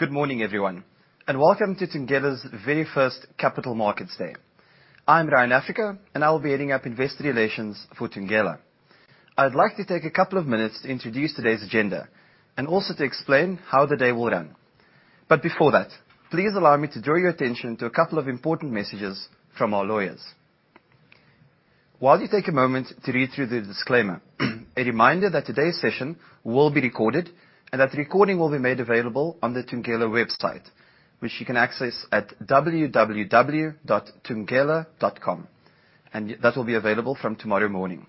Good morning, everyone, Welcome to Thungela's very first Capital Markets Day. I'm Ryan Africa, and I will be heading up investor relations for Thungela. I'd like to take a couple of minutes to introduce today's agenda and also to explain how the day will run. Before that, please allow me to draw your attention to a couple of important messages from our lawyers. While you take a moment to read through the disclaimer, a reminder that today's session will be recorded and that recording will be made available on the Thungela website, which you can access at www.thungela.com, and that will be available from tomorrow morning.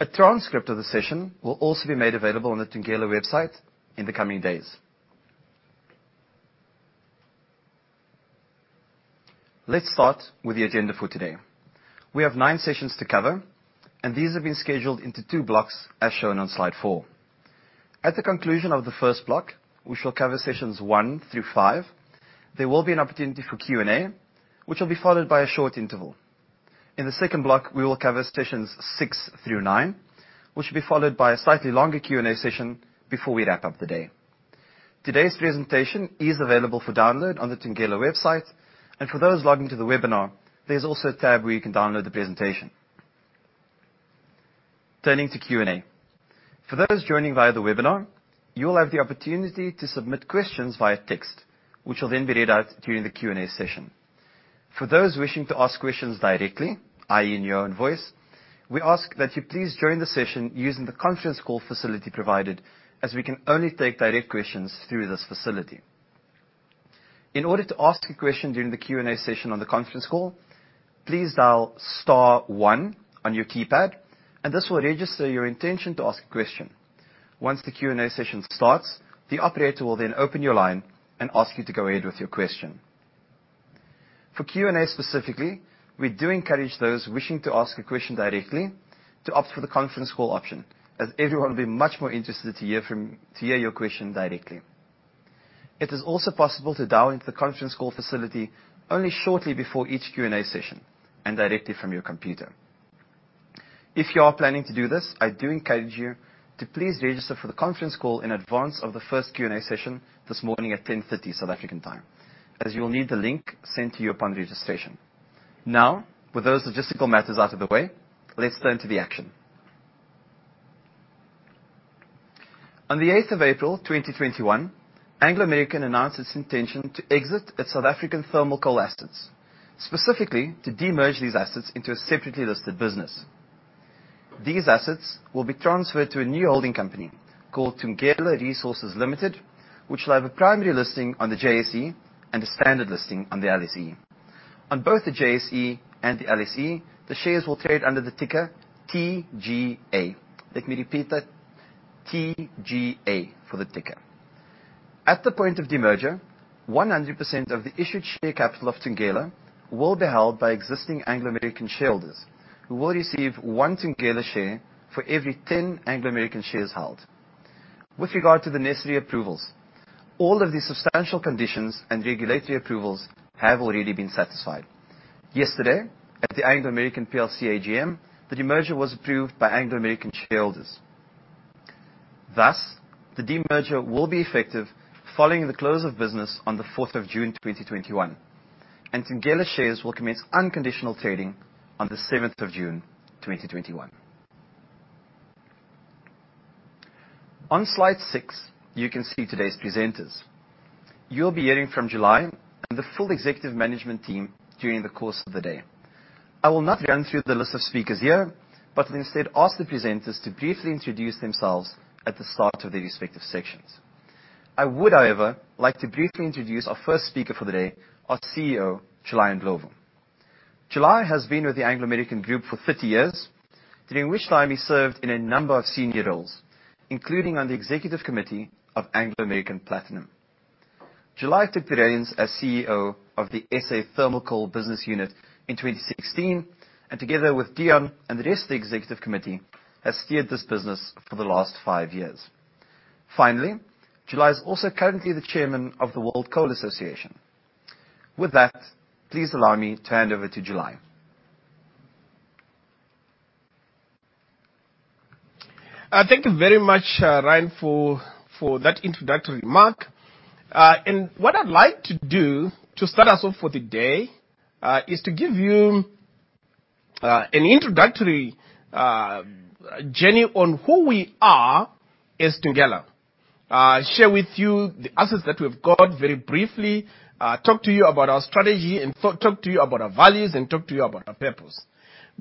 A transcript of the session will also be made available on the Thungela website in the coming days. Let's start with the agenda for today. We have nine sessions to cover, and these have been scheduled into two blocks, as shown on slide 4. At the conclusion of the first block, we shall cover sessions one through five. There will be an opportunity for Q&A, which will be followed by a short interval. In the second block, we will cover sessions six through nine, which will be followed by a slightly longer Q&A session before we wrap-up the day. Today's presentation is available for download on the Thungela website, and for those logging to the webinar, there's also a tab where you can download the presentation. Turning to Q&A. For those joining via the webinar, you will have the opportunity to submit questions via text, which will then be read out during the Q&A session. For those wishing to ask questions directly, i.e., in your own voice, we ask that you please join the session using the conference call facility provided, as we can only take direct questions through this facility. In order to ask a question during the Q&A session on the conference call, please dial star one on your keypad, and this will register your intention to ask a question. Once the Q&A session starts, the operator will then open your line and ask you to go ahead with your question. For Q&A, specifically, we do encourage those wishing to ask a question directly to opt for the conference call option, as everyone will be much more interested to hear your question directly. It is also possible to dial into the conference call facility only shortly before each Q&A session and directly from your computer. If you are planning to do this, I do encourage you to please register for the conference call in advance of the first Q&A session this morning at 10:30 South African time, as you'll need the link sent to you upon registration. With those logistical matters out of the way, let's turn to the action. On the 8th of April 2021, Anglo American announced its intention to exit its South African thermal coal assets, specifically to demerge these assets into a separately listed business. These assets will be transferred to a new holding company called Thungela Resources Limited, which will have a primary listing on the JSE and a standard listing on the LSE. On both the JSE and the LSE, the shares will trade under the ticker TGA. Let me repeat that, TGA for the ticker. At the point of demerger, 100% of the issued share capital of Thungela will be held by existing Anglo American shareholders who will receive one Thungela share for every 10 Anglo American shares held. With regard to the necessary approvals, all of the substantial conditions and regulatory approvals have already been satisfied. Yesterday, at the Anglo American PLC AGM, the demerger was approved by Anglo American shareholders. Thus, the demerger will be effective following the close of business on the 4th of June 2021, and Thungela shares will commence unconditional trading on the 7th of June 2021. On slide 6, you can see today's presenters. You'll be hearing from July and the full executive management team during the course of the day. I will not run through the list of speakers here, but will instead ask the presenters to briefly introduce themselves at the start of their respective sections. I would, however, like to briefly introduce our first speaker for the day, our CEO, July Ndlovu. July has been with the Anglo American Group for 30 years, during which time he served in a number of senior roles, including on the executive committee of Anglo American Platinum. July took the reins as CEO of the SA Thermal Coal Business unit in 2016, and together with Deon and the rest of the executive committee, has steered this business for the last five years. Finally, July is also currently the Chairman of the World Coal Association. With that, please allow me to hand over to July. Thank you very much, Ryan, for that introductory remark. What I'd like to do to start us off for the day, is to give you an introductory journey on who we are as Thungela. Share with you the assets that we've got very briefly, talk to you about our strategy, and talk to you about our values, and talk to you about our purpose.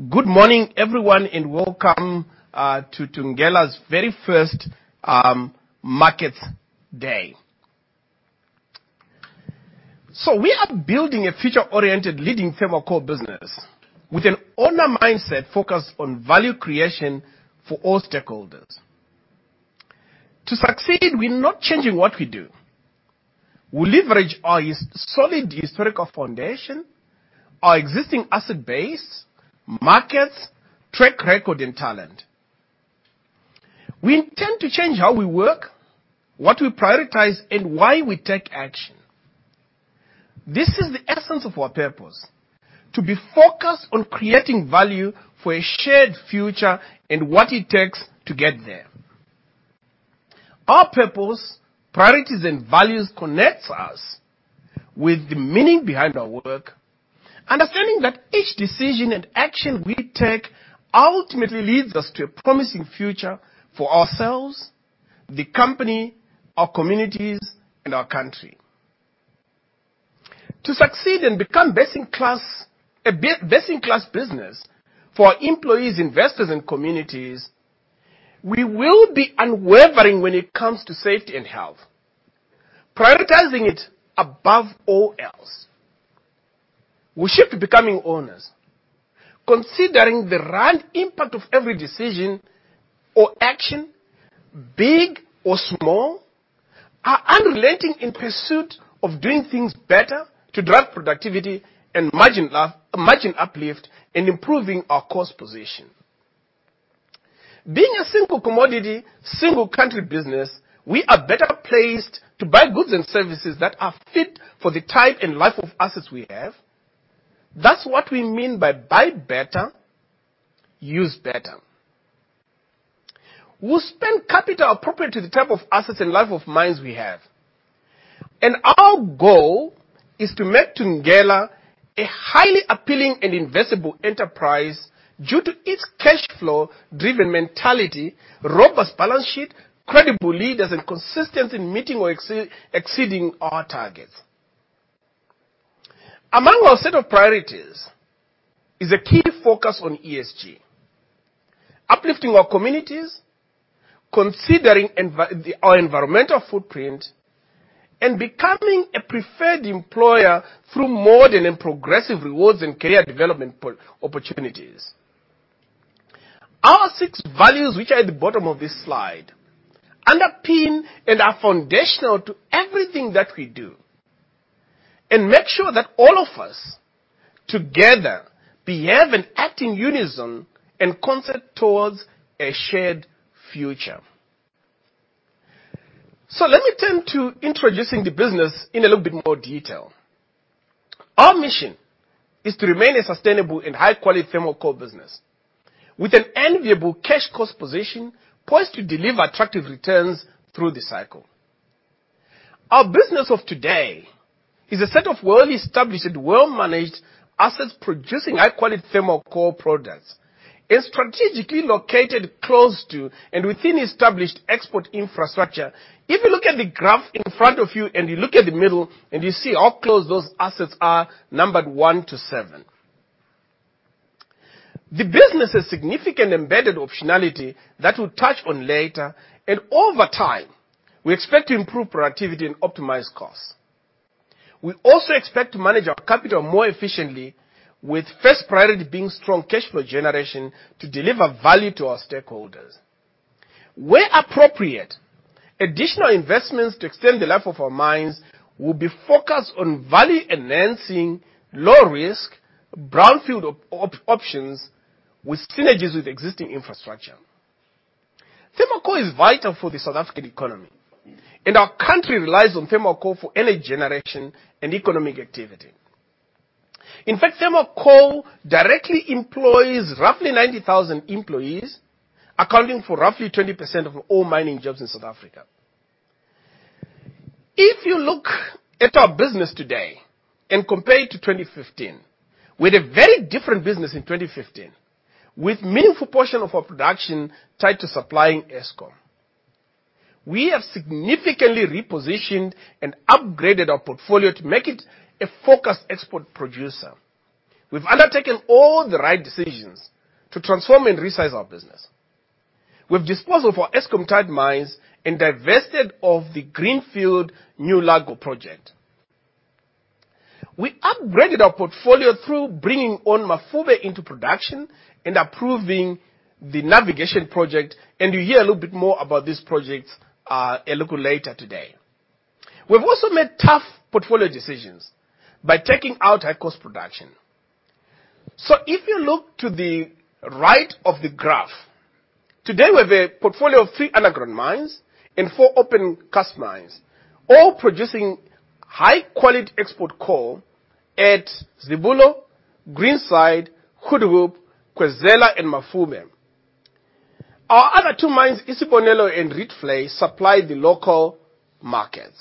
Good morning, everyone, and welcome to Thungela's very first Markets Day. We are building a future-oriented leading thermal coal business with an owner mindset focused on value creation for all stakeholders. To succeed, we're not changing what we do. We leverage our solid historical foundation, our existing asset base, markets, track record, and talent. We intend to change how we work, what we prioritize, and why we take action. This is the essence of our purpose, to be focused on creating value for a shared future and what it takes to get there. Our purpose, priorities, and values connect us with the meaning behind our work, understanding that each decision and action we take ultimately leads us to a promising future for ourselves, the company, our communities, and our country. To succeed and become a best-in-class business for our employees, investors, and communities, we will be unwavering when it comes to safety and health, prioritizing it above all else. We shift to becoming owners, considering the right impact of every decision or action, big or small. We are unrelenting in pursuit of doing things better to drive productivity and margin uplift, and improving our cost position. Being a single commodity, single country business, we are better placed to buy goods and services that are fit for the type and life of assets we have. That's what we mean by buy better, use better. We'll spend capital appropriate to the type of assets and life of mines we have. Our goal is to make Thungela a highly appealing and investable enterprise due to its cash flow-driven mentality, robust balance sheet, credible leaders, and consistency in meeting or exceeding our targets. Among our set of priorities is a key focus on ESG, uplifting our communities, considering our environmental footprint, and becoming a preferred employer through modern and progressive rewards and career development opportunities. Our six values, which are at the bottom of this slide, underpin and are foundational to everything that we do, and make sure that all of us, together, behave and act in unison and concert towards a shared future. Let me turn to introducing the business in a little bit more detail. Our mission is to remain a sustainable and high-quality thermal coal business, with an enviable cash cost position poised to deliver attractive returns through the cycle. Our business of today is a set of well-established, well-managed assets producing high-quality thermal coal products, and strategically located close to and within established export infrastructure. If you look at the graph in front of you and you look at the middle, and you see how close those assets are, numbered one to seven. The business has significant embedded optionality that we'll touch on later, and over time, we expect to improve productivity and optimize costs. We also expect to manage our capital more efficiently, with first priority being strong cash flow generation to deliver value to our stakeholders. Where appropriate, additional investments to extend the life of our mines will be focused on value-enhancing, low-risk, brownfield options with synergies with existing infrastructure. Thermal coal is vital for the South African economy, and our country relies on thermal coal for energy generation and economic activity. In fact, thermal coal directly employs roughly 90,000 employees, accounting for roughly 20% of all mining jobs in South Africa. If you look at our business today and compare it to 2015, we had a very different business in 2015, with a meaningful portion of our production tied to supplying Eskom. We have significantly repositioned and upgraded our portfolio to make it a focused export producer. We've undertaken all the right decisions to transform and resize our business. We've disposed of our Eskom-tied mines and divested of the greenfield New Largo project. We upgraded our portfolio through bringing on Mafube into production and approving the Navigation project. You'll hear a little bit more about these projects a little later today. We've also made tough portfolio decisions by taking out high-cost production. If you look to the right of the graph, today, we have a portfolio of three underground mines and four opencast mines, all producing high-quality export coal at Zibulo, Greenside, Goedehoop, Khwezela, and Mafube. Our other two mines, Isibonelo and Rietvlei, supply the local markets.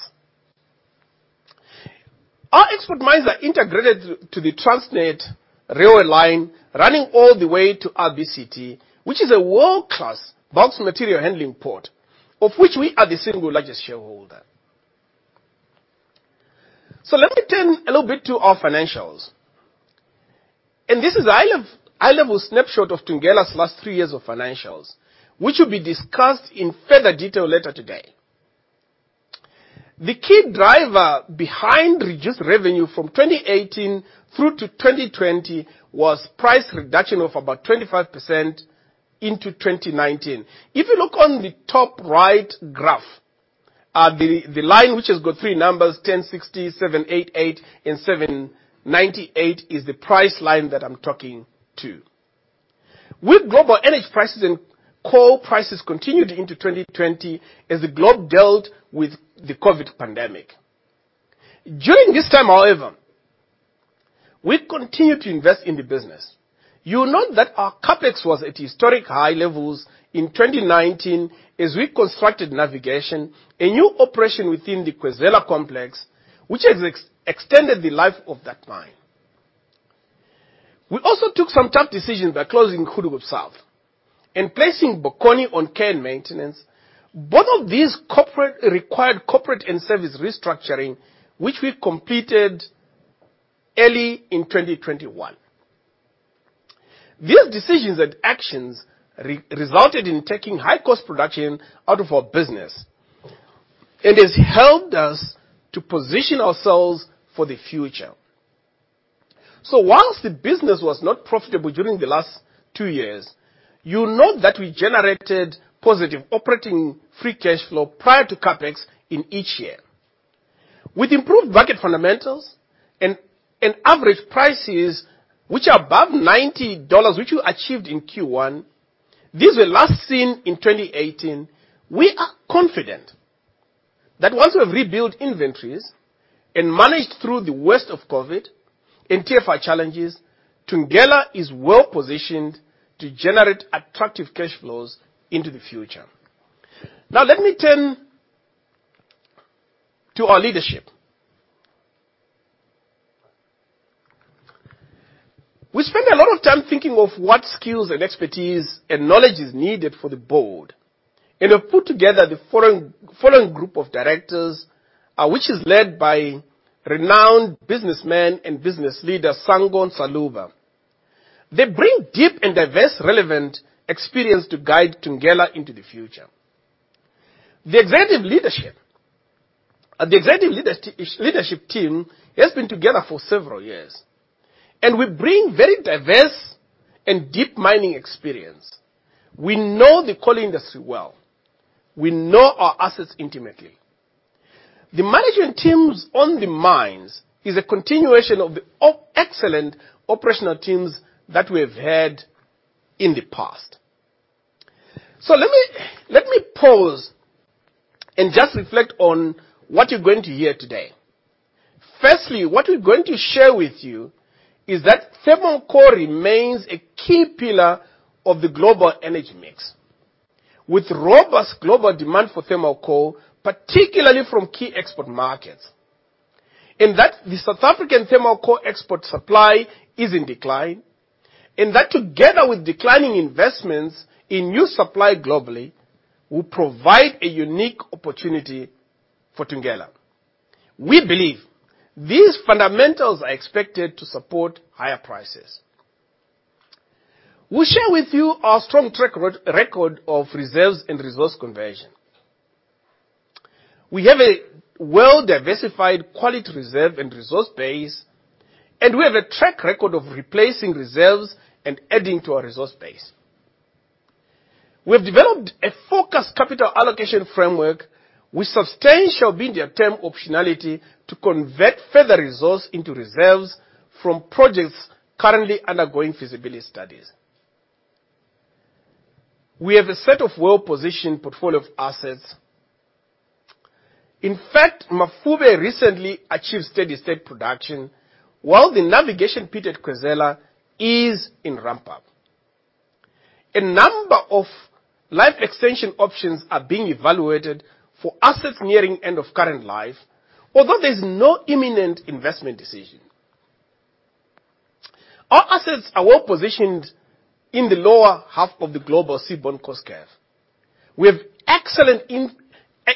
Our export mines are integrated to the Transnet railway line, running all the way to RBCT, which is a world-class bulk material handling port, of which we are the single largest shareholder. Let me turn a little bit to our financials. This is a high-level snapshot of Thungela's last three years of financials, which will be discussed in further detail later today. The key driver behind reduced revenue from 2018 through to 2020 was price reduction of about 25% into 2019. If you look on the top right graph, the line which has got three numbers, $10.60, $7.88, and $7.98, is the price line that I'm talking to. With global energy prices and coal prices continued into 2020, as the globe dealt with the COVID pandemic. During this time, however, we continued to invest in the business. You'll note that our CapEx was at historic high levels in 2019 as we constructed Navigation, a new operation within the Khwezela complex, which has extended the life of that mine. We also took some tough decisions by closing Goedehoop South and placing Bokgoni on care and maintenance. Both of these required corporate and service restructuring, which we completed early in 2021. These decisions and actions resulted in taking high-cost production out of our business, and has helped us to position ourselves for the future. Whilst the business was not profitable during the last two years, you'll note that we generated positive operating free cash flow prior to CapEx in each year. With improved market fundamentals and average prices which are above $90, which we achieved in Q1, these were last seen in 2018. We are confident that once we have rebuilt inventories and managed through the worst of COVID and TFR challenges, Thungela is well-positioned to generate attractive cash flows into the future. Let me turn to our leadership. We spend a lot of time thinking of what skills and expertise and knowledge is needed for the board, and have put together the following group of directors, which is led by renowned businessman and business leader, Sango Ntsaluba. They bring deep and diverse relevant experience to guide Thungela into the future. The executive leadership team has been together for several years, and we bring very diverse and deep mining experience. We know the coal industry well. We know our assets intimately. The management teams on the mines is a continuation of the excellent operational teams that we've had in the past. Let me pause and just reflect on what you're going to hear today. Firstly, what we're going to share with you is that thermal coal remains a key pillar of the global energy mix. With robust global demand for thermal coal, particularly from key export markets, and that the South African thermal coal export supply is in decline, and that together with declining investments in new supply globally, will provide a unique opportunity for Thungela. We believe these fundamentals are expected to support higher prices. We'll share with you our strong track record of reserves and resource conversion. We have a well-diversified quality reserve and resource base, and we have a track record of replacing reserves and adding to our resource base. We have developed a focused capital allocation framework with substantial medium-term optionality to convert further resource into reserves from projects currently undergoing feasibility studies. We have a set of well-positioned portfolio of assets. Mafube recently achieved steady-state production, while the Navigation pit at Khwezela is in ramp-up. A number of life extension options are being evaluated for assets nearing end of current life, although there is no imminent investment decision. Our assets are well positioned in the lower half of the global seaborne cost curve. We have excellent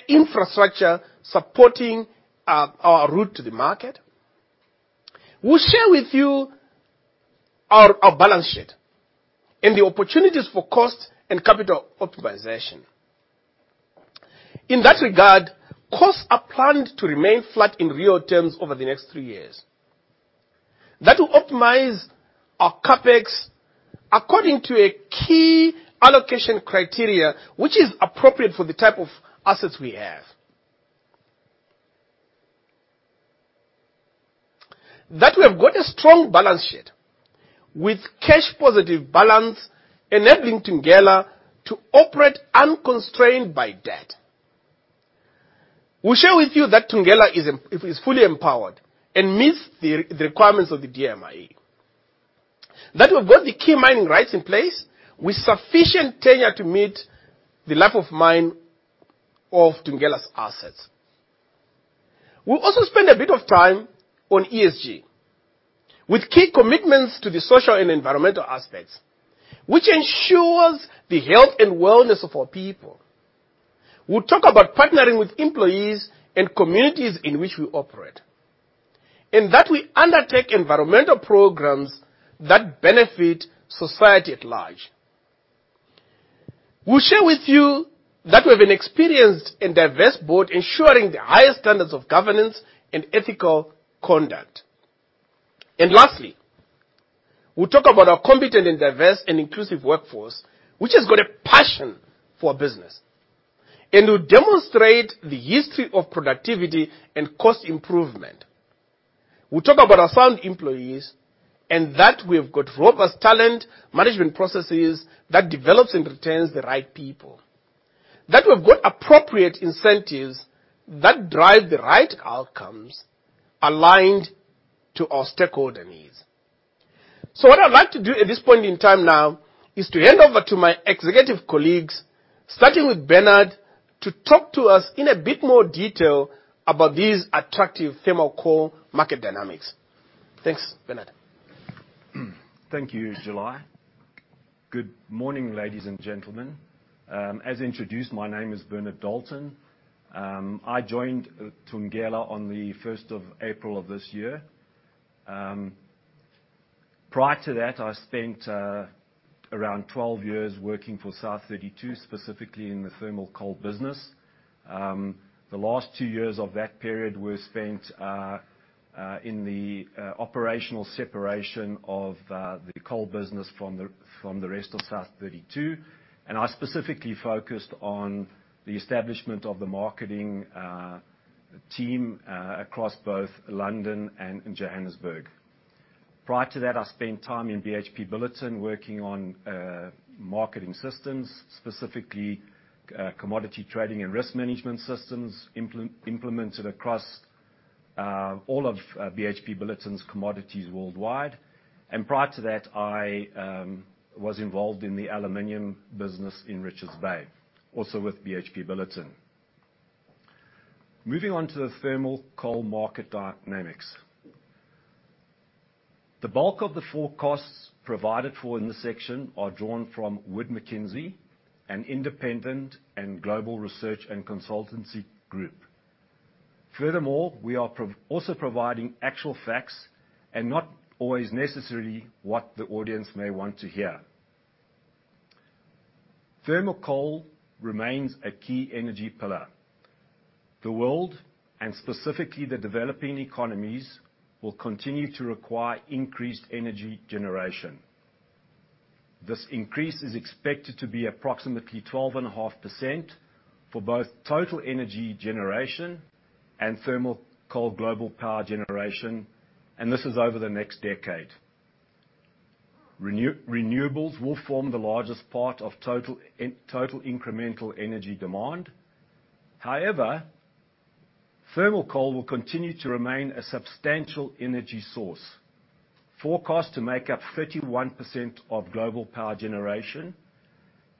infrastructure supporting our route to the market. We'll share with you our balance sheet and the opportunities for cost and capital optimization. In that regard, costs are planned to remain flat in real terms over the next three years. That will optimize our CapEx according to a key allocation criteria, which is appropriate for the type of assets we have. We have got a strong balance sheet with cash positive balance, enabling Thungela to operate unconstrained by debt. We'll share with you that Thungela is fully empowered and meets the requirements of the DMRE. That we've got the key mining rights in place with sufficient tenure to meet the life of mine of Thungela's assets. We'll also spend a bit of time on ESG, with key commitments to the social and environmental aspects, which ensures the health and wellness of our people. We'll talk about partnering with employees and communities in which we operate, and that we undertake environmental programs that benefit society at large. We'll share with you that we have an experienced and diverse board ensuring the highest standards of governance and ethical conduct. Lastly, we'll talk about our competent and diverse and inclusive workforce, which has got a passion for business. Who demonstrate the history of productivity and cost improvement. We talk about our sound employees, and that we've got robust talent management processes that develops and retains the right people. We've got appropriate incentives that drive the right outcomes aligned to our stakeholder needs. What I'd like to do at this point in time now is to hand over to my executive colleagues, starting with Bernard, to talk to us in a bit more detail about these attractive thermal coal market dynamics. Thanks, Bernard. Thank you, July. Good morning, ladies and gentlemen. As introduced, my name is Bernard Dalton. I joined Thungela on the 1st of April of this year. Prior to that, I spent around 12 years working for South32, specifically in the thermal coal business. The last two years of that period were spent in the operational separation of the coal business from the rest of South32, and I specifically focused on the establishment of the marketing team across both London and in Johannesburg. Prior to that, I spent time in BHP Billiton working on marketing systems, specifically commodity trading and risk management systems implemented across all of BHP Billiton's commodities worldwide. Prior to that, I was involved in the aluminum business in Richards Bay, also with BHP Billiton. Moving on to the thermal coal market dynamics. The bulk of the forecasts provided for in this section are drawn from Wood Mackenzie, an independent and global research and consultancy group. We are also providing actual facts and not always necessarily what the audience may want to hear. Thermal coal remains a key energy pillar. The world, and specifically the developing economies, will continue to require increased energy generation. This increase is expected to be approximately 12.5% for both total energy generation and thermal coal global power generation, this is over the next decade. Renewables will form the largest part of total incremental energy demand. Thermal coal will continue to remain a substantial energy source, forecast to make up 31% of global power generation,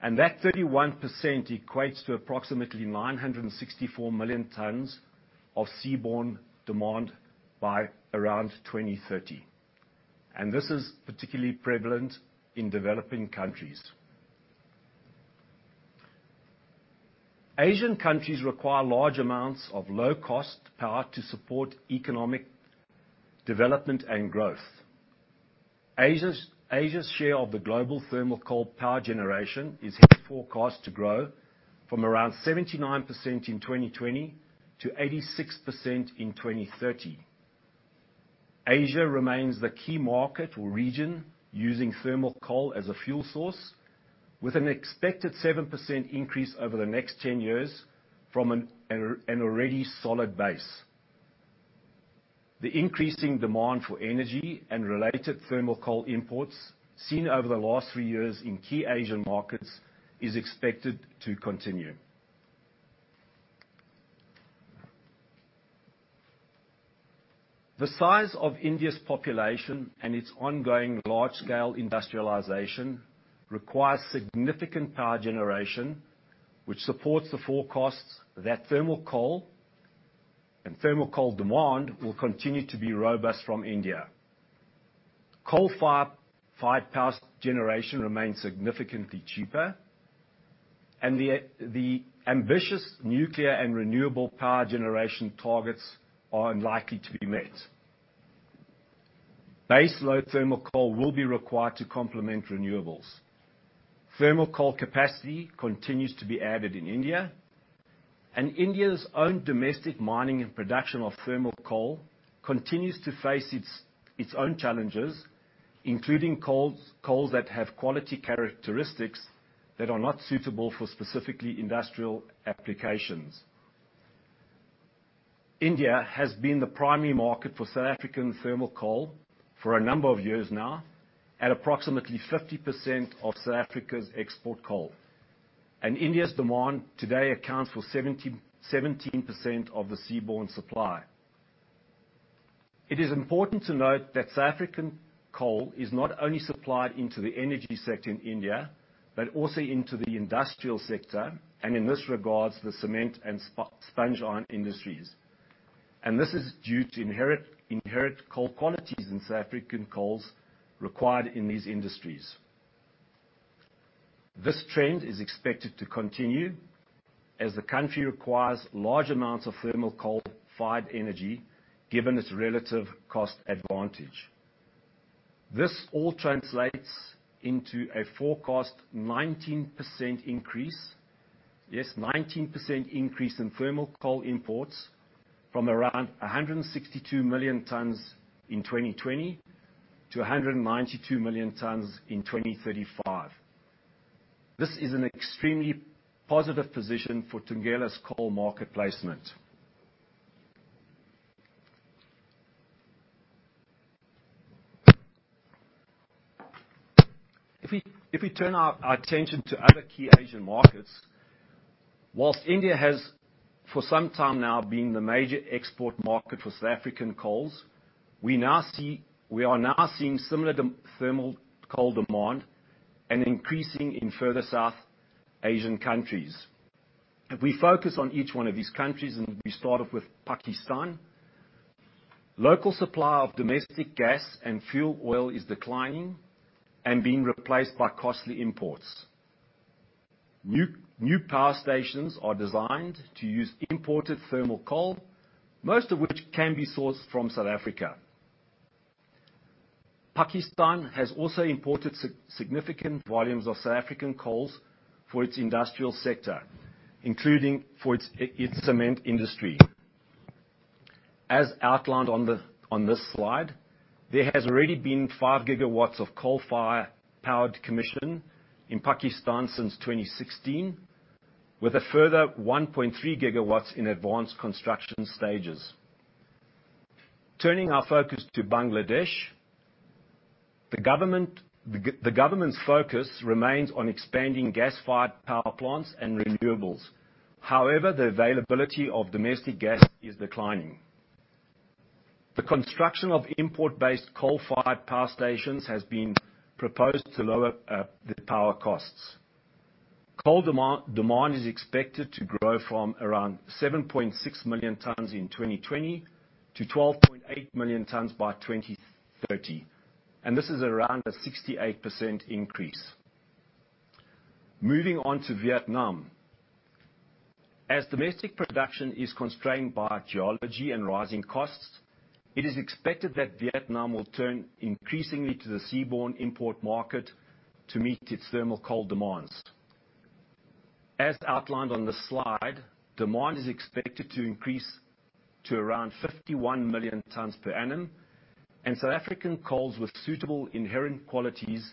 that 31% equates to approximately 964 million tons of seaborne demand by around 2030. This is particularly prevalent in developing countries. Asian countries require large amounts of low-cost power to support economic development and growth. Asia's share of the global thermal coal power generation is forecast to grow from around 79% in 2020 to 86% in 2030. Asia remains the key market or region using thermal coal as a fuel source, with an expected 7% increase over the next 10 years from an already solid base. The increasing demand for energy and related thermal coal imports seen over the last three years in key Asian markets is expected to continue. The size of India's population and its ongoing large-scale industrialization requires significant power generation, which supports the forecasts that thermal coal and thermal coal demand will continue to be robust from India. Coal-fired power generation remains significantly cheaper, and the ambitious nuclear and renewable power generation targets are unlikely to be met. Base load thermal coal will be required to complement renewables. India's own domestic mining and production of thermal coal continues to face its own challenges, including coals that have quality characteristics that are not suitable for specifically industrial applications. India has been the primary market for South African thermal coal for a number of years now, at approximately 50% of South Africa's export coal. India's demand today accounts for 17% of the seaborne supply. It is important to note that South African coal is not only supplied into the energy sector in India, but also into the industrial sector, and in this regard, the cement and sponge iron industries. This is due to inherent coal qualities in South African coals required in these industries. This trend is expected to continue as the country requires large amounts of thermal coal-fired energy, given its relative cost advantage. This all translates into a forecast 19% increase, yes, 19% increase in thermal coal imports from around 162 million tons in 2020 to 192 million tons in 2035. This is an extremely positive position for Thungela's coal market placement. If we turn our attention to other key Asian markets, whilst India has for some time now been the major export market for South African coals, we are now seeing similar thermal coal demand and increasing in further South Asian countries. If we focus on each one of these countries, we start off with Pakistan, local supply of domestic gas and fuel oil is declining and being replaced by costly imports. New power stations are designed to use imported thermal coal, most of which can be sourced from South Africa. Pakistan has also imported significant volumes of South African coals for its industrial sector, including for its cement industry. As outlined on this slide, there has already been 5 GW of coal-fired powered commission in Pakistan since 2016, with a further 1.3 GW in advanced construction stages. Turning our focus to Bangladesh, the government's focus remains on expanding gas-fired power plants and renewables. However, the availability of domestic gas is declining. The construction of import-based coal-fired power stations has been proposed to lower the power costs. Coal demand is expected to grow from around 7.6 million tons in 2020 to 12.8 million tons by 2030, and this is around a 68% increase. Moving on to Vietnam. As domestic production is constrained by geology and rising costs, it is expected that Vietnam will turn increasingly to the seaborne import market to meet its thermal coal demands. As outlined on this slide, demand is expected to increase to around 51 million tons per annum. South African coals with suitable inherent qualities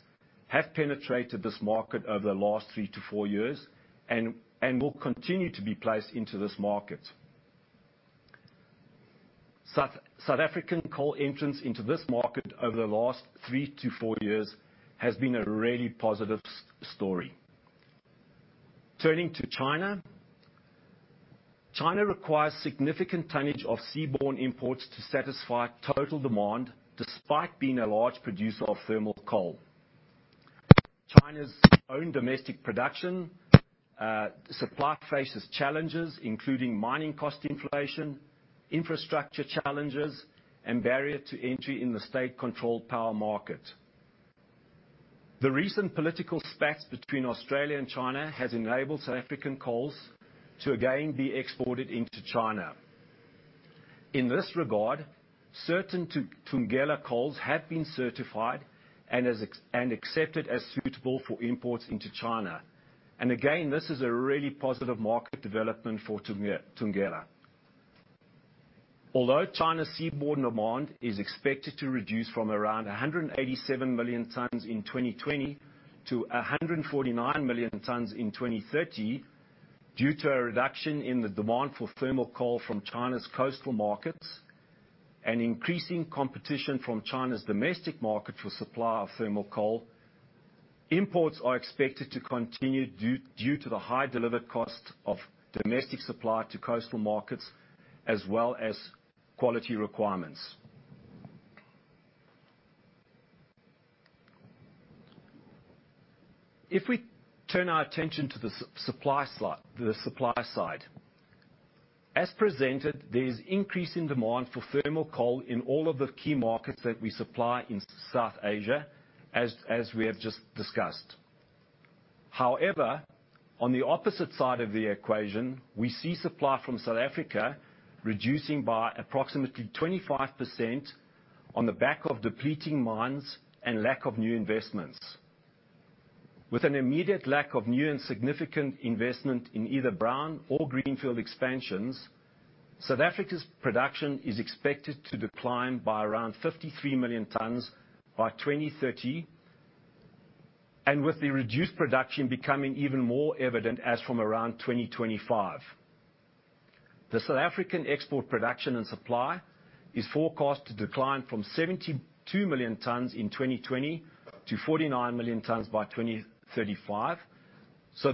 have penetrated this market over the last three to four years and will continue to be placed into this market. South African coal entrance into this market over the last three to four years has been a really positive story. Turning to China. China requires significant tonnage of seaborne imports to satisfy total demand, despite being a large producer of thermal coal. China's own domestic production supply faces challenges, including mining cost inflation, infrastructure challenges, and barrier to entry in the state-controlled power market. The recent political spat between Australia and China has enabled South African coals to again be exported into China. In this regard, certain Thungela coals have been certified and accepted as suitable for imports into China. Again, this is a really positive market development for Thungela. Although China's seaborne demand is expected to reduce from around 187 million tons in 2020 to 149 million tons in 2030, due to a reduction in the demand for thermal coal from China's coastal markets and increasing competition from China's domestic market for supply of thermal coal, imports are expected to continue due to the high delivered cost of domestic supply to coastal markets, as well as quality requirements. If we turn our attention to the supply side. As presented, there is increasing demand for thermal coal in all of the key markets that we supply in South Asia, as we have just discussed. However, on the opposite side of the equation, we see supply from South Africa reducing by approximately 25% on the back of depleting mines and lack of new investments. With an immediate lack of new and significant investment in either brownfield or greenfield expansions, South Africa's production is expected to decline by around 53 million tons by 2030, and with the reduced production becoming even more evident as from around 2025. The South African export production and supply is forecast to decline from 72 million tons in 2020 to 49 million tons by 2035.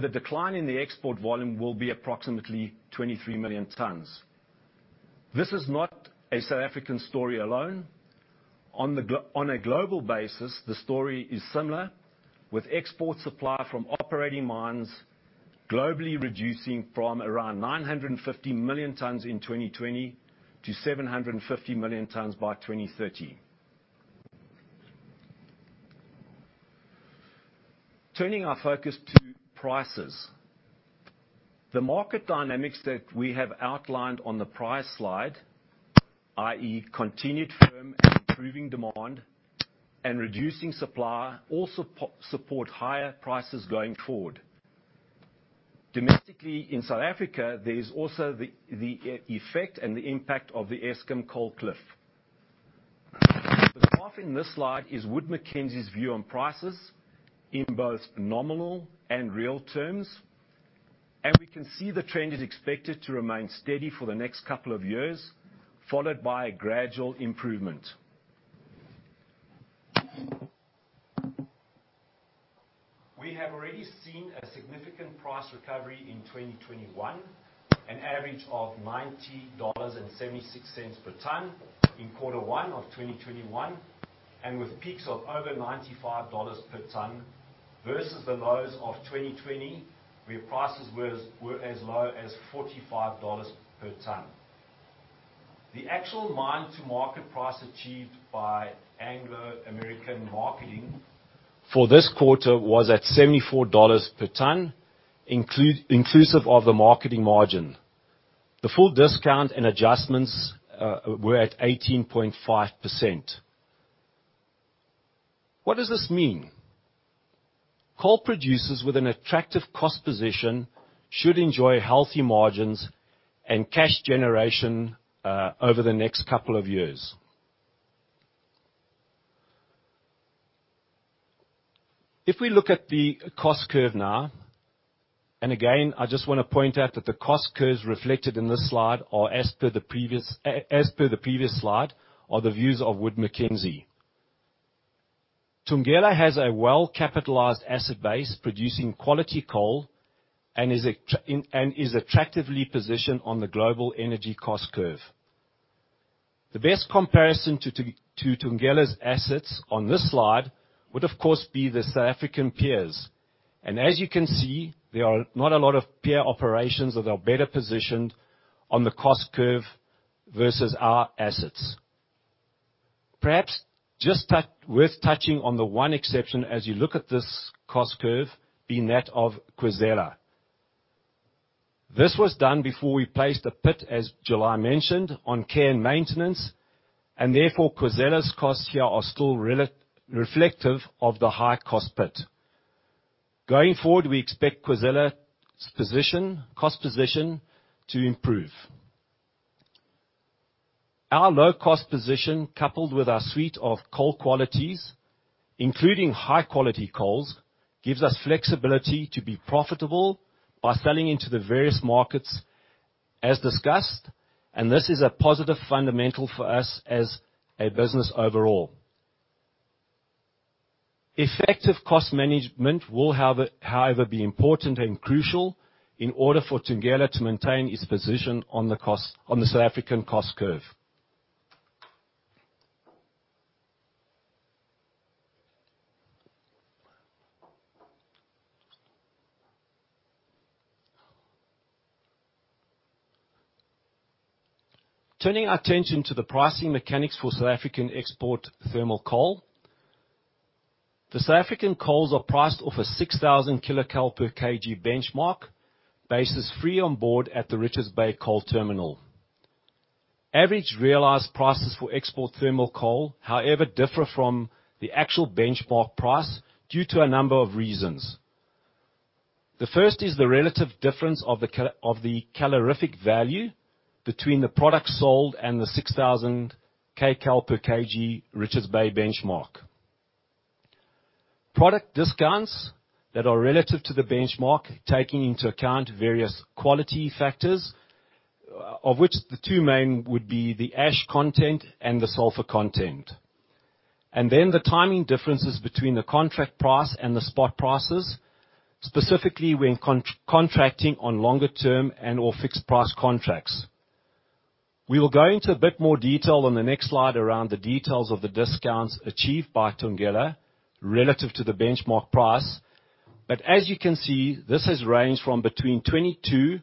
The decline in the export volume will be approximately 23 million tons. This is not a South African story alone. On a global basis, the story is similar, with export supply from operating mines globally reducing from around 950 million tons in 2020 to 750 million tons by 2030. Turning our focus to prices. The market dynamics that we have outlined on the price slide, i.e., continued firm and improving demand and reducing supply, also support higher prices going forward. Domestically in South Africa, there is also the effect and the impact of the Eskom coal cliff. The graph in this slide is Wood Mackenzie's view on prices in both nominal and real terms. We can see the trend is expected to remain steady for the next couple of years, followed by a gradual improvement. We have already seen a significant price recovery in 2021, an average of $90.76 per ton in Q1 of 2021, and with peaks of over $95 per ton versus the lows of 2020, where prices were as low as $45 per ton. The actual mine-to-market price achieved by Anglo American Marketing for this quarter was at $74 per ton, inclusive of the marketing margin. The full discount and adjustments were at 18.5%. What does this mean? Coal producers with an attractive cost position should enjoy healthy margins and cash generation over the next couple of years. If we look at the cost curve now, and again, I just want to point out that the cost curves reflected in this slide are as per the previous slide, are the views of Wood Mackenzie. Thungela has a well-capitalized asset base producing quality coal and is attractively positioned on the global energy cost curve. The best comparison to Thungela's assets on this slide would, of course, be the South African peers. As you can see, there are not a lot of peer operations that are better positioned on the cost curve versus our assets. Perhaps just worth touching on the one exception as you look at this cost curve being that of Khwezela. This was done before we placed the pit, as July mentioned, on care and maintenance, and therefore, Khwezela's costs here are still reflective of the high cost pit. Going forward, we expect Khwezela's cost position to improve. Our low-cost position, coupled with our suite of coal qualities, including high-quality coals, gives us flexibility to be profitable by selling into the various markets as discussed, and this is a positive fundamental for us as a business overall. Effective cost management will, however, be important and crucial in order for Thungela to maintain its position on the South African cost curve. Turning our attention to the pricing mechanics for South African export thermal coal. The South African coals are priced off a 6,000 kcal/kg benchmark, basis free on board at the Richards Bay Coal Terminal. Average realized prices for export thermal coal, however, differ from the actual benchmark price due to a number of reasons. The first is the relative difference of the calorific value between the product sold and the 6,000 kcal/kg Richards Bay benchmark. Product discounts that are relative to the benchmark, taking into account various quality factors, of which the two main would be the ash content and the sulfur content. Then the timing differences between the contract price and the spot prices, specifically when contracting on longer term and/or fixed price contracts. We will go into a bit more detail on the next slide around the details of the discounts achieved by Thungela relative to the benchmark price. As you can see, this has ranged from between 22%-26%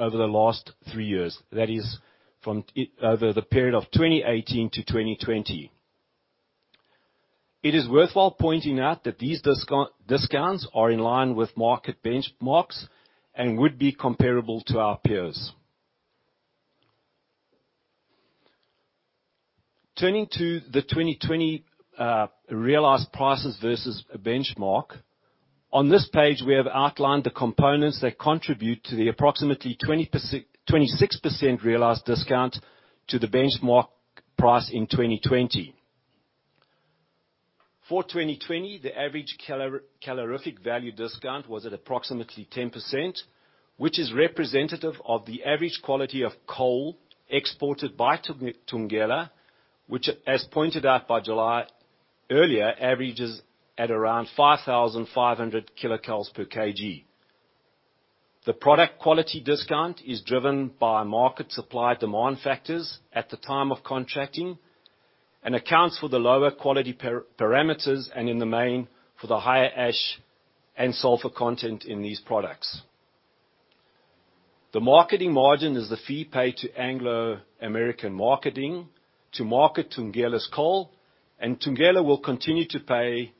over the last three years. That is, over the period of 2018-2020. It is worthwhile pointing out that these discounts are in line with market benchmarks and would be comparable to our peers. Turning to the 2020 realized prices versus benchmark. On this page, we have outlined the components that contribute to the approximately 26% realized discount to the benchmark price in 2020. For 2020, the average calorific value discount was at approximately 10%, which is representative of the average quality of coal exported by Thungela, which, as pointed out by July earlier, averages at around 5,500 kcal/kg. The product quality discount is driven by market supply/demand factors at the time of contracting and accounts for the lower quality parameters and in the main, for the higher ash and sulfur content in these products. The marketing margin is the fee paid to Anglo American Marketing to market Thungela's coal. Thungela will continue to pay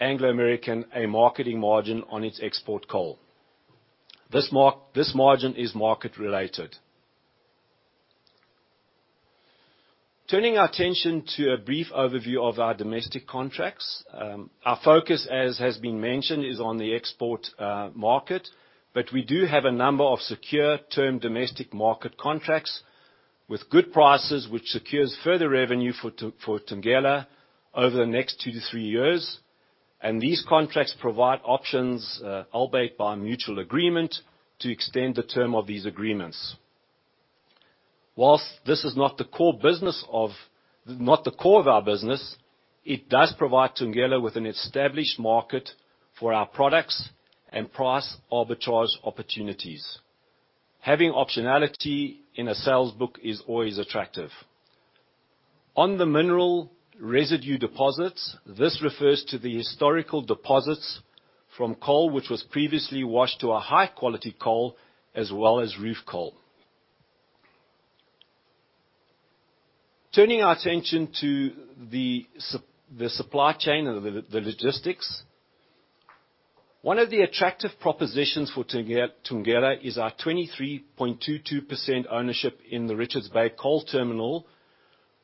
Anglo American a marketing margin on its export coal. This margin is market-related. Turning our attention to a brief overview of our domestic contracts. Our focus, as has been mentioned, is on the export market. We do have a number of secure term domestic market contracts with good prices which secures further revenue for Thungela over the next two to three years. These contracts provide options, albeit by mutual agreement, to extend the term of these agreements. While this is not the core of our business, it does provide Thungela with an established market for our products and price arbitrage opportunities. Having optionality in a sales book is always attractive. On the mineral residue deposits, this refers to the historical deposits from coal, which was previously washed to a high-quality coal, as well as roof coal. Turning our attention to the supply chain and the logistics. One of the attractive propositions for Thungela is our 23.22% ownership in the Richards Bay Coal Terminal,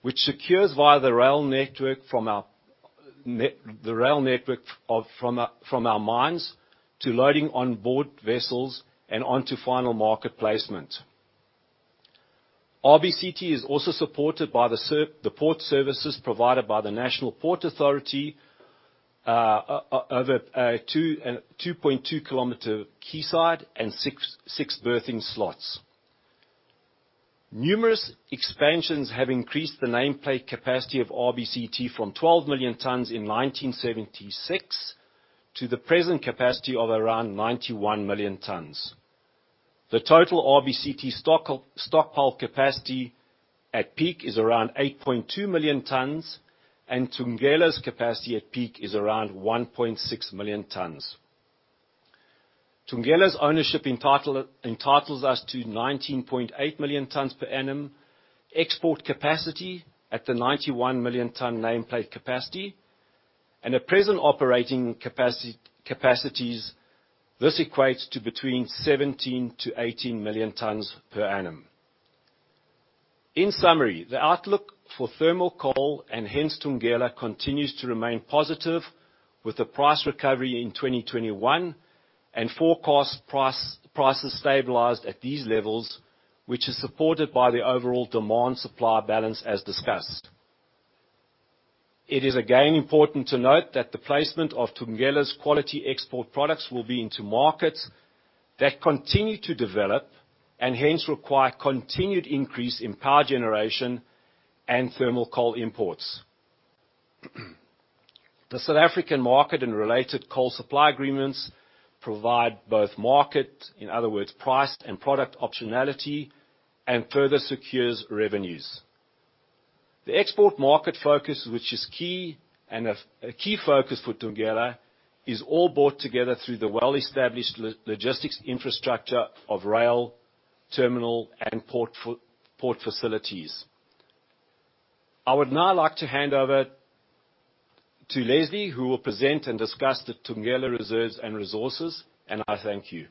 which secures via the rail network from our mines to loading on board vessels and onto final market placement. RBCT is also supported by the port services provided by the Transnet National Ports Authority, over a 2.2-km quayside and six berthing slots. Numerous expansions have increased the nameplate capacity of RBCT from 12 million tons in 1976 to the present capacity of around 91 million tons. The total RBCT stockpile capacity at peak is around 8.2 million tons, and Thungela's capacity at peak is around 1.6 million tons. Thungela's ownership entitles us to 19.8 million tons per annum export capacity at the 91 million ton nameplate capacity, and at present operating capacities, this equates to between 17-18 million tons per annum. In summary, the outlook for thermal coal, and hence Thungela, continues to remain positive with the price recovery in 2021 and forecast prices stabilized at these levels, which is supported by the overall demand-supply balance as discussed. It is again important to note that the placement of Thungela's quality export products will be into markets that continue to develop and hence require continued increase in power generation and thermal coal imports. The South African market and related coal supply agreements provide both market, in other words, price and product optionality, and further secures revenues. The export market focus, which is a key focus for Thungela, is all brought together through the well-established logistics infrastructure of rail, terminal, and port facilities. I would now like to hand over to Leslie, who will present and discuss the Thungela reserves and resources. I thank you.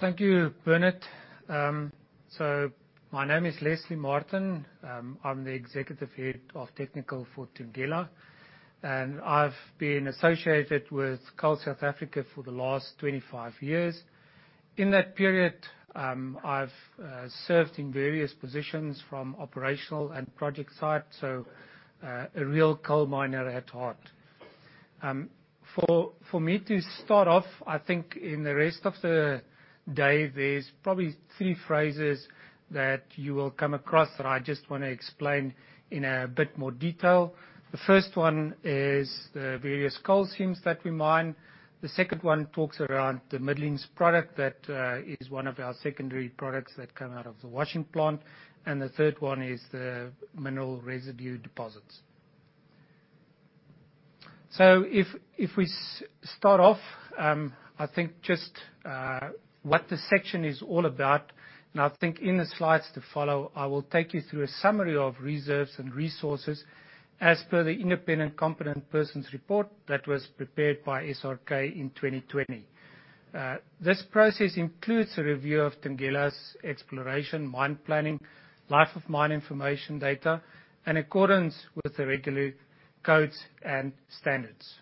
Thank you, Bernard. My name is Leslie Martin. I'm the Executive Head of Technical for Thungela, and I've been associated with Coal South Africa for the last 25 years. In that period, I've served in various positions from operational and project site, so a real coal miner at heart. For me to start off, I think in the rest of the day, there's probably three phrases that you will come across that I just want to explain in a bit more detail. The first one is the various coal seams that we mine. The second one talks around the middlings product that is one of our secondary products that come out of the washing plant, and the third one is the mineral residue deposits. If we start off, I think just what the section is all about, and I think in the slides to follow, I will take you through a summary of reserves and resources as per the independent competent person's report that was prepared by SRK in 2020. This process includes a review of Thungela's exploration, mine planning, life of mine information data, in accordance with the regular codes and standards.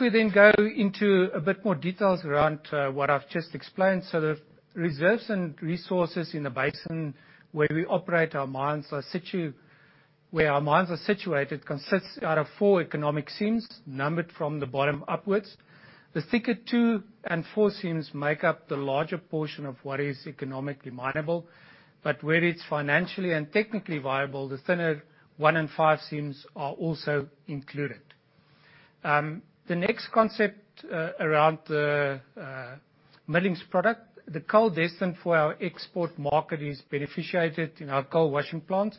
We then go into a bit more details around what I've just explained. The reserves and resources in the basin where our mines are situated consists out of four economic seams, numbered from the bottom upwards. The thicker 2 and 4 seams make up the larger portion of what is economically mineable, but where it's financially and technically viable, the thinner 1 and 5 seams are also included. The next concept around the middlings product, the coal destined for our export market is beneficiated in our coal washing plant,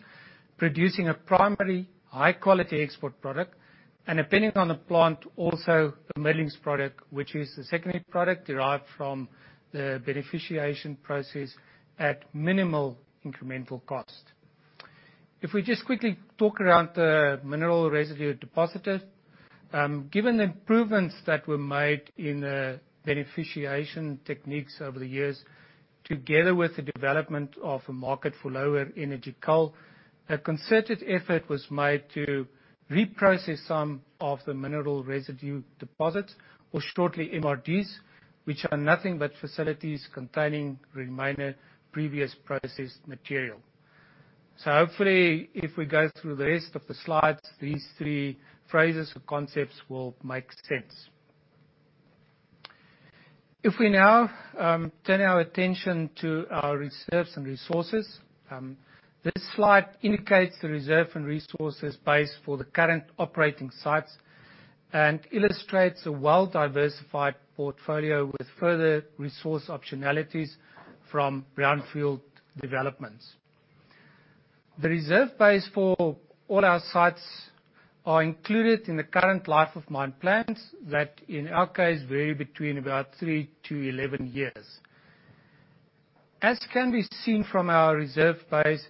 producing a primary high-quality export product, and depending on the plant, also the middlings product, which is the secondary product derived from the beneficiation process at minimal incremental cost. If we just quickly talk around the mineral residue deposits. Given the improvements that were made in the beneficiation techniques over the years, together with the development of a market for lower energy coal, a concerted effort was made to reprocess some of the mineral residue deposits, or shortly MRDs, which are nothing but facilities containing remains of previously processed material. Hopefully, if we go through the rest of the slides, these three phrases or concepts will make sense. If we now turn our attention to our reserves and resources, this slide indicates the reserve and resources base for the current operating sites and illustrates a well-diversified portfolio with further resource optionalities from brownfield developments. The reserve base for all our sites are included in the current life of mine plans that, in our case, vary between about 3-11 years. As can be seen from our reserve base,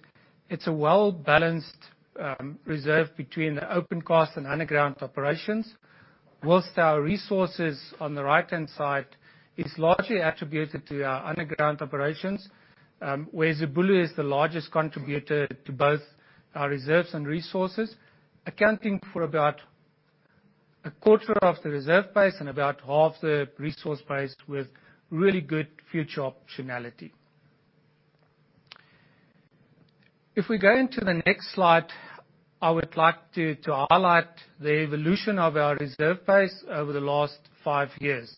it's a well-balanced reserve between the opencast and underground operations, whilst our resources on the right-hand side is largely attributed to our underground operations, where Zibulo is the largest contributor to both our reserves and resources, accounting for about a quarter of the reserve base and about half the resource base with really good future optionality. If we go into the next slide, I would like to highlight the evolution of our reserve base over the last five years.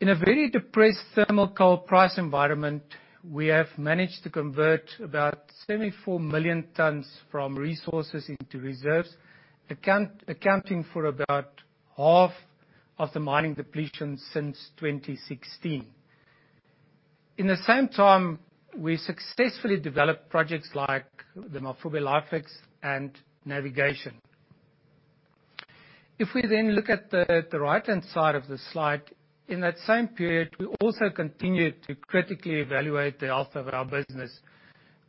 In a very depressed thermal coal price environment, we have managed to convert about 74 million tons from resources into reserves, accounting for about half of the mining depletions since 2016. In the same time, we successfully developed projects like the Mafube Lifex and Navigation. If we look at the right-hand side of the slide, in that same period, we also continued to critically evaluate the health of our business,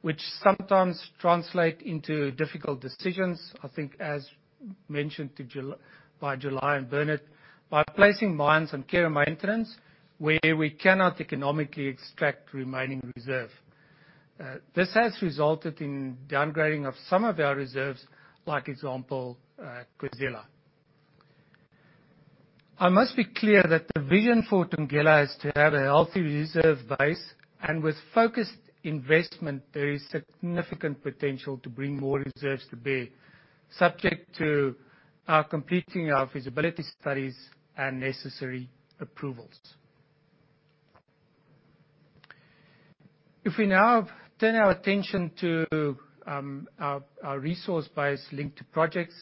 which sometimes translate into difficult decisions, I think as mentioned by July and Bernard, by placing mines on care and maintenance where we cannot economically extract remaining reserve. This has resulted in downgrading of some of our reserves, like example, Khwezela. I must be clear that the vision for Thungela is to have a healthy reserve base, and with focused investment, there is significant potential to bring more reserves to bear, subject to our completing our feasibility studies and necessary approvals. If we now turn our attention to our resource base linked to projects,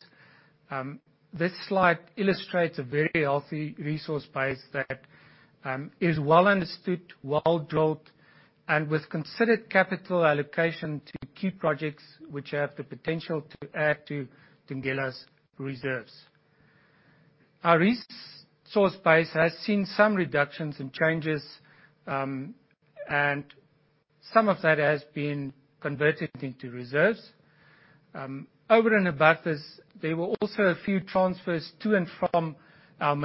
this slide illustrates a very healthy resource base that is well understood, well drilled, and with considered capital allocation to key projects, which have the potential to add to Thungela's reserves. Our resource base has seen some reductions and changes, and some of that has been converted into reserves. Over and above this, there were also a few transfers to and from our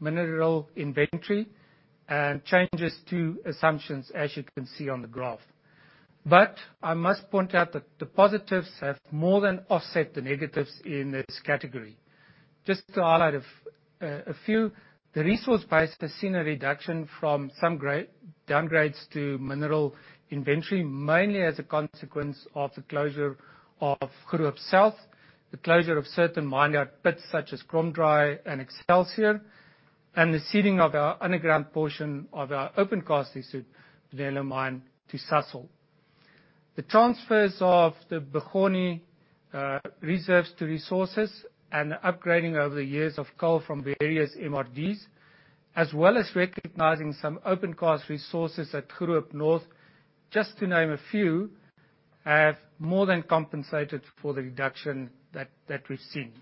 mineral inventory and changes to assumptions, as you can see on the graph. I must point out that the positives have more than offset the negatives in this category. Just to highlight a few, the resource base has seen a reduction from some downgrades to mineral inventory, mainly as a consequence of the closure of Goedehoop South, the closure of certain mined-out pits such as Kromdraai and Excelsior, and the ceding of our underground portion of our opencast lease to Exxaro Resources and Sasol. The transfers of the Bokgoni, reserves to resources and upgrading over the years of coal from various MRDs, as well as recognizing some opencast resources at Goedehoop North, just to name a few, have more than compensated for the reduction that we've seen.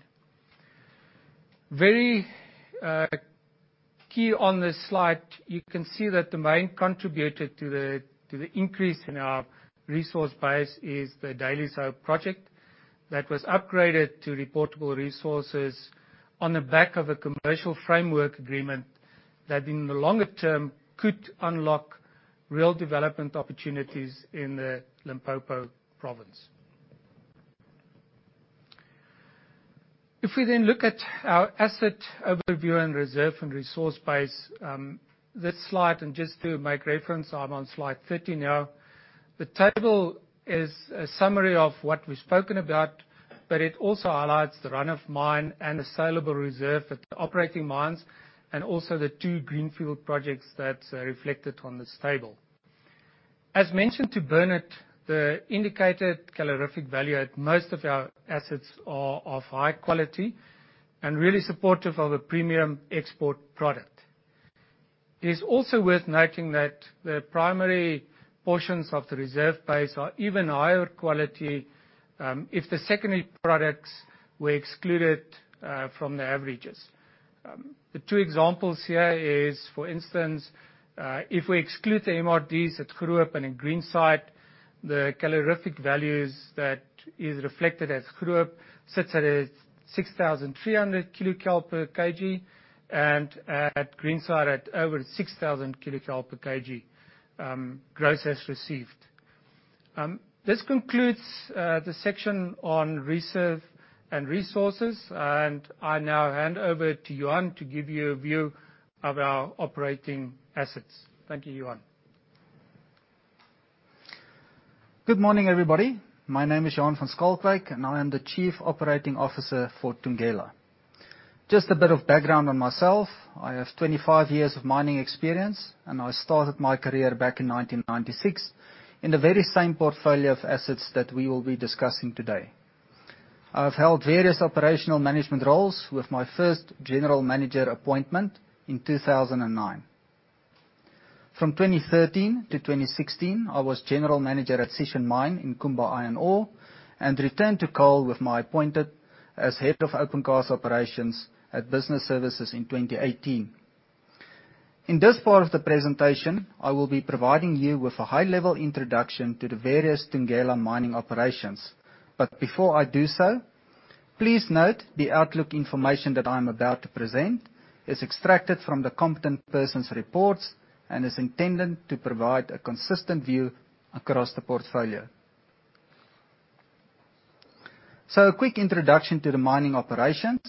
Very key on this slide, you can see that the main contributor to the increase in our resource base is the Dalyshope project that was upgraded to reportable resources on the back of a commercial framework agreement that, in the longer term, could unlock real development opportunities in the Limpopo province. If we look at our asset overview and reserve and resource base, this slide, and just to make reference, I'm on slide 13 now. The table is a summary of what we've spoken about. It also highlights the run-of-mine and the saleable reserve at the operating mines, also the two greenfield projects that's reflected on this table. As mentioned to Bernard, the indicated calorific value at most of our assets are of high quality and really supportive of a premium export product. It is also worth noting that the primary portions of the reserve base are even higher quality if the secondary products were excluded from the averages. The two examples here is, for instance, if we exclude the MRDs at Goedehoop and at Greenside, the calorific values that is reflected as Goedehoop sits at a 6,300 kcal/kg and at Greenside at over 6,000 kcal/kg gross as received. This concludes the section on reserve and resources. I now hand over to Johan to give you a view of our operating assets. Thank you, Johan. Good morning, everybody. My name is Johan van Schalkwyk, I am the Chief Operating Officer for Thungela. Just a bit of background on myself. I have 25 years of mining experience, I started my career back in 1996 in the very same portfolio of assets that we will be discussing today. I've held various operational management roles with my first general manager appointment in 2009. From 2013 to 2016, I was General Manager at Sishen Mine in Kumba Iron Ore, returned to coal with my appointment as Head of Open Cast Operations at Business Services in 2018. In this part of the presentation, I will be providing you with a high-level introduction to the various Thungela mining operations. Before I do so, please note the outlook information that I'm about to present is extracted from the competent person's reports and is intended to provide a consistent view across the portfolio. A quick introduction to the mining operations.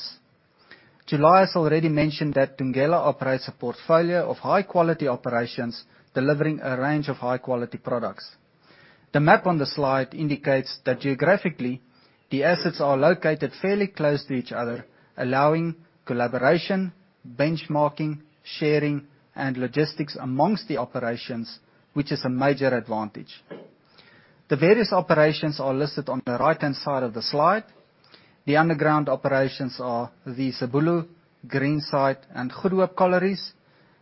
July already mentioned that Thungela operates a portfolio of high-quality operations delivering a range of high-quality products. The map on the slide indicates that geographically, the assets are located fairly close to each other, allowing collaboration, benchmarking, sharing, and logistics amongst the operations, which is a major advantage. The various operations are listed on the right-hand side of the slide. The underground operations are the Zibulo, Greenside, and Goedehoop collieries,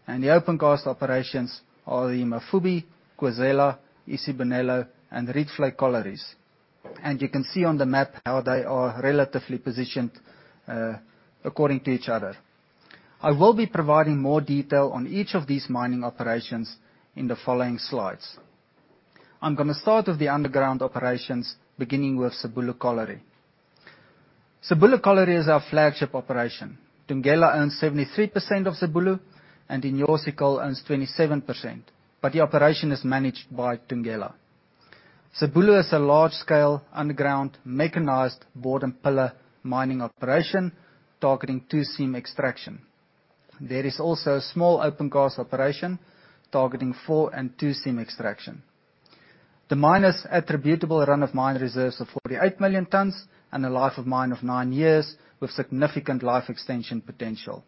and the opencast operations are the Mafube, Khwezela, Isibonelo, and Rietvlei collieries. You can see on the map how they are relatively positioned according to each other. I will be providing more detail on each of these mining operations in the following slides. I'm going to start with the underground operations, beginning with Zibulo Colliery. Zibulo Colliery is our flagship operation. Thungela owns 73% of Zibulo, and Inyosi Coal owns 27%. The operation is managed by Thungela. Zibulo is a large-scale underground mechanized board and pillar mining operation targeting 2 seam extraction. There is also a small opencast operation targeting 4 and 2 seam extraction. The mine has attributable run-of-mine reserves of 48 million tons and a life of mine of nine years with significant life extension potential.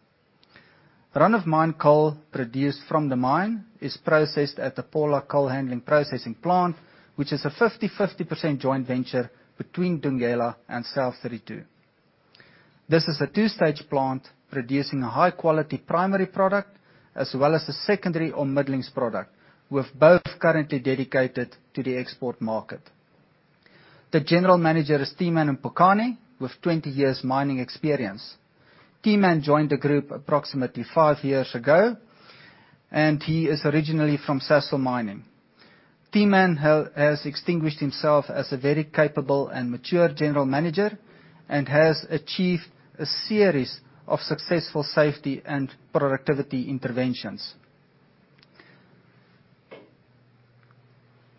Run-of-mine coal produced from the mine is processed at the Phola Coal Handling Processing Plant, which is a 50/50 percent joint venture between Thungela and South32. This is a two-stage plant producing a high-quality primary product, as well as a secondary or middlings product, with both currently dedicated to the export market. The general manager is Tieman Mpokane, with 20 years mining experience. Tieman joined the group approximately five years ago. He is originally from Sasol Mining. Tieman has distinguished himself as a very capable and mature general manager and has achieved a series of successful safety and productivity interventions.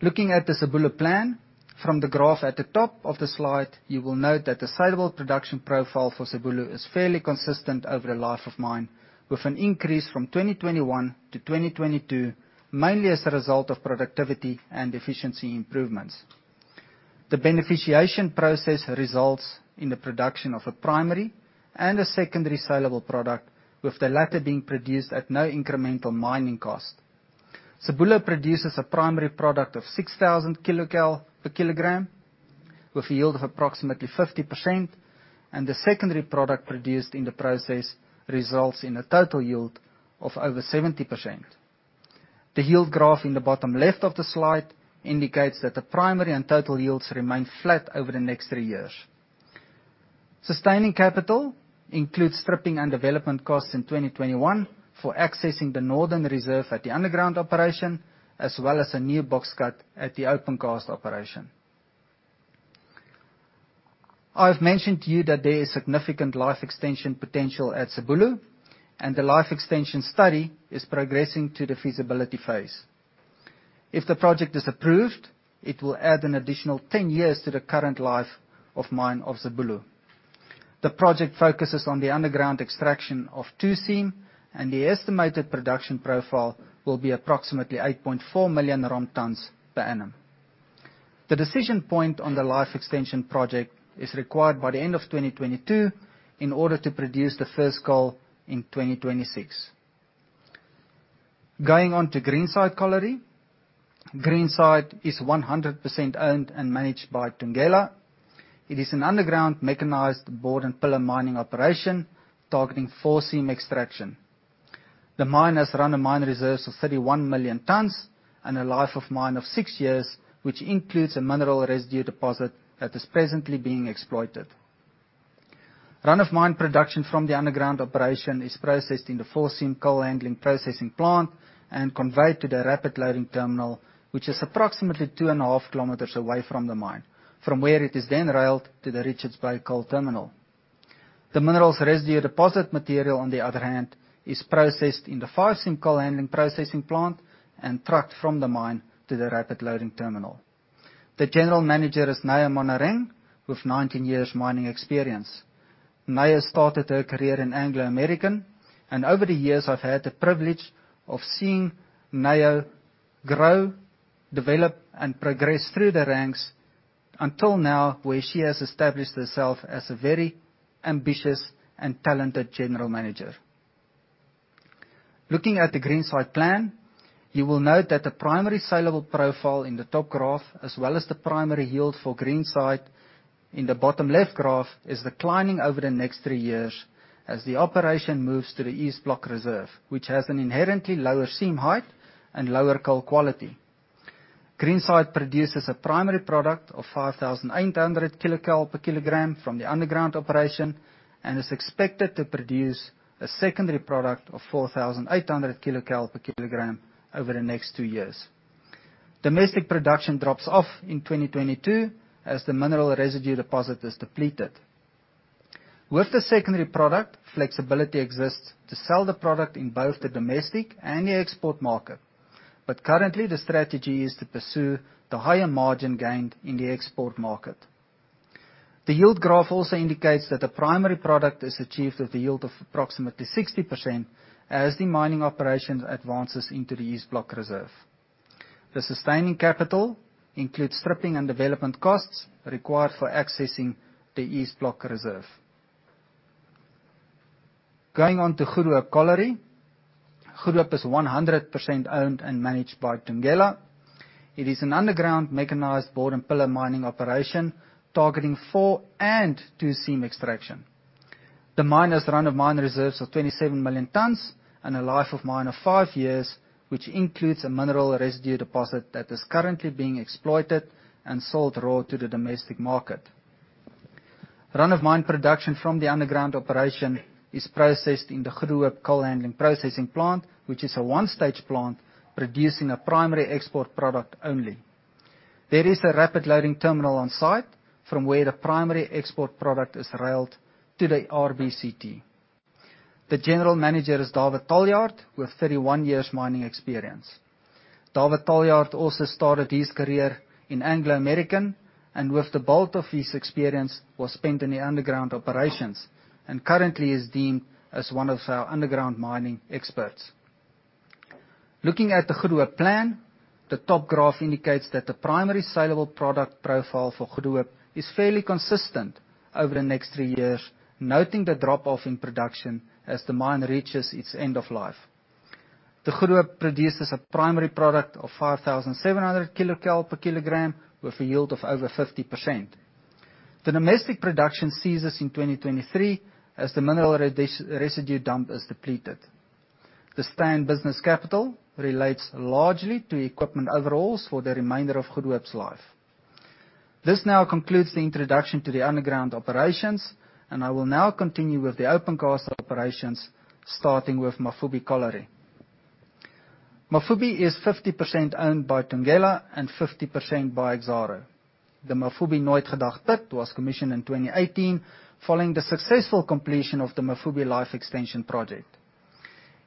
Looking at the Zibulo plan from the graph at the top of the slide, you will note that the saleable production profile for Zibulo is fairly consistent over the life of mine, with an increase from 2021 to 2022, mainly as a result of productivity and efficiency improvements. The beneficiation process results in the production of a primary and a secondary saleable product, with the latter being produced at no incremental mining cost. Zibulo produces a primary product of 6,000 kcal/kg, with a yield of approximately 50%, and the secondary product produced in the process results in a total yield of over 70%. The yield graph in the bottom left of the slide indicates that the primary and total yields remain flat over the next three years. Sustaining capital includes stripping and development costs in 2021 for accessing the Northern reserve at the underground operation, as well as a new box cut at the opencast operation. I've mentioned to you that there is significant life extension potential at Zibulo, and the life extension study is progressing to the feasibility phase. If the project is approved, it will add an additional 10 years to the current life of mine of Zibulo. The project focuses on the underground extraction of 2 seam, and the estimated production profile will be approximately 8.4 million run tons per annum. The decision point on the life extension project is required by the end of 2022 in order to produce the first coal in 2026. Going on to Greenside Colliery. Greenside is 100% owned and managed by Thungela. It is an underground mechanized board and pillar mining operation targeting 4 seam extraction. The mine has run-of-mine reserves of 31 million tons and a life of mine of six years, which includes a mineral residue deposit that is presently being exploited. Run-of-mine production from the underground operation is processed in the 4 seam coal handling processing plant and conveyed to the rapid loading terminal, which is approximately 2.5 km away from the mine, from where it is then railed to the Richards Bay Coal Terminal. The mineral's residue deposit material, on the other hand, is processed in the five seam coal handling processing plant and trucked from the mine to the rapid loading terminal. The general manager is Naya Monareng, with 19 years mining experience. Naya started her career in Anglo American, and over the years, I've had the privilege of seeing Naya grow, develop, and progress through the ranks until now, where she has established herself as a very ambitious and talented general manager. Looking at the Greenside plan, you will note that the primary saleable profile in the top graph, as well as the primary yield for Greenside in the bottom left graph, is declining over the next three years as the operation moves to the East Block reserve, which has an inherently lower seam height and lower coal quality. Greenside produces a primary product of 5,800 kcal/kg from the underground operation and is expected to produce a secondary product of 4,800 kcal/kg over the next two years. Domestic production drops off in 2022 as the mineral residue deposit is depleted. With the secondary product, flexibility exists to sell the product in both the domestic and the export market, but currently, the strategy is to pursue the higher margin gained in the export market. The yield graph also indicates that a primary product is achieved with a yield of approximately 60% as the mining operations advances into the East Block reserve. The sustaining capital includes stripping and development costs required for accessing the East Block reserve. Going on to Goedehoop Colliery. Goedehoop is 100% owned and managed by Thungela. It is an underground mechanized board and pillar mining operation targeting four and two seam extraction. The mine has run-of-mine reserves of 27 million tons and a life of mine of five years, which includes a mineral residue deposit that is currently being exploited and sold raw to the domestic market. Run-of-mine production from the underground operation is processed in the Goedehoop coal handling processing plant, which is a one-stage plant producing a primary export product only. There is a rapid loading terminal on-site from where the primary export product is railed to the RBCT. The general manager is Dawid Taljaard, with 31 years mining experience. Dawid Taljaard also started his career in Anglo American, and with the bulk of his experience was spent in the underground operations, and currently is deemed as one of our underground mining experts. Looking at the Goedehoop plan, the top graph indicates that the primary saleable product profile for Goedehoop is fairly consistent over the next three years, noting the drop-off in production as the mine reaches its end of life. The Goedehoop produces a primary product of 5,700 kcal/kg with a yield of over 50%. The domestic production ceases in 2023 as the mineral residue dump is depleted. The stay in business capital relates largely to equipment overhauls for the remainder of Goedehoop's life. This now concludes the introduction to the underground operations. I will now continue with the opencast operations, starting with Mafube Colliery. Mafube is 50% owned by Thungela and 50% by Exxaro. The Mafube Nooitgedacht pit was commissioned in 2018 following the successful completion of the Mafube Life Extension Project.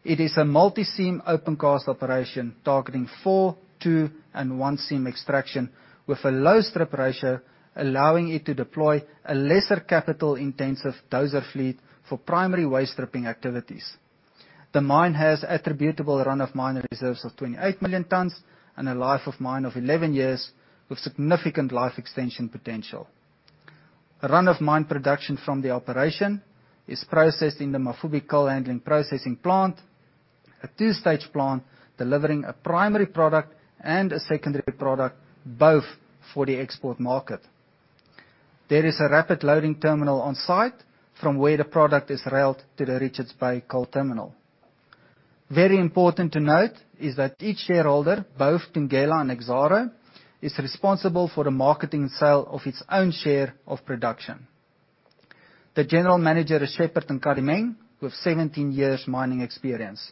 It is a multi-seam opencast operation targeting 4, 2, and 1 seam extraction with a low strip ratio, allowing it to deploy a lesser capital-intensive dozer fleet for primary waste stripping activities. The mine has attributable run-of-mine reserves of 28 million tons and a life of mine of 11 years with significant life extension potential. Run-of-mine production from the operation is processed in the Mafube coal handling processing plant, a two-stage plant delivering a primary product and a secondary product both for the export market. There is a rapid loading terminal on-site from where the product is railed to the Richards Bay Coal Terminal. Very important to note is that each shareholder, both Thungela and Exxaro, is responsible for the marketing sale of its own share of production. The general manager is Shepherd Nkadimeng, with 17 years mining experience.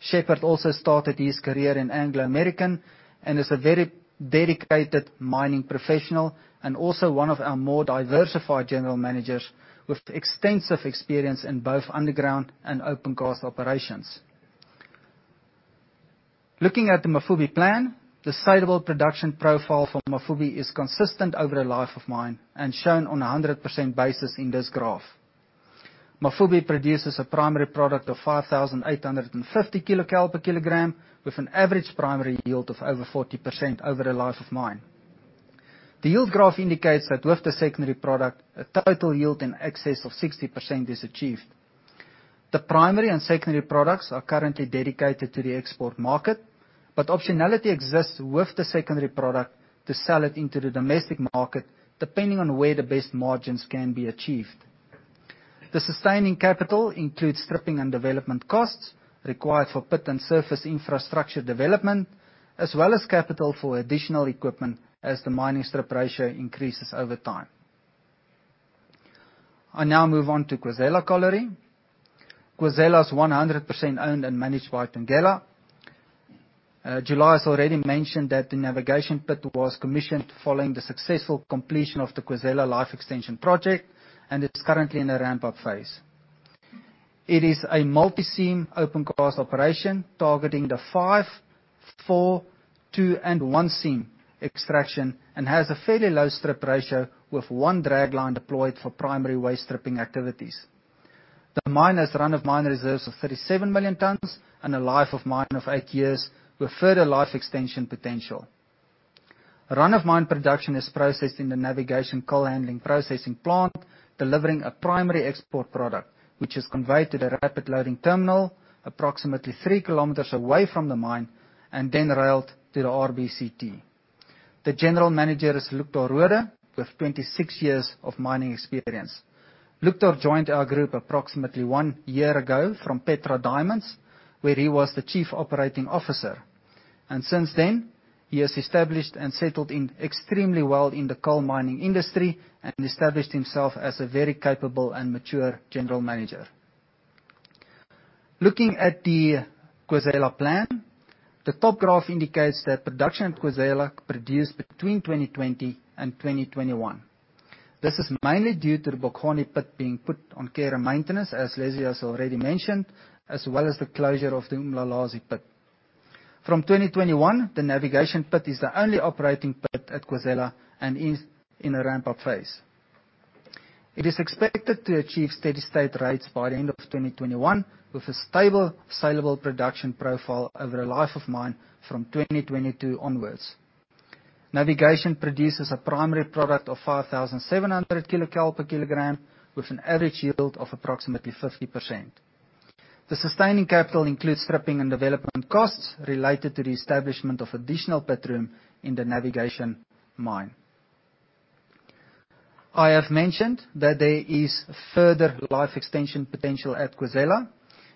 Shepherd also started his career in Anglo American and is a very dedicated mining professional and also one of our more diversified general managers with extensive experience in both underground and opencast operations. Looking at the Mafube plan, the saleable production profile for Mafube is consistent over the life of mine and shown on 100% basis in this graph. Mafube produces a primary product of 5,850 kcal/kg with an average primary yield of over 40% over the life of mine. The yield graph indicates that with the secondary product, a total yield in excess of 60% is achieved. The primary and secondary products are currently dedicated to the export market, optionality exists with the secondary product to sell it into the domestic market, depending on where the best margins can be achieved. The sustaining capital includes stripping and development costs required for pit and surface infrastructure development, as well as capital for additional equipment as the mining strip ratio increases over time. I now move on to Khwezela Colliery. Khwezela is 100% owned and managed by Thungela. July has already mentioned that the Navigation pit was commissioned following the successful completion of the Khwezela life extension project, and it's currently in a ramp-up phase. It is a multi-seam opencast operation targeting the 5, 4, 2, and 1 seam extraction, and has a fairly low strip ratio with one dragline deployed for primary waste stripping activities. The mine has run-of-mine reserves of 37 million tons and a life of mine of eight years, with further life extension potential. Run-of-mine production is processed in the Navigation coal handling processing plant, delivering a primary export product, which is conveyed to the rapid loading terminal approximately 3 km away from the mine, and then railed to the RBCT. The general manager is Luctor Roode with 26 years of mining experience. Luchtenhorster joined our group approximately one year ago from Petra Diamonds, where he was the Chief Operating Officer. Since then, he has established and settled in extremely well in the coal mining industry and established himself as a very capable and mature general manager. Looking at the Khwezela plan, the top graph indicates that production at Khwezela produced between 2020 and 2021. This is mainly due to the Bokgoni pit being put on care and maintenance, as Leslie Martin has already mentioned, as well as the closure of the Umlalazi pit. From 2021, the Navigation pit is the only operating pit at Khwezela and is in a ramp-up phase. It is expected to achieve steady-state rates by the end of 2021, with a stable saleable production profile over the life of mine from 2022 onwards. Navigation produces a primary product of 5,700 kcal per kilogram, with an average yield of approximately 50%. The sustaining capital includes stripping and development costs related to the establishment of additional pit room in the Navigation mine. I have mentioned that there is further life extension potential at Khwezela,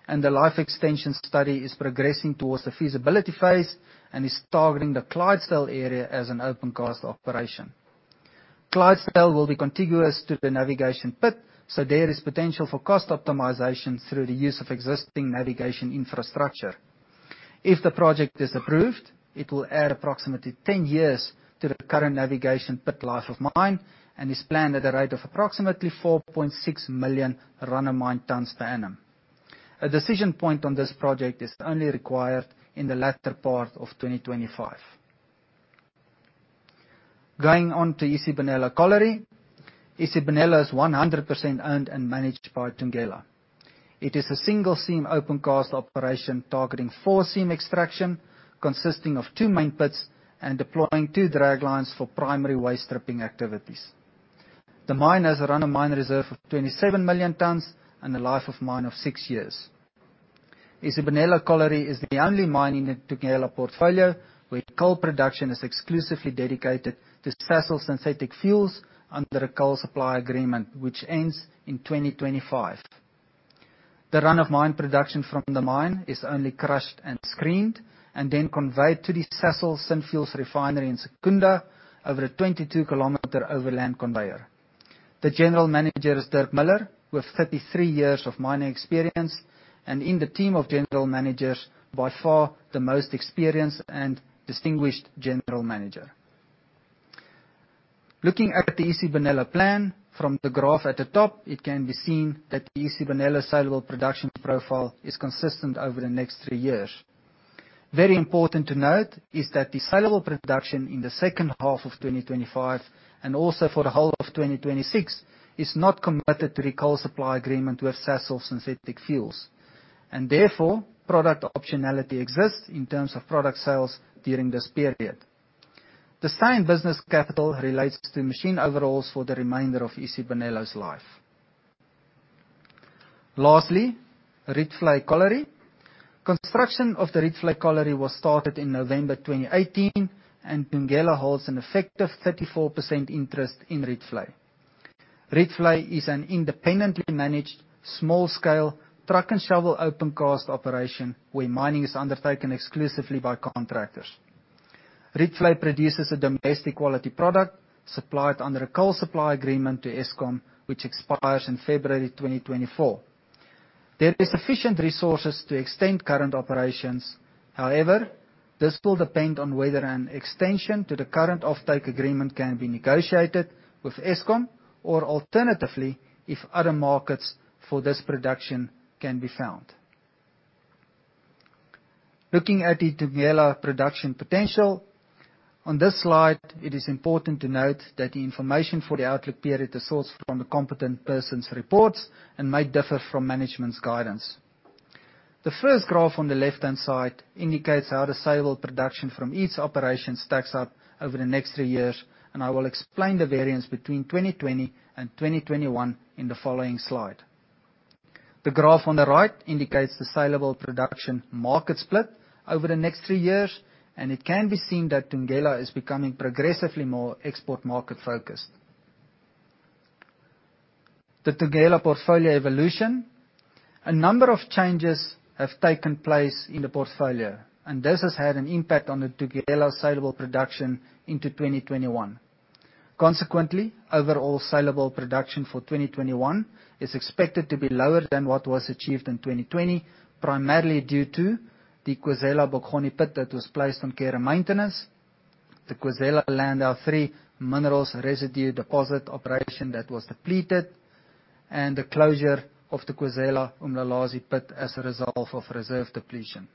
and the life extension study is progressing towards the feasibility phase and is targeting the Clydesdale area as an opencast operation. Clydesdale will be contiguous to the Navigation pit, so there is potential for cost optimization through the use of existing Navigation infrastructure. If the project is approved, it will add approximately 10 years to the current Navigation pit life of mine and is planned at a rate of approximately 4.6 million run-of-mine tons per annum. A decision point on this project is only required in the latter part of 2025. Going on to Isibonelo Colliery. Isibonelo is 100% owned and managed by Thungela. It is a single seam opencast operation targeting 4 seam extraction, consisting of two main pits and deploying two draglines for primary waste stripping activities. The mine has a run-of-mine reserve of 27 million tons and a life of mine of six years. Isibonelo Colliery is the only mine in the Thungela portfolio where coal production is exclusively dedicated to Sasol Synfuels under a coal supply agreement which ends in 2025. The run-of-mine production from the mine is only crushed and screened and then conveyed to the Sasol Synfuels in Secunda over a 22-km overland conveyor. The general manager is Dirk Miller, with 33 years of mining experience, and in the team of general managers, by far the most experienced and distinguished general manager. Looking at the Isibonelo plan from the graph at the top, it can be seen that the Isibonelo saleable production profile is consistent over the next three years. Very important to note is that the saleable production in the second half of 2025, and also for the whole of 2026, is not committed to the coal supply agreement with Sasol Synfuels. Therefore, product optionality exists in terms of product sales during this period. The same business capital relates to machine overalls for the remainder of Isibonelo's life. Lastly, Rietvlei Colliery. Construction of the Rietvlei Colliery was started in November 2018. Thungela holds an effective 34% interest in Rietvlei. Rietvlei is an independently managed, small-scale, truck-and-shovel opencast operation where mining is undertaken exclusively by contractors. Rietvlei produces a domestic quality product supplied under a coal supply agreement to Eskom, which expires in February 2024. There is sufficient resources to extend current operations. This will depend on whether an extension to the current off-take agreement can be negotiated with Eskom, or alternatively, if other markets for this production can be found. Looking at the Thungela production potential. On this slide, it is important to note that the information for the outlook period is sourced from the Competent Person's Reports and may differ from management's guidance. The first graph on the left-hand side indicates how the saleable production from each operation stacks up over the next three years. I will explain the variance between 2020 and 2021 in the following slide. The graph on the right indicates the saleable production market split over the next three years. It can be seen that Thungela is becoming progressively more export market focused. The Thungela portfolio evolution. A number of changes have taken place in the portfolio. This has had an impact on the Thungela saleable production into 2021. Consequently, overall saleable production for 2021 is expected to be lower than what was achieved in 2020, primarily due to the Khwezela Bokgoni pit that was placed on care and maintenance, the Khwezela Landau 3 Minerals Residue Deposit operation that was depleted, and the closure of the Khwezela Umlalazi pit as a result of reserve depletion.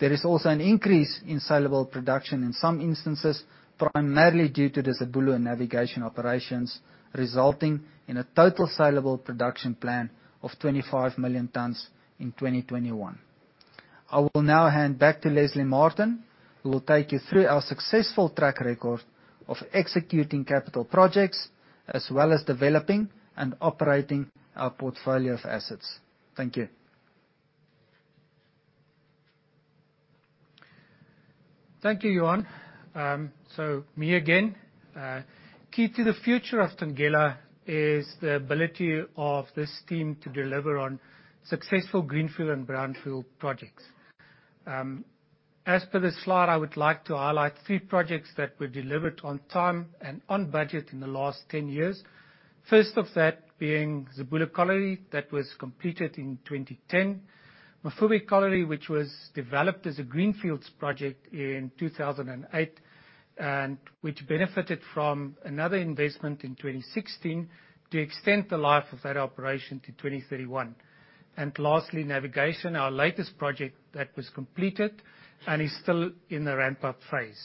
There is also an increase in sellable production in some instances, primarily due to the Zibulo and Navigation operations, resulting in a total sellable production plan of 25 million tons in 2021. I will now hand back to Leslie Martin, who will take you through our successful track record of executing capital projects, as well as developing and operating our portfolio of assets. Thank you. Thank you, Johan. Me again. Key to the future of Thungela is the ability of this team to deliver on successful greenfield and brownfield projects. As per the slide, I would like to highlight three projects that were delivered on time and on budget in the last 10 years. First of that being Zibulo Colliery, that was completed in 2010. Mafube Colliery, which was developed as a greenfields project in 2008, and which benefited from another investment in 2016 to extend the life of that operation to 2031. Lastly, Navigation, our latest project that was completed and is still in the ramp-up phase.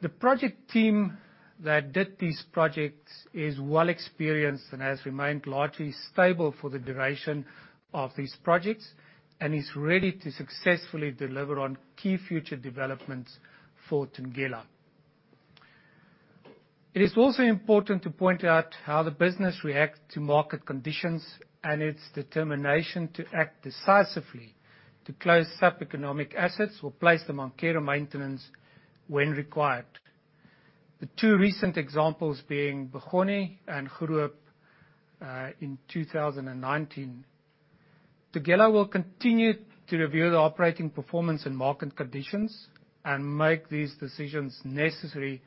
The project team that did these projects is well experienced and has remained largely stable for the duration of these projects, and is ready to successfully deliver on key future developments for Thungela. It is also important to point out how the business reacts to market conditions and its determination to act decisively to close sub-economic assets or place them on care maintenance when required. The two recent examples being Bokgoni and Goedehoop, in 2019. Thungela will continue to review the operating performance and market conditions and make these decisions necessary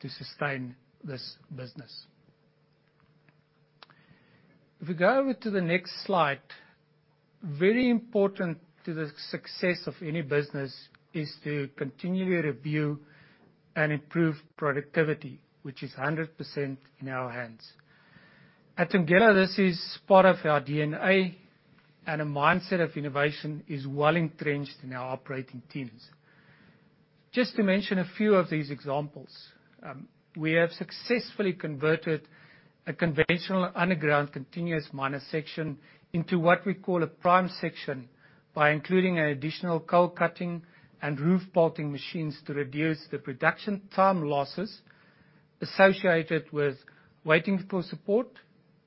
to sustain this business. If we go over to the next slide, very important to the success of any business is to continually review and improve productivity, which is 100% in our hands. At Thungela, this is part of our DNA and a mindset of innovation is well entrenched in our operating teams. Just to mention a few of these examples. We have successfully converted a conventional underground continuous miner section into what we call a prime section by including additional coal cutting and roof bolting machines to reduce the production time losses associated with waiting for support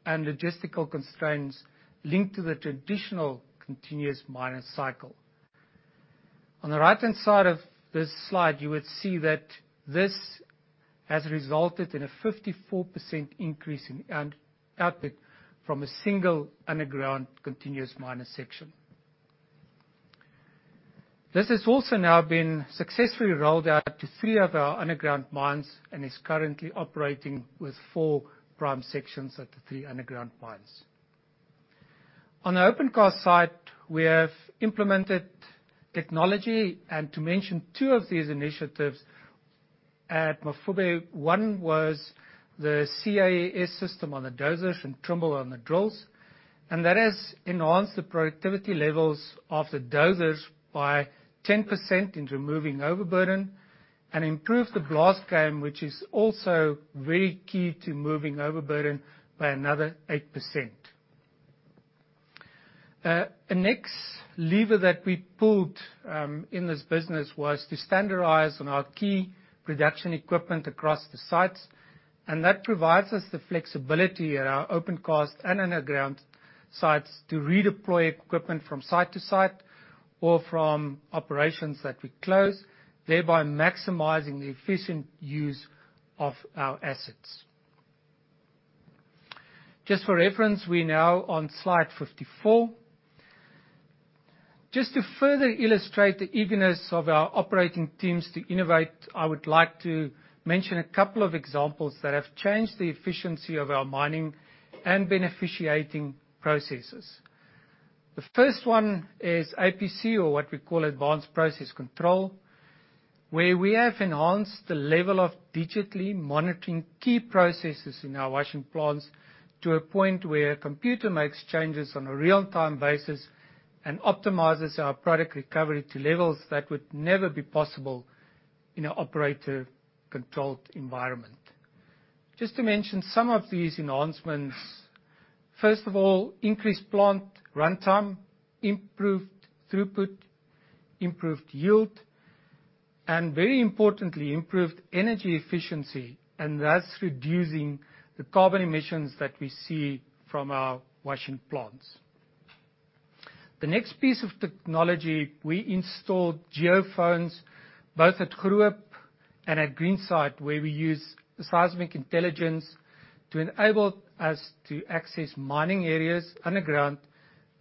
and logistical constraints linked to the traditional continuous miner cycle. On the right-hand side of this slide, you would see that this has resulted in a 54% increase in output from a single underground continuous miner section. This has also now been successfully rolled out to three of our underground mines and is currently operating with four prime sections at the three underground mines. On the opencast site, we have implemented technology, and to mention two of these initiatives at Mafube, one was the CAES system on the dozers and Trimble on the drills, and that has enhanced the productivity levels of the dozers by 10% in removing overburden and improved the blast game, which is also very key to moving overburden, by another 8%. The next lever that we pulled in this business was to standardize on our key production equipment across the sites, and that provides us the flexibility at our opencast and underground sites to redeploy equipment from site to site or from operations that we close, thereby maximizing the efficient use of our assets. Just for reference, we're now on slide 54. Just to further illustrate the eagerness of our operating teams to innovate, I would like to mention a couple of examples that have changed the efficiency of our mining and beneficiating processes. The first one is APC or what we call Advanced Process Control, where we have enhanced the level of digitally monitoring key processes in our washing plants to a point where a computer makes changes on a real-time basis and optimizes our product recovery to levels that would never be possible in an operator-controlled environment. Just to mention some of these enhancements. First of all, increased plant runtime, improved throughput, improved yield, and very importantly, improved energy efficiency. That's reducing the carbon emissions that we see from our washing plants. The next piece of technology, we installed geophones both at Goedehoop and at Greenside, where we use seismic intelligence to enable us to access mining areas underground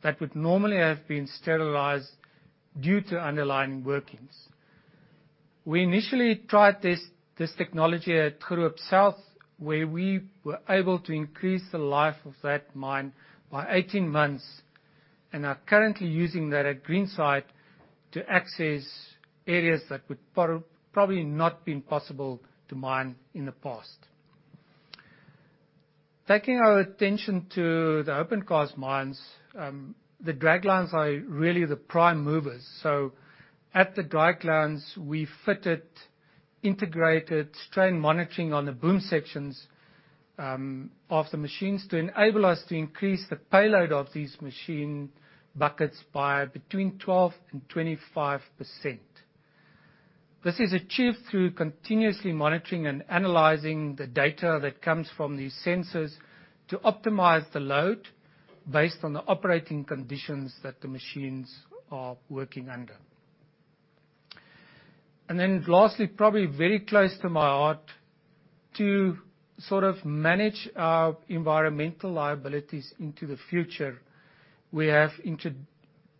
that would normally have been sterilized due to underlying workings. We initially tried this technology at Goedehoop South, where we were able to increase the life of that mine by 18 months and are currently using that at Greenside to access areas that would probably not been possible to mine in the past. Taking our attention to the opencast mines, the draglines are really the prime movers. At the draglines, we fitted integrated strain monitoring on the boom sections of the machines to enable us to increase the payload of these machine buckets by between 12% and 25%. This is achieved through continuously monitoring and analyzing the data that comes from these sensors to optimize the load based on the operating conditions that the machines are working under. Lastly, probably very close to my heart, to sort of manage our environmental liabilities into the future, we have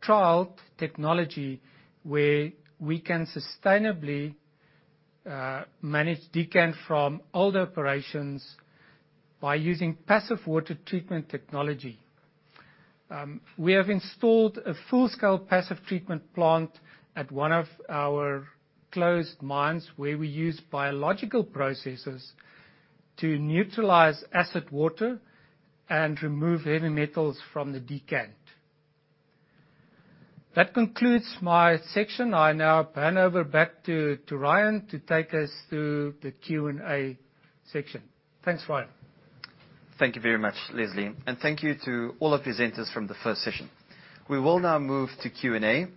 trialed technology where we can sustainably manage decant from older operations by using passive water treatment technology. We have installed a full-scale passive treatment plant at one of our closed mines, where we use biological processes to neutralize acid water and remove heavy metals from the decant. That concludes my section. I now hand over back to Ryan to take us through the Q&A section. Thanks, Ryan. Thank you very much, Leslie. Thank you to all our presenters from the first session. We will now move to Q&A.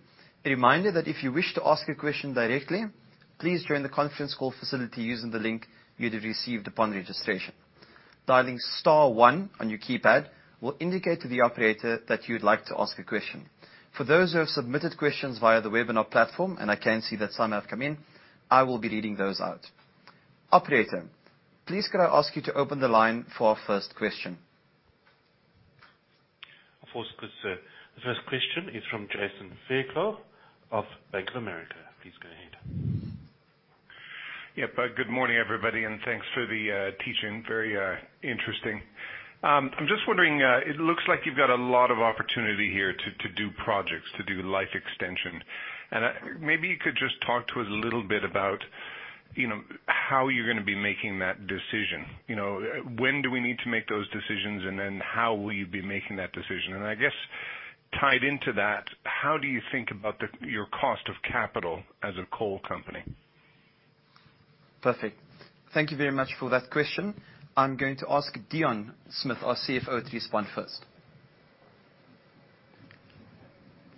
A reminder that if you wish to ask a question directly, please join the conference call facility using the link you had received upon registration. Dialing star one on your keypad will indicate to the operator that you would like to ask a question. For those who have submitted questions via the webinar platform, and I can see that some have come in, I will be reading those out. Operator, please could I ask you to open the line for our first question? Of course, good sir. The first question is from Jason Fairclough of Bank of America. Please go ahead. Yep. Good morning, everybody. Thanks for the teaching. Very interesting. I'm just wondering, it looks like you've got a lot of opportunity here to do projects, to do life extension. Maybe you could just talk to us a little bit about how you're going to be making that decision. When do we need to make those decisions, and then how will you be making that decision? I guess tied into that, how do you think about your cost of capital as a coal company? Perfect. Thank you very much for that question. I'm going to ask Deon Smith, our CFO, to respond first.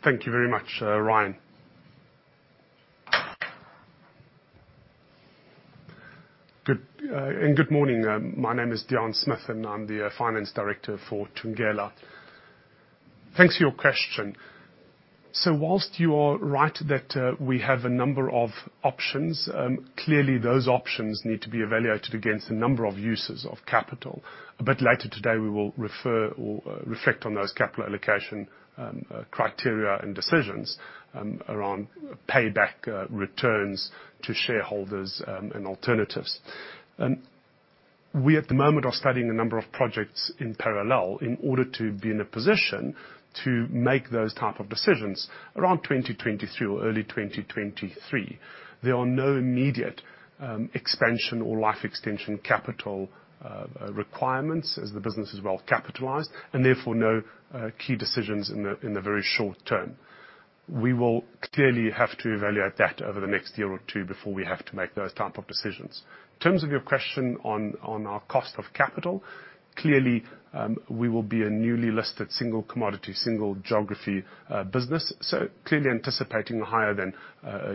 Thank you very much, Ryan. Good morning. My name is Deon Smith, and I'm the finance director for Thungela. Thanks for your question. Whilst you are right that we have a number of options, clearly those options need to be evaluated against a number of uses of capital. A bit later today, we will refer or reflect on those capital allocation criteria and decisions around payback returns to shareholders and alternatives. We, at the moment, are studying a number of projects in parallel in order to be in a position to make those type of decisions around 2023 or early 2023. There are no immediate expansion or life extension capital requirements as the business is well capitalized, and therefore no key decisions in the very short term. We will clearly have to evaluate that over the next year or two before we have to make those type of decisions. In terms of your question on our cost of capital, clearly, we will be a newly listed single commodity, single-geography business. Clearly anticipating a higher than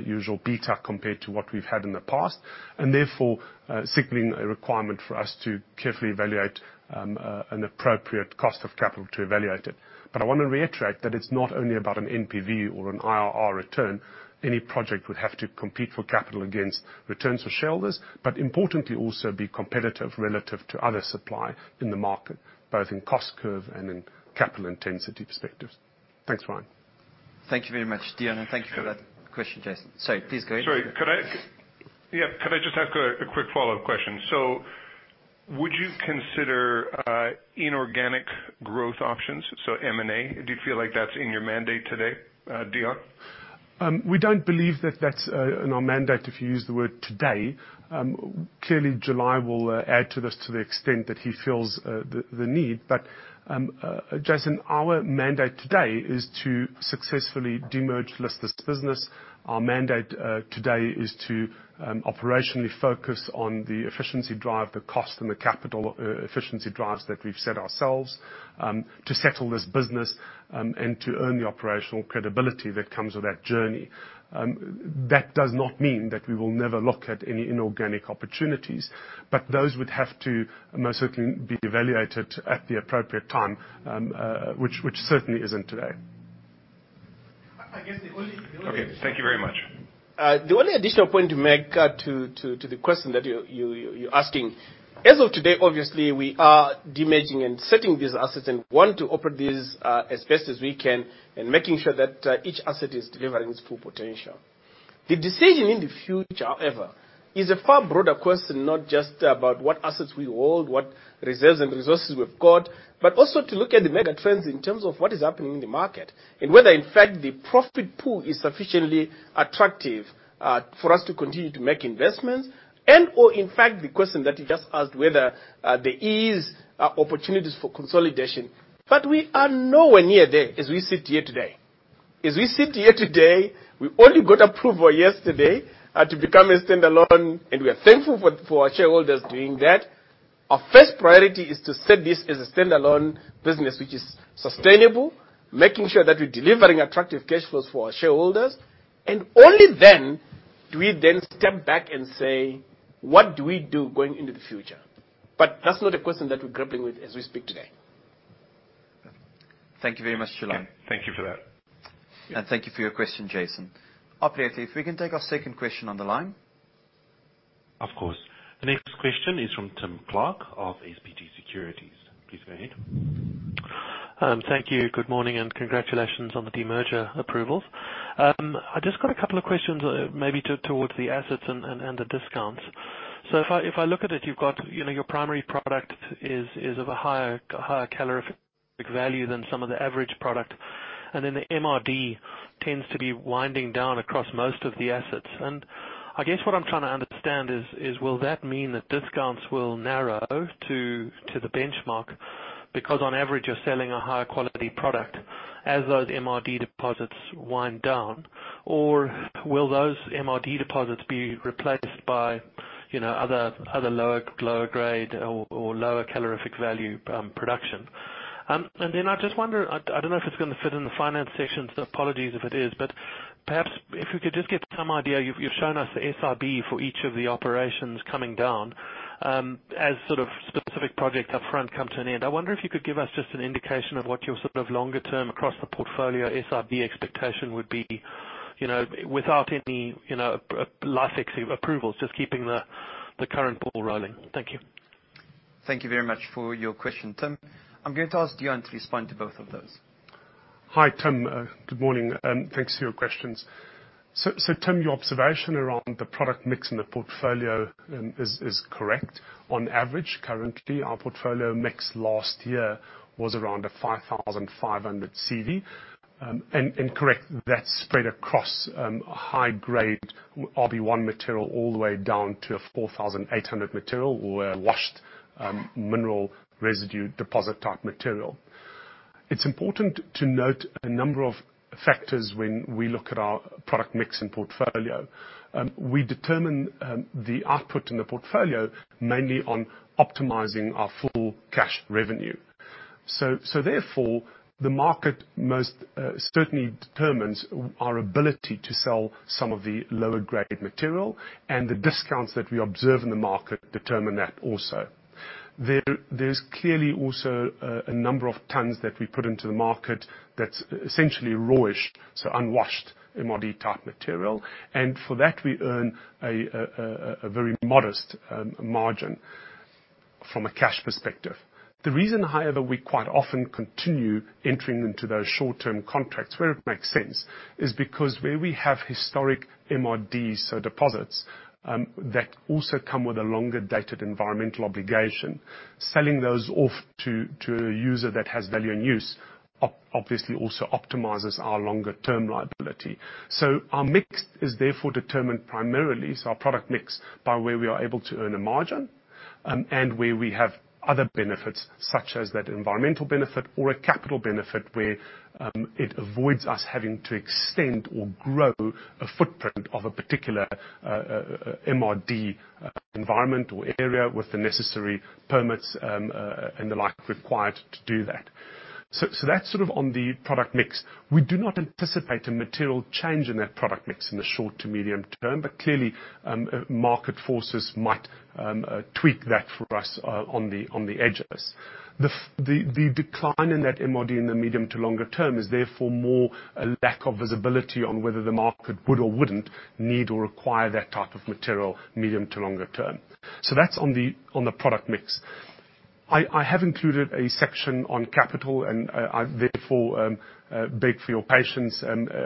usual beta compared to what we've had in the past. Therefore, signaling a requirement for us to carefully evaluate an appropriate cost of capital to evaluate it. I want to reiterate that it's not only about an NPV or an IRR return. Any project would have to compete for capital against returns for shareholders, but importantly also be competitive relative to other supply in the market, both in cost curve and in capital intensity perspectives. Thanks, Ryan. Thank you very much, Deon, and thank you for that question, Jason. Sorry. Please go ahead. Sorry. Could I just ask a quick follow-up question? Would you consider inorganic growth options, so M&A? Do you feel like that's in your mandate today, Deon? We don't believe that that's in our mandate, if you use the word today. Clearly, July will add to this to the extent that he feels the need. Jason, our mandate today is to successfully demerge list this business. Our mandate today is to operationally focus on the efficiency drive, the cost, and the capital efficiency drives that we've set ourselves, to settle this business, and to earn the operational credibility that comes with that journey. That does not mean that we will never look at any inorganic opportunities, but those would have to most certainly be evaluated at the appropriate time, which certainly isn't today. Okay, thank you very much. The only additional point to make to the question that you're asking, as of today, obviously, we are demerging and setting these assets and want to operate these as best as we can, and making sure that each asset is delivering its full potential. The decision in the future, however, is a far broader question, not just about what assets we hold, what reserves and resources we've got, but also to look at the megatrends in terms of what is happening in the market, and whether, in fact, the profit pool is sufficiently attractive for us to continue to make investments, and/or in fact, the question that you just asked, whether there is opportunities for consolidation. We are nowhere near there as we sit here today. As we sit here today, we only got approval yesterday to become a standalone, and we are thankful for our shareholders doing that. Our first priority is to set this as a standalone business which is sustainable, making sure that we're delivering attractive cash flows for our shareholders. Only then do we then step back and say, "What do we do going into the future?" That's not a question that we're grappling with as we speak today. Thank you very much, July. Thank you for that. Thank you for your question, Jason. Operator, if we can take our second question on the line. Of course. The next question is from Tim Clark of SBG Securities. Please go ahead. Thank you. Good morning, and congratulations on the demerger approvals. I just got a couple of questions maybe towards the assets and the discounts. If I look at it, your primary product is of a higher calorific value than some of the average product. Then the MRD tends to be winding down across most of the assets. I guess what I'm trying to understand is, will that mean that discounts will narrow to the benchmark because on average you're selling a higher quality product as those MRD deposits wind down? Will those MRD deposits be replaced by other lower grade or lower calorific value production? I just wonder, I don't know if it's going to fit in the finance section, so apologies if it is. Perhaps if we could just get some idea, you've shown us the SIB for each of the operations coming down as sort of specific projects up front come to an end. I wonder if you could give us just an indication of what your sort of longer term across the portfolio SIB expectation would be, without any life approvals, just keeping the current ball rolling. Thank you. Thank you very much for your question, Tim. I'm going to ask Deon to respond to both of those. Hi, Tim. Good morning. Thanks for your questions. Tim Clark, your observation around the product mix in the portfolio is correct. On average, currently, our portfolio mix last year was around a 5,500 CV. Correct, that's spread across high grade RB1 material all the way down to a 4,800 material or a washed mineral residue deposit type material. It's important to note a number of factors when we look at our product mix and portfolio. We determine the output in the portfolio mainly on optimizing our full cash revenue. Therefore, the market most certainly determines our ability to sell some of the lower grade material, and the discounts that we observe in the market determine that also. There's clearly also a number of tons that we put into the market that's essentially rawish, so unwashed MRD type material. For that, we earn a very modest margin from a cash perspective. The reason, however, we quite often continue entering into those short-term contracts where it makes sense is because where we have historic MRD, so deposits, that also come with a longer dated environmental obligation. Selling those off to a user that has value and use, obviously also optimizes our longer term liability. Our mix is therefore determined primarily, so our product mix, by where we are able to earn a margin, and where we have other benefits such as that environmental benefit or a capital benefit where it avoids us having to extend or grow a footprint of a particular MRD environment or area with the necessary permits and the like required to do that. That's sort of on the product mix. We do not anticipate a material change in that product mix in the short to medium term, but clearly, market forces might tweak that for us on the edges. The decline in that MRD in the medium to longer term is therefore more a lack of visibility on whether the market would or wouldn't need or require that type of material, medium to longer term. That's on the product mix. I have included a section on capital, and I therefore beg for your patience.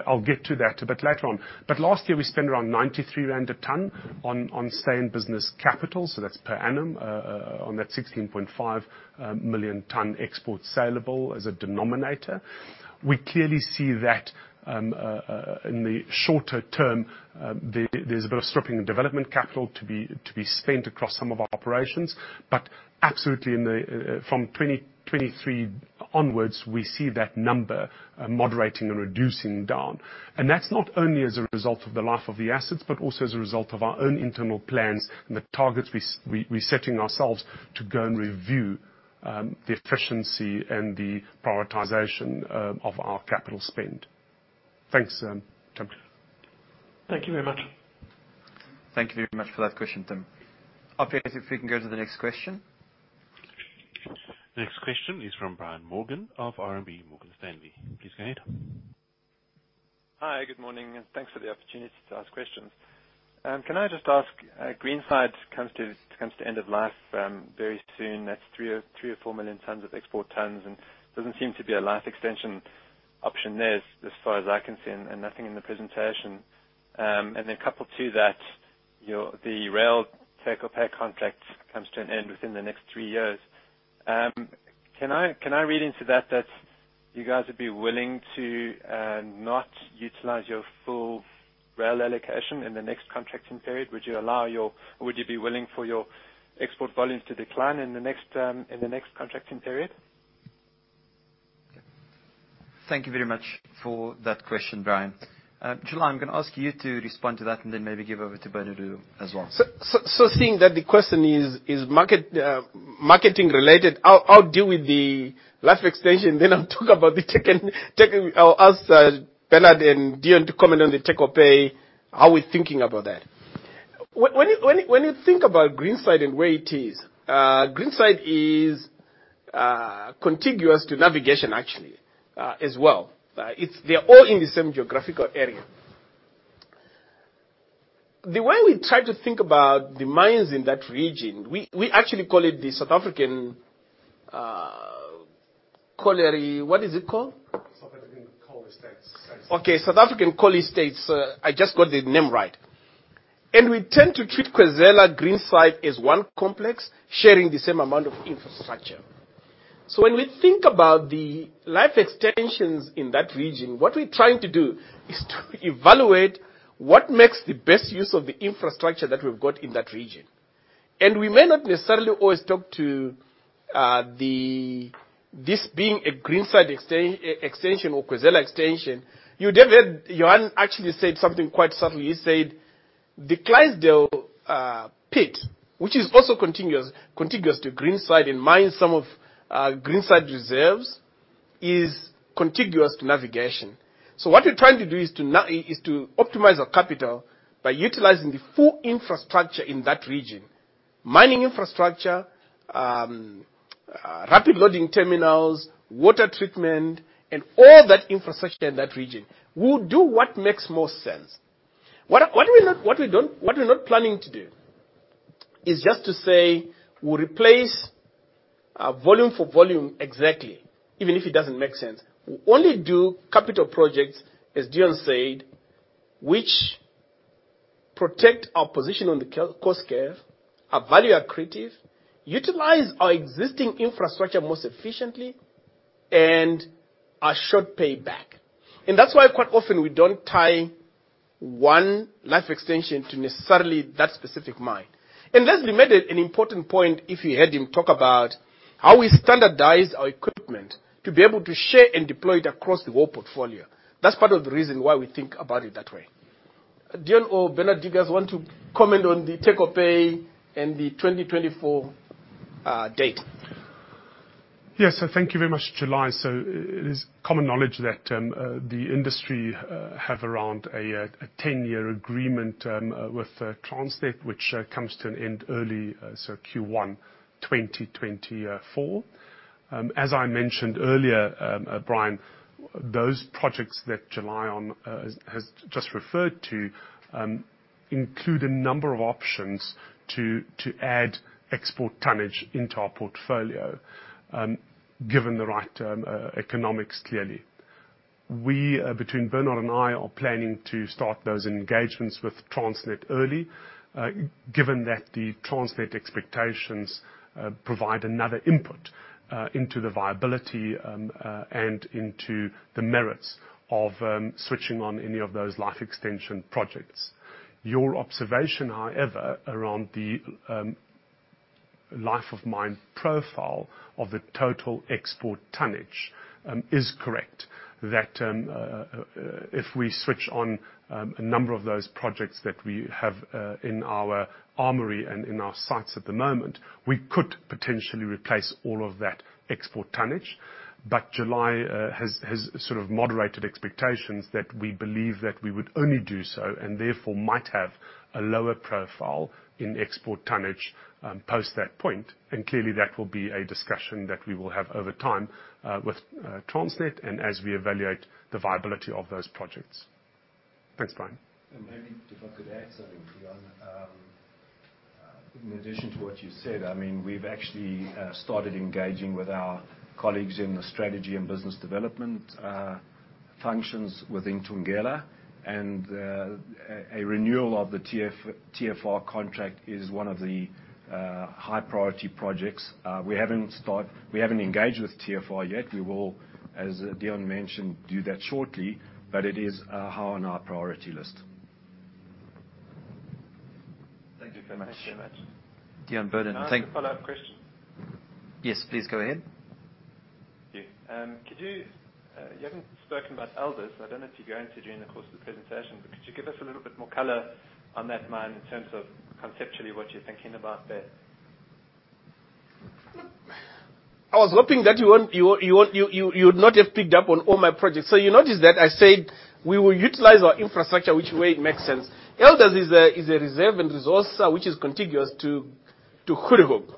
I'll get to that a bit later on. Last year, we spent around 93 rand a ton on same business capital, so that's per annum, on that 16.5 million tons export saleable as a denominator. We clearly see that in the shorter term, there's a bit of stripping and development capital to be spent across some of our operations. Absolutely from 2023 onwards, we see that number moderating and reducing down. That's not only as a result of the life of the assets, but also as a result of our own internal plans and the targets we're setting ourselves to go and review the efficiency and the prioritization of our capital spend. Thanks, Tim. Thank you very much. Thank you very much for that question, Tim. Operator, if we can go to the next question. Next question is from Brian Morgan of RMB Morgan Stanley. Please go ahead. Hi, good morning, and thanks for the opportunity to ask questions. Can I just ask, Greenside comes to end of life very soon. That's 3 million tons or 4 million tons of export tons, doesn't seem to be a life extension option there as far as I can see, and nothing in the presentation. Coupled to that, the rail take-or-pay contract comes to an end within the next three years. Can I read into that you guys would be willing to, not utilize your full rail allocation in the next contracting period? Would you be willing for your export volumes to decline in the next contracting period? Thank you very much for that question, Brian. July, I am going to ask you to respond to that and then maybe give over to Bernard as well. Seeing that the question is marketing related, I'll deal with the life extension, then I'll talk about the take. I'll ask Bernard and Deon to comment on the take or pay, how we're thinking about that. When you think about Greenside and where it is, Greenside is contiguous to Navigation, actually, as well. They're all in the same geographical area. The way we try to think about the mines in that region, we actually call it the South African, colliery. What is it called? [inaudible] Okay, South African Coal Estates. I just got the name right. We tend to treat Khwezela, Greenside as one complex, sharing the same amount of infrastructure. When we think about the life extensions in that region, what we're trying to do is to evaluate what makes the best use of the infrastructure that we've got in that region. We may not necessarily always talk to this being a Greenside extension or Khwezela extension. You would have heard, Johan actually said something quite subtly. He said, the Clydesdale pit, which is also contiguous to Greenside and mines some of Greenside reserves, is contiguous to Navigation. What we're trying to do is to optimize our capital by utilizing the full infrastructure in that region, mining infrastructure, rapid loading terminals, water treatment, and all that infrastructure in that region. We'll do what makes most sense. What we're not planning to do is just to say we'll replace volume for volume exactly, even if it doesn't make sense. We'll only do capital projects, as Deon said, which protect our position on the cost curve, are value-accretive, utilize our existing infrastructure most efficiently, and are short pay back. That's why quite often we don't tie one life extension to necessarily that specific mine. Leslie made an important point, if you heard him talk about how we standardize our equipment to be able to share and deploy it across the whole portfolio. That's part of the reason why we think about it that way. Deon or Bernard, do you guys want to comment on the take-or-pay and the 2024 date? Yes. Thank you very much, July. It is common knowledge that the industry have around a 10-year agreement with Transnet, which comes to an end early, Q1 2024. As I mentioned earlier, Brian, those projects that July has just referred to include a number of options to add export tonnage into our portfolio, given the right economics, clearly. We, between Bernard and I, are planning to start those engagements with Transnet early, given that the Transnet expectations provide another input into the viability and into the merits of switching on any of those life extension projects. Your observation, however, around the life of mine profile of the total export tonnage, is correct, that if we switch on a number of those projects that we have in our armory and in our sights at the moment, we could potentially replace all of that export tonnage. July has sort of moderated expectations that we believe that we would only do so, and therefore might have a lower profile in export tonnage post that point. Clearly that will be a discussion that we will have over time with Transnet and as we evaluate the viability of those projects. Thanks, Brian. Maybe if I could add something, Deon. In addition to what you said, we've actually started engaging with our colleagues in the strategy and business development functions within Thungela. A renewal of the TFR contract is one of the high priority projects. We haven't engaged with TFR yet. We will, as Deon mentioned, do that shortly, but it is high on our priority list. Thank you very much. Thank you very much. Deon, Bernard. Can I ask a follow-up question? Yes, please go ahead. Thank you. You haven't spoken about Elders. I don't know if you're going to during the course of the presentation, but could you give us a little bit more color on that mine in terms of conceptually what you're thinking about there? I was hoping that you would not have picked up on all my projects. You notice that I said, we will utilize our infrastructure, which way it makes sense. Elders is a reserve and resource which is contiguous to Goedehoop.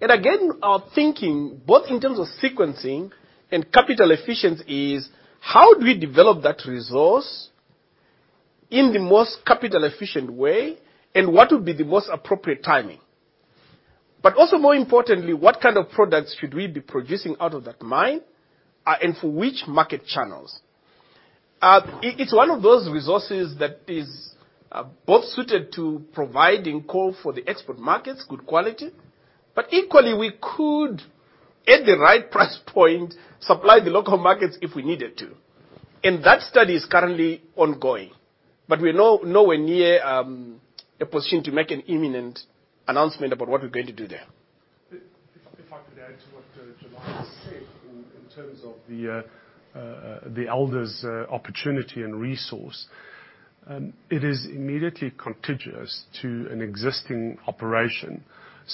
Again, our thinking, both in terms of sequencing and capital efficiency, is how do we develop that resource in the most capital efficient way, and what would be the most appropriate timing? Also, more importantly, what kind of products should we be producing out of that mine, and for which market channels? It's one of those resources that is both suited to providing coal for the export markets, good quality, but equally we could, at the right price point, supply the local markets if we needed to. That study is currently ongoing. We're nowhere near a position to make an imminent announcement about what we're going to do there. If I could add to what July has said in terms of the Elders opportunity and resource, it is immediately contiguous to an existing operation.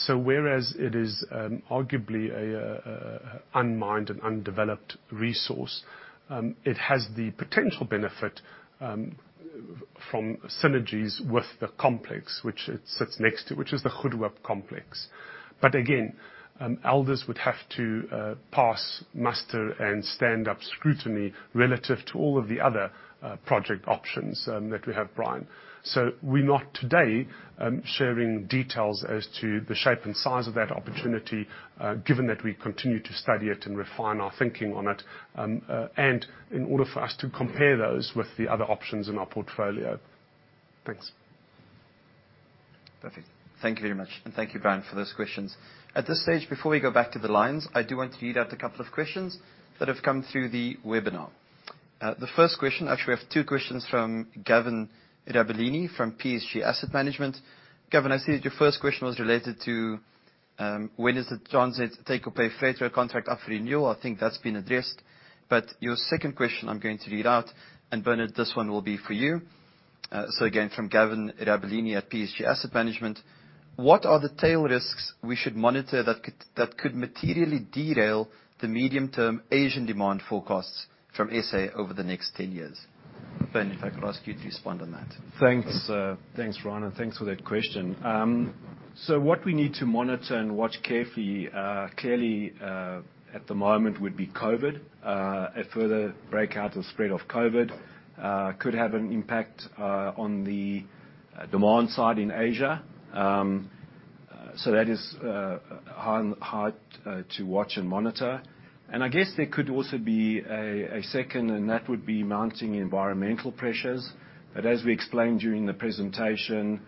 Whereas it is arguably a unmined and undeveloped resource, it has the potential benefit from synergies with the complex which it sits next to, which is the Goedehoop complex. Again, Elders would have to pass muster and stand up to scrutiny relative to all of the other project options that we have, Brian. We're not today sharing details as to the shape and size of that opportunity, given that we continue to study it and refine our thinking on it, and in order for us to compare those with the other options in our portfolio. Thanks. Perfect. Thank you very much. Thank you, Brian, for those questions. At this stage, before we go back to the lines, I do want to read out a couple of questions that have come through the webinar. The first question, actually, we have two questions from Gavin Rabbolini from PSG Asset Management. Gavin, I see that your first question was related to when is the Transnet take-or-pay freight rail contract up for renewal. I think that's been addressed. Your second question, I'm going to read out, and Bernard, this one will be for you. Again, from Gavin Rabbolini at PSG Asset Management, what are the tail risks we should monitor that could materially derail the medium-term Asian demand forecasts from SA over the next 10 years? Bernard, if I could ask you to respond on that. Thanks, Ryan, and thanks for that question. What we need to monitor and watch carefully, clearly, at the moment would be COVID. A further breakout or spread of COVID could have an impact on the demand side in Asia. That is hard to watch and monitor. I guess there could also be a second, and that would be mounting environmental pressures. As we explained during the presentation,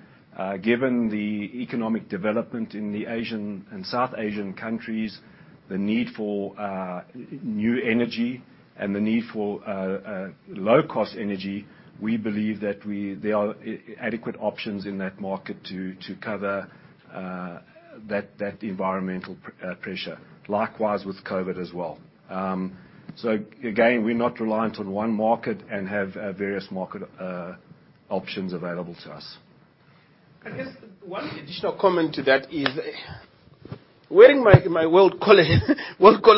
given the economic development in the Asian and South Asian countries, the need for new energy and the need for low-cost energy, we believe that there are adequate options in that market to cover that environmental pressure. Likewise, with COVID as well. Again, we're not reliant on one market and have various market options available to us. I guess one additional comment to that is, wearing my World Coal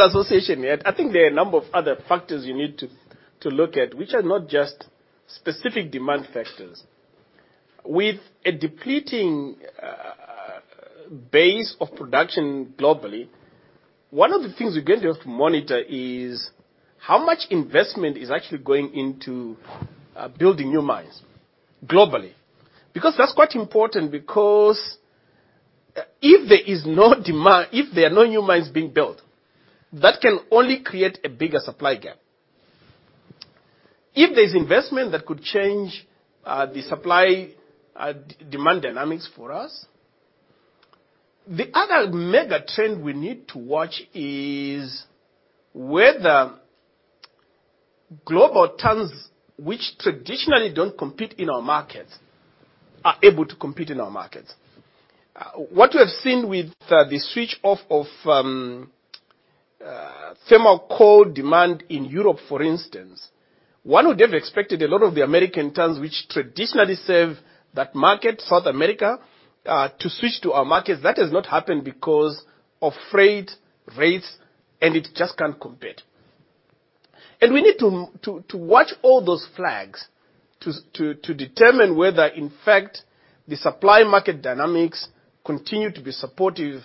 Association hat, I think there are a number of other factors you need to look at, which are not just specific demand factors. With a depleting base of production globally, one of the things we're going to have to monitor is how much investment is actually going into building new mines globally. That's quite important, because if there are no new mines being built, that can only create a bigger supply gap. If there's investment, that could change the supply/demand dynamics for us. The other megatrend we need to watch is whether global tons, which traditionally don't compete in our markets, are able to compete in our markets. What we have seen with the switch off of thermal coal demand in Europe, for instance, one would have expected a lot of the American tons, which traditionally serve that market, South America, to switch to our markets. That has not happened because of freight rates. It just can't compete. We need to watch all those flags to determine whether, in fact, the supply market dynamics continue to be supportive,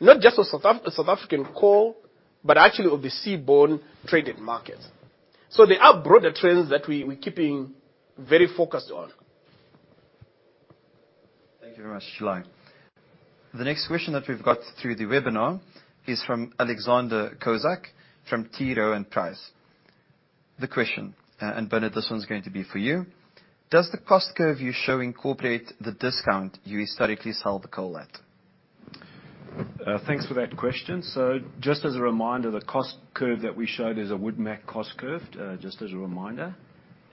not just of South African coal, but actually of the seaborne traded markets. There are broader trends that we're keeping very focused on. Thank you very much, July. The next question that we've got through the webinar is from Alexander Kozak from T. Rowe Price. The question, and Bernard, this one's going to be for you, does the cost curve you show incorporate the discount you historically sell the coal at? Thanks for that question. Just as a reminder, the cost curve that we showed is a WoodMac cost curve.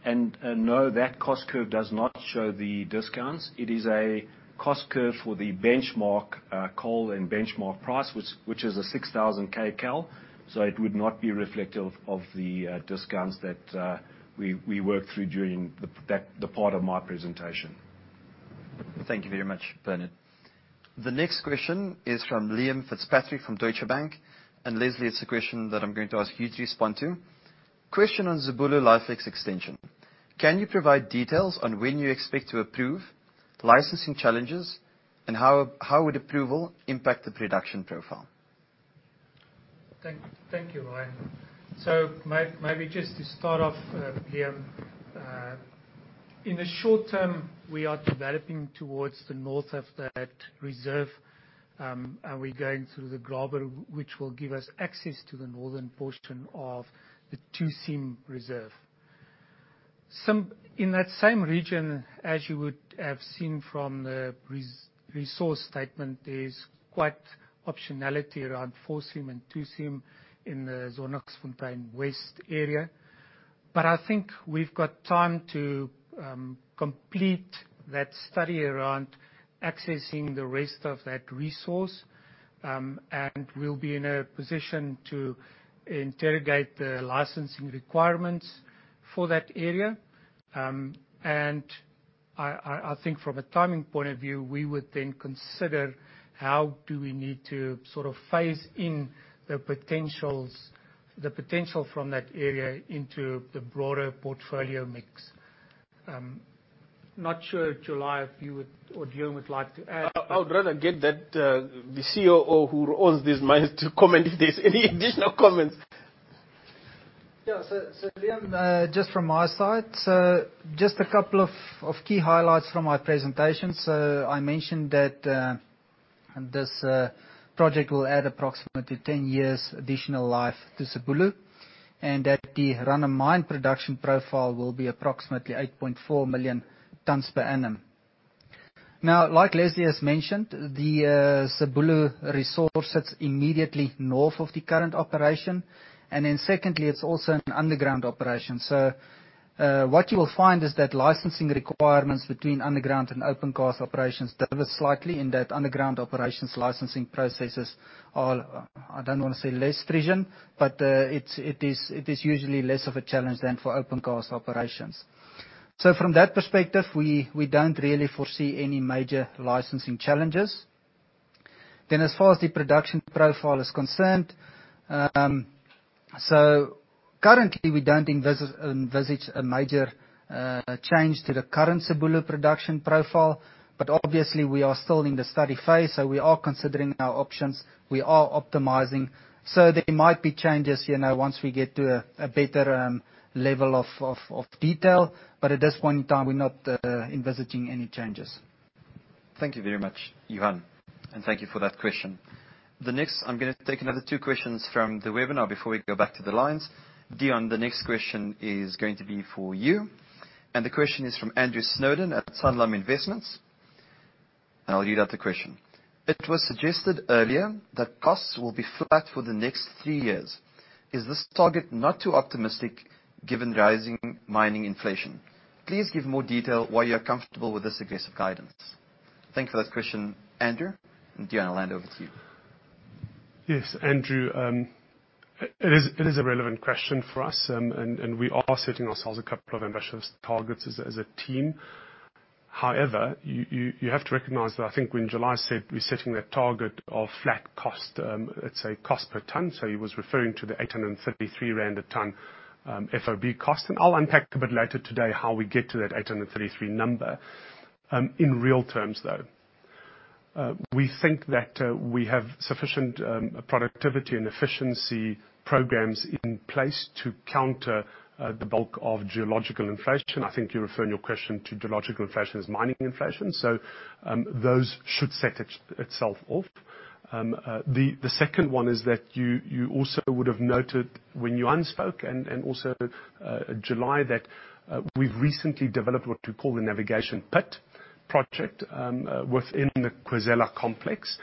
No, that cost curve does not show the discounts. It is a cost curve for the benchmark coal and benchmark price, which is a 6,000 kcal. It would not be reflective of the discounts that we worked through during the part of my presentation. Thank you very much, Bernard. The next question is from Liam Fitzpatrick from Deutsche Bank. Leslie, it's a question that I'm going to ask you to respond to. Question on Zibulo life extension. Can you provide details on when you expect to approve licensing challenges, and how would approval impact the production profile? Thank you, Ryan. Maybe just to start off, Liam, in the short term, we are developing towards the north of that reserve, and we're going through the graben, which will give us access to the northern portion of the two seam reserve. In that same region, as you would have seen from the resource statement, there's quite optionality around 4 seam and 2 seam in the Zondagsfontein West area. I think we've got time to complete that study around accessing the rest of that resource. We'll be in a position to interrogate the licensing requirements for that area. I think from a timing point of view, we would then consider how do we need to phase in the potential from that area into the broader portfolio mix. Not sure, July, if you would or Deon would like to add. I would rather get the COO who owns this mine to comment if there is any additional comments. Yeah. Liam, just from my side, so just a couple of key highlights from my presentation. I mentioned that this project will add approximately 10 years additional life to Zibulo, and that the run-of-mine production profile will be approximately 8.4 million tons per annum. Now, like Leslie has mentioned, the Zibulo resource sits immediately north of the current operation. Secondly, it's also an underground operation. What you will find is that licensing requirements between underground and opencast operations differ slightly in that underground operations licensing processes are, I don't want to say less stringent, but it is usually less of a challenge than for opencast operations. From that perspective, we don't really foresee any major licensing challenges. As far as the production profile is concerned, so currently we don't envisage a major change to the current Zibulo production profile. Obviously we are still in the study phase, we are considering our options. We are optimizing. There might be changes, once we get to a better level of detail. At this point in time, we're not envisaging any changes. Thank you very much, Johan. Thank you for that question. I'm going to take another two questions from the webinar before we go back to the lines. Deon, the next question is going to be for you. The question is from Andrew Snowdowne at Sanlam Investments. I'll read out the question. It was suggested earlier that costs will be flat for the next three years. Is this target not too optimistic given rising mining inflation? Please give more detail why you are comfortable with this aggressive guidance. Thank you for that question, Andrew, and Deon, I'll hand over to you. Yes, Andrew. It is a relevant question for us. We are setting ourselves a couple of ambitious targets as a team. However, you have to recognize that I think when July said we're setting that target of flat cost, let's say cost per ton, he was referring to the 833 rand a ton FOB cost. I'll unpack a bit later today how we get to that 833 number. In real terms, though, we think that we have sufficient productivity and efficiency programs in place to counter the bulk of geological inflation. I think you refer in your question to geological inflation as mining inflation. Those should set itself off. The second one is that you also would have noted when Johan spoke, and also July, that we've recently developed what we call the Navigation pit project, within the Khwezela complex.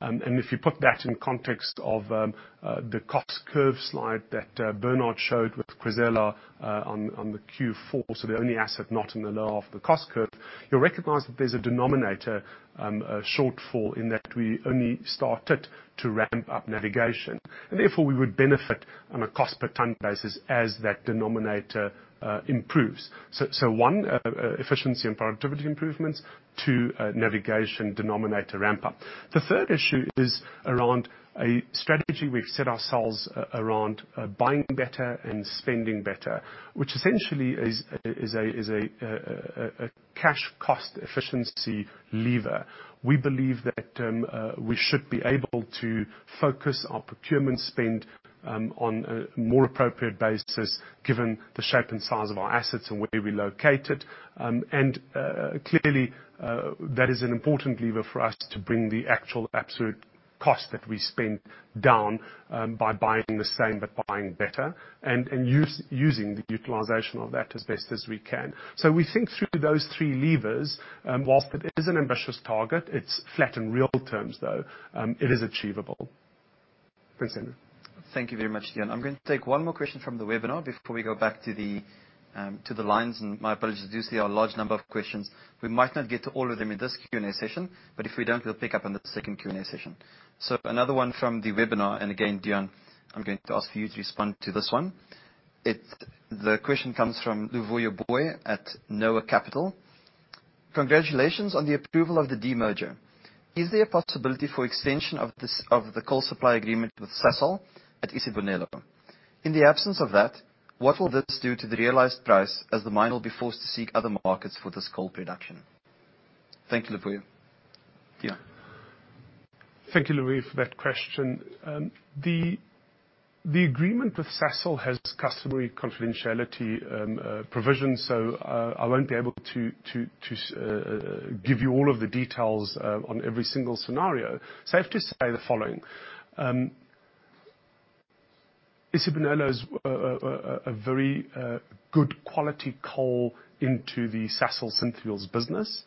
If you put that in context of the cost curve slide that Bernard showed with Khwezela on the Q4, so the only asset not in the lower half of the cost curve, you'll recognize that there's a denominator shortfall in that we only started to ramp-up Mafube. Therefore, we would benefit on a cost per ton basis as that denominator improves. One, efficiency and productivity improvements. Two, Mafube denominator ramp-up. The third issue is around a strategy we've set ourselves around buying better and spending better, which essentially is a cash cost efficiency lever. We believe that we should be able to focus our procurement spend on a more appropriate basis given the shape and size of our assets and where we're located. Clearly, that is an important lever for us to bring the actual absolute cost that we spend down by buying the same, but buying better and using the utilization of that as best as we can. We think through those three levers, whilst it is an ambitious target, it's flat in real terms, though, it is achievable. Thanks, Andrew. Thank you very much, Deon. I'm going to take one more question from the webinar before we go back to the lines. My apologies, I do see a large number of questions. We might not get to all of them in this Q&A session, but if we don't, we'll pick up on the second Q&A session. Another one from the webinar, and again, Deon, I'm going to ask for you to respond to this one. The question comes from Luvuyo Booi at Noah Capital. Congratulations on the approval of the demerger. Is there a possibility for extension of the coal supply agreement with Sasol at Isibonelo? In the absence of that, what will this do to the realized price as the mine will be forced to seek other markets for this coal production? Thank you, Luvuyo Booi. Deon. Thank you, Luvuyo, for that question. The agreement with Sasol has customary confidentiality provisions. I won't be able to give you all of the details on every single scenario. Safe to say the following: Isibonelo is a very good quality coal into the Sasol Synfuels business.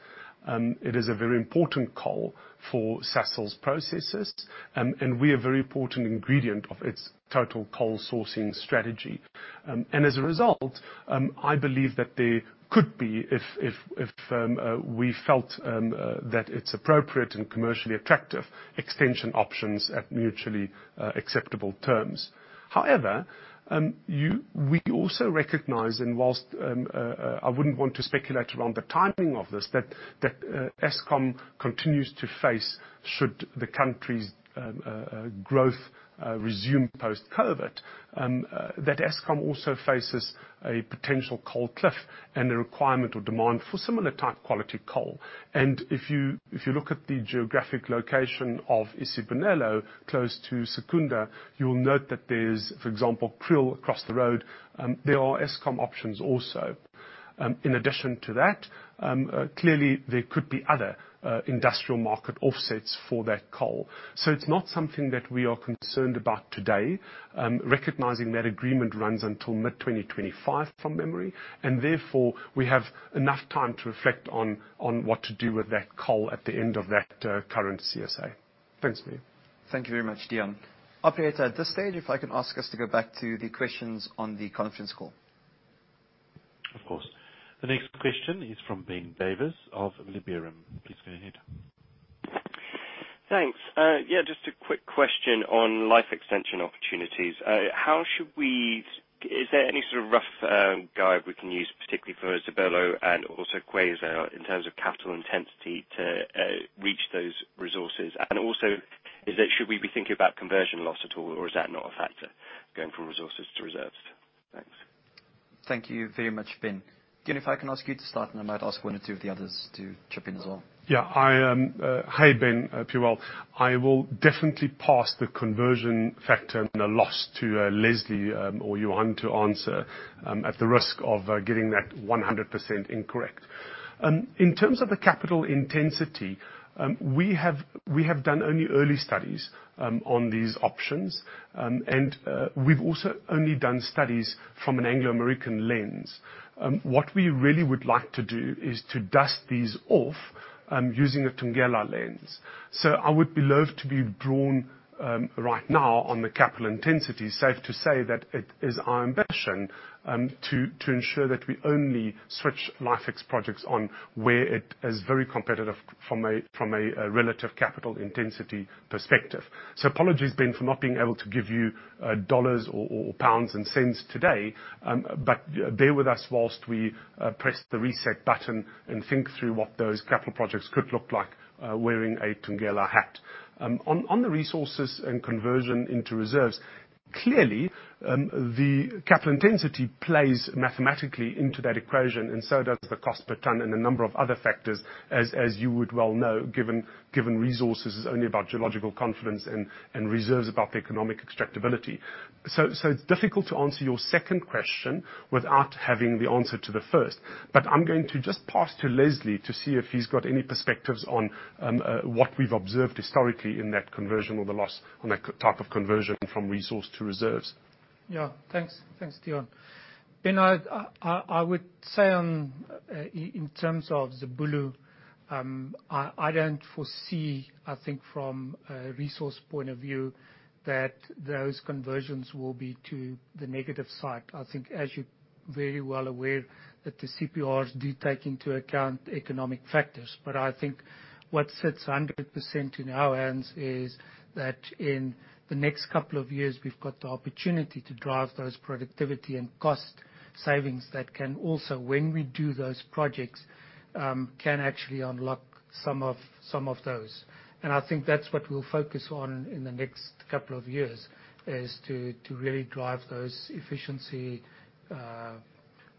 It is a very important coal for Sasol's processes. We are a very important ingredient of its total coal sourcing strategy. As a result, I believe that there could be, if we felt that it's appropriate and commercially attractive, extension options at mutually acceptable terms. We also recognize, and whilst I wouldn't want to speculate around the timing of this, that Eskom continues to face should the country's growth resume post-COVID, that Eskom also faces a potential coal cliff and a requirement or demand for similar type quality coal. If you look at the geographic location of Isibonelo close to Secunda, you will note that there's, for example, Kriel across the road. There are Eskom options also. In addition to that, clearly there could be other industrial market offsets for that coal. It's not something that we are concerned about today, recognizing that agreement runs until mid-2025, from memory, and therefore we have enough time to reflect on what to do with that coal at the end of that current CSA. Thanks, Luvuyo. Thank you very much, Deon. Operator, at this stage, if I can ask us to go back to the questions on the conference call. Of course. The next question is from Ben Davis of Liberum. Please go ahead. Thanks. Yeah, just a quick question on life extension opportunities. Is there any sort of rough guide we can use, particularly for Isibonelo and also Khwezela in terms of capital intensity to reach those resources? Should we be thinking about conversion loss at all or is that not a factor, going from resources to reserves? Thanks. Thank you very much, Ben. Deon, if I can ask you to start, and I might ask one or two of the others to chip in as well. Hi, Ben. Hope you're well. I will definitely pass the conversion factor and the loss to Leslie or Johan to answer, at the risk of getting that 100% incorrect. In terms of the capital intensity, we have done only early studies on these options. We've also only done studies from an Anglo American lens. What we really would like to do is to dust these off using a Thungela lens. I would be loath to be drawn right now on the capital intensity. Safe to say that it is our ambition to ensure that we only switch life ex projects on where it is very competitive from a relative capital intensity perspective. Apologies, Ben, for not being able to give you dollars or pounds and cents today. Bear with us whilst we press the reset button and think through what those capital projects could look like wearing a Thungela hat. On the resources and conversion into reserves, clearly, the capital intensity plays mathematically into that equation, and so does the cost per ton and a number of other factors as you would well know, given resources is only about geological confidence and reserves about the economic extractability. It's difficult to answer your second question without having the answer to the first. I'm going to just pass to Leslie to see if he's got any perspectives on what we've observed historically in that conversion or the loss on that type of conversion from resource to reserves. Yeah. Thanks, Deon. Ben, I would say in terms of Zibulo, I don't foresee, I think from a resource point of view, that those conversions will be to the negative side. I think, as you're very well aware, that the CPRs do take into account economic factors. I think what sits 100% in our hands is that in the next couple of years, we've got the opportunity to drive those productivity and cost savings that can also, when we do those projects, can actually unlock some of those. I think that's what we'll focus on in the next couple of years, is to really drive those efficiency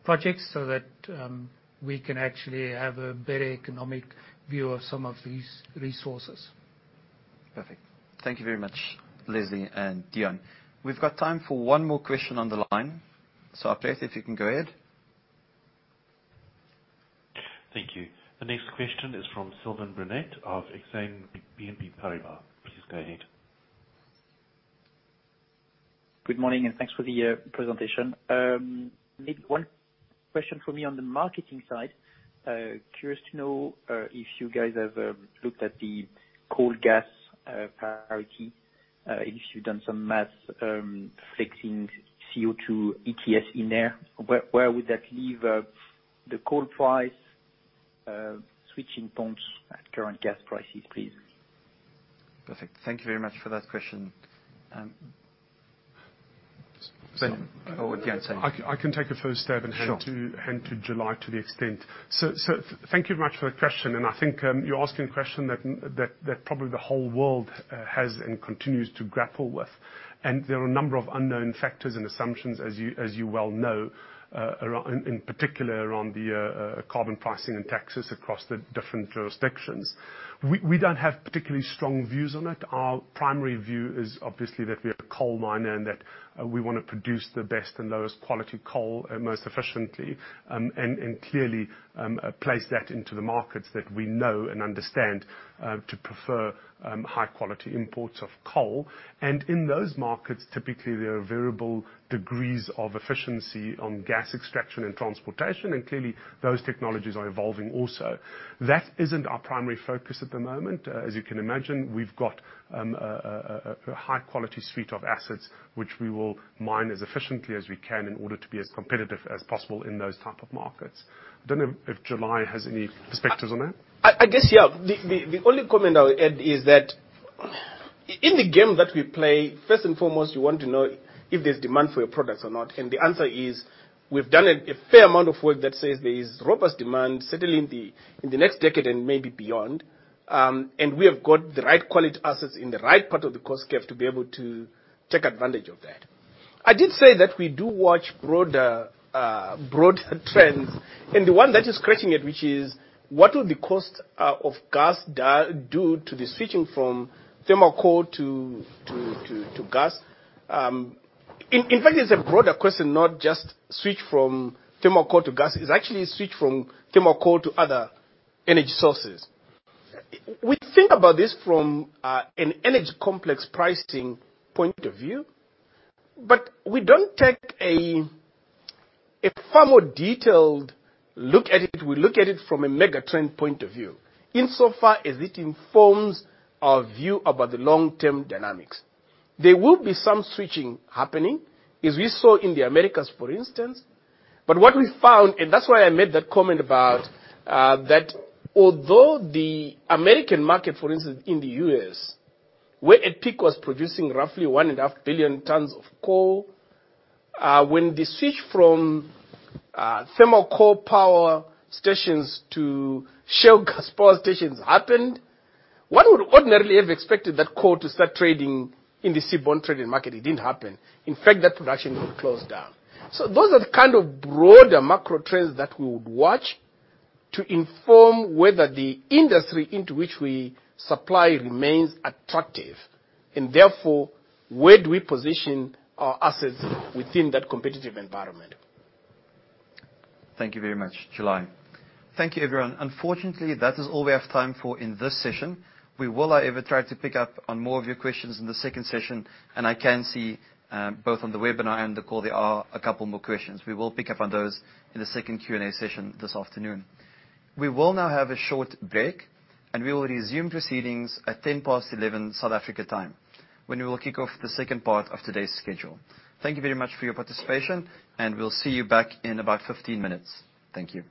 projects so that we can actually have a better economic view of some of these resources. Perfect. Thank you very much, Leslie and Deon. We've got time for one more question on the line. Operator, if you can go ahead. Thank you. The next question is from Sylvain Brunet of Exane BNP Paribas. Please go ahead. Good morning. Thanks for the presentation. Maybe one question from me on the marketing side. Curious to know if you guys have looked at the coal-to-gas parity, if you've done some math flexing CO2 ETS in there. Where would that leave the coal price switching points at current gas prices, please? Perfect. Thank you very much for that question. Go on, yeah, Deon. I can take a first stab and hand to July to the extent. Thank you very much for the question, and I think you're asking a question that probably the whole world has and continues to graben with. There are a number of unknown factors and assumptions, as you well know, in particular around the carbon pricing and taxes across the different jurisdictions. We don't have particularly strong views on it. Our primary view is obviously that we are a coal miner and that we want to produce the best and lowest quality coal most efficiently, and clearly, place that into the markets that we know and understand to prefer high-quality imports of coal. In those markets, typically, there are variable degrees of efficiency on gas extraction and transportation, and clearly, those technologies are evolving also. That isn't our primary focus at the moment. As you can imagine, we've got a high-quality suite of assets which we will mine as efficiently as we can in order to be as competitive as possible in those type of markets. I don't know if July has any perspectives on that. I guess, yeah. The only comment I would add is that in the game that we play, first and foremost, you want to know if there's demand for your products or not, and the answer is, we've done a fair amount of work that says there is robust demand, certainly in the next decade and maybe beyond. We have got the right quality assets in the right part of the cost curve to be able to take advantage of that. I did say that we do watch broader trends, and the one that is crushing it, which is what will the cost of gas do to the switching from thermal coal to gas. In fact, it's a broader question, not just switch from thermal coal to gas. It's actually a switch from thermal coal to other energy sources. We think about this from an energy complex pricing point of view, we don't take a far more detailed look at it. We look at it from a megatrend point of view, insofar as it informs our view about the long-term dynamics. There will be some switching happening, as we saw in the Americas, for instance. What we found, and that's why I made that comment about that although the American market, for instance, in the U.S., where at peak was producing roughly 1.5 billion tons of coal, when the switch from thermal coal power stations to shale gas power stations happened, one would ordinarily have expected that coal to start trading in the seaborne trading market. It didn't happen. In fact, that production closed down. Those are the kind of broader macro trends that we would watch to inform whether the industry into which we supply remains attractive, and therefore, where do we position our assets within that competitive environment. Thank you very much. July. Thank you, everyone. Unfortunately, that is all we have time for in this session. We will, however, try to pick up on more of your questions in the second session. I can see, both on the webinar and the call, there are a couple more questions. We will pick up on those in the second Q&A session this afternoon. We will now have a short break. We will resume proceedings at 11:10 A.M. South Africa time, when we will kick off the second part of today's schedule. Thank you very much for your participation. We'll see you back in about 15 minutes. Thank you.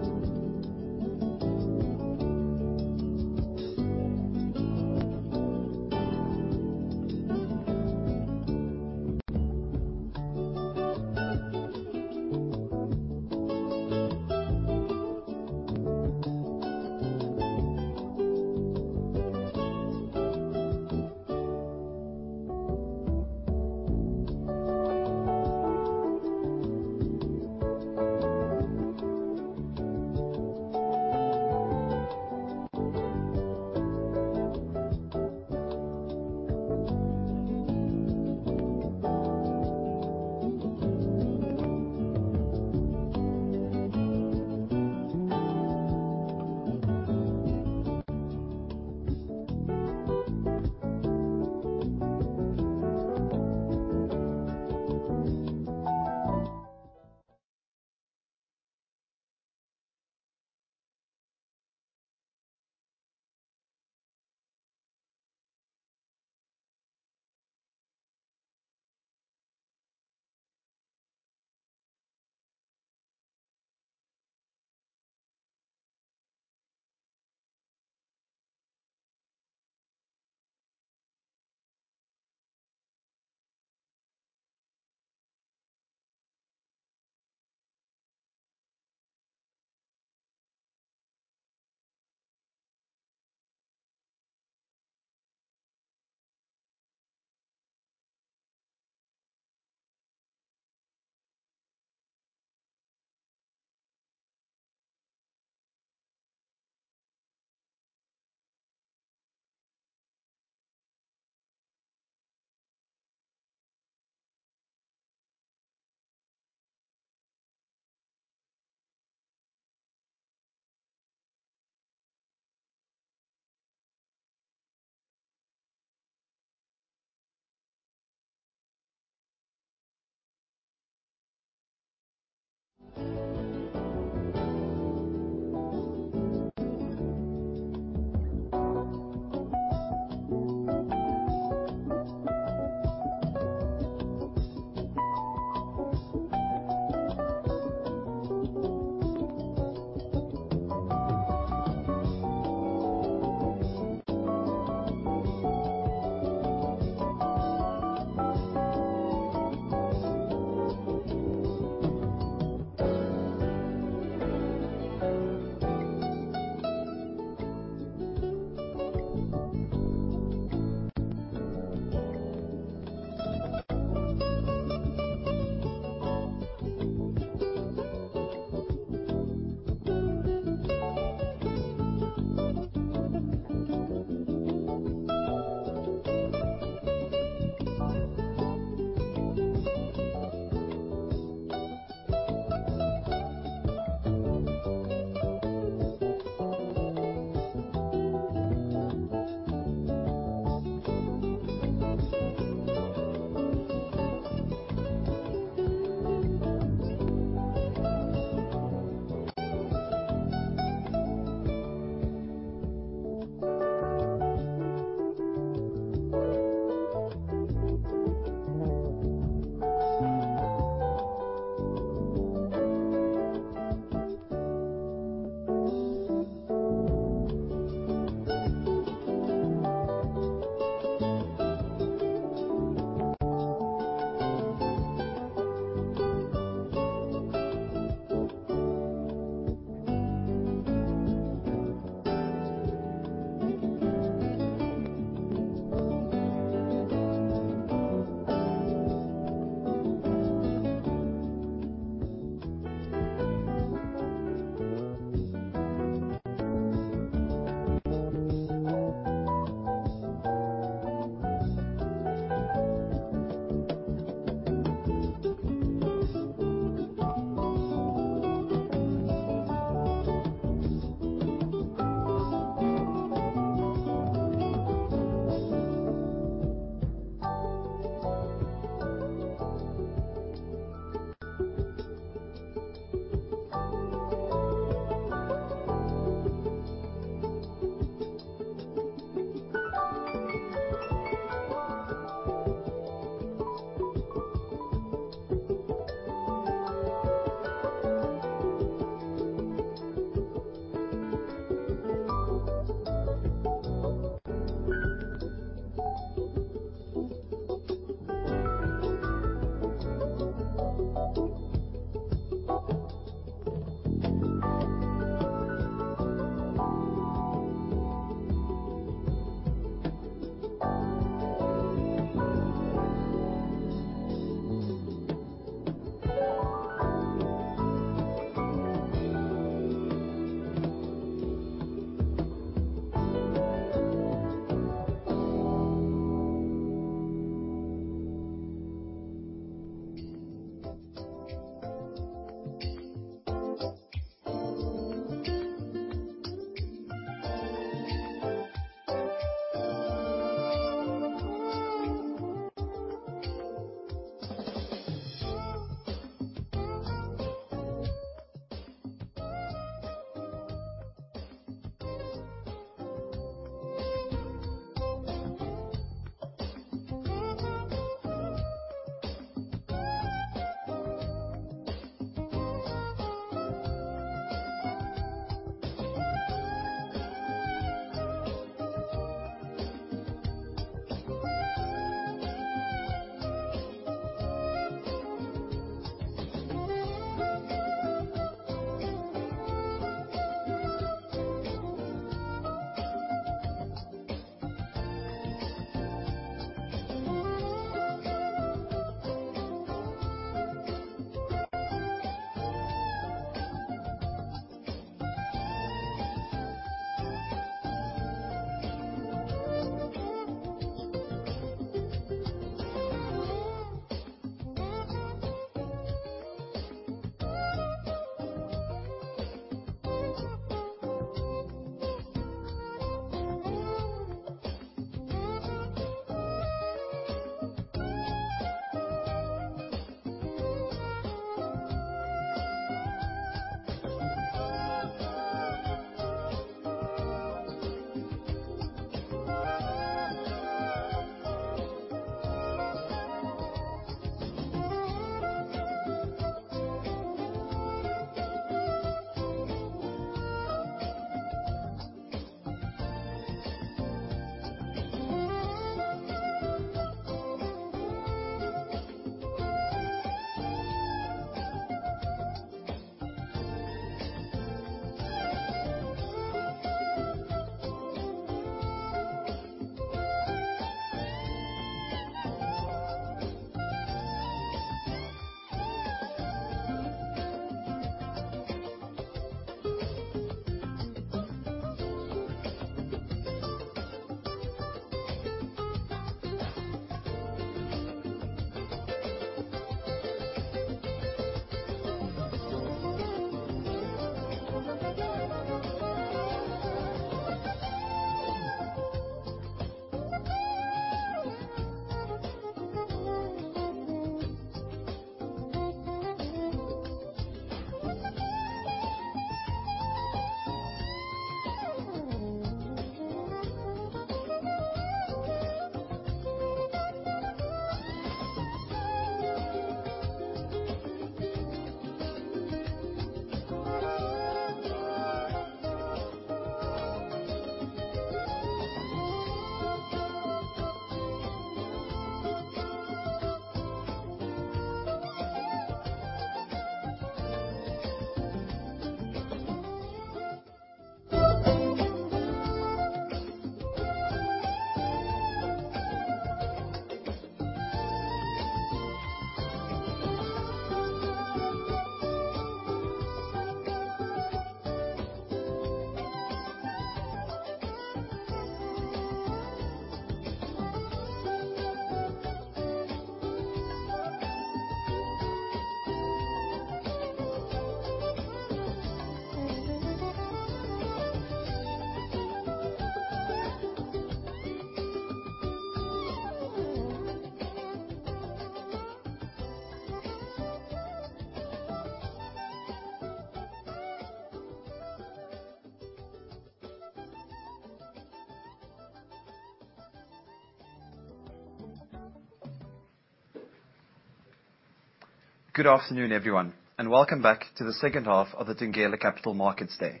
Good afternoon, everyone. Welcome back to the second half of the Thungela Capital Markets Day.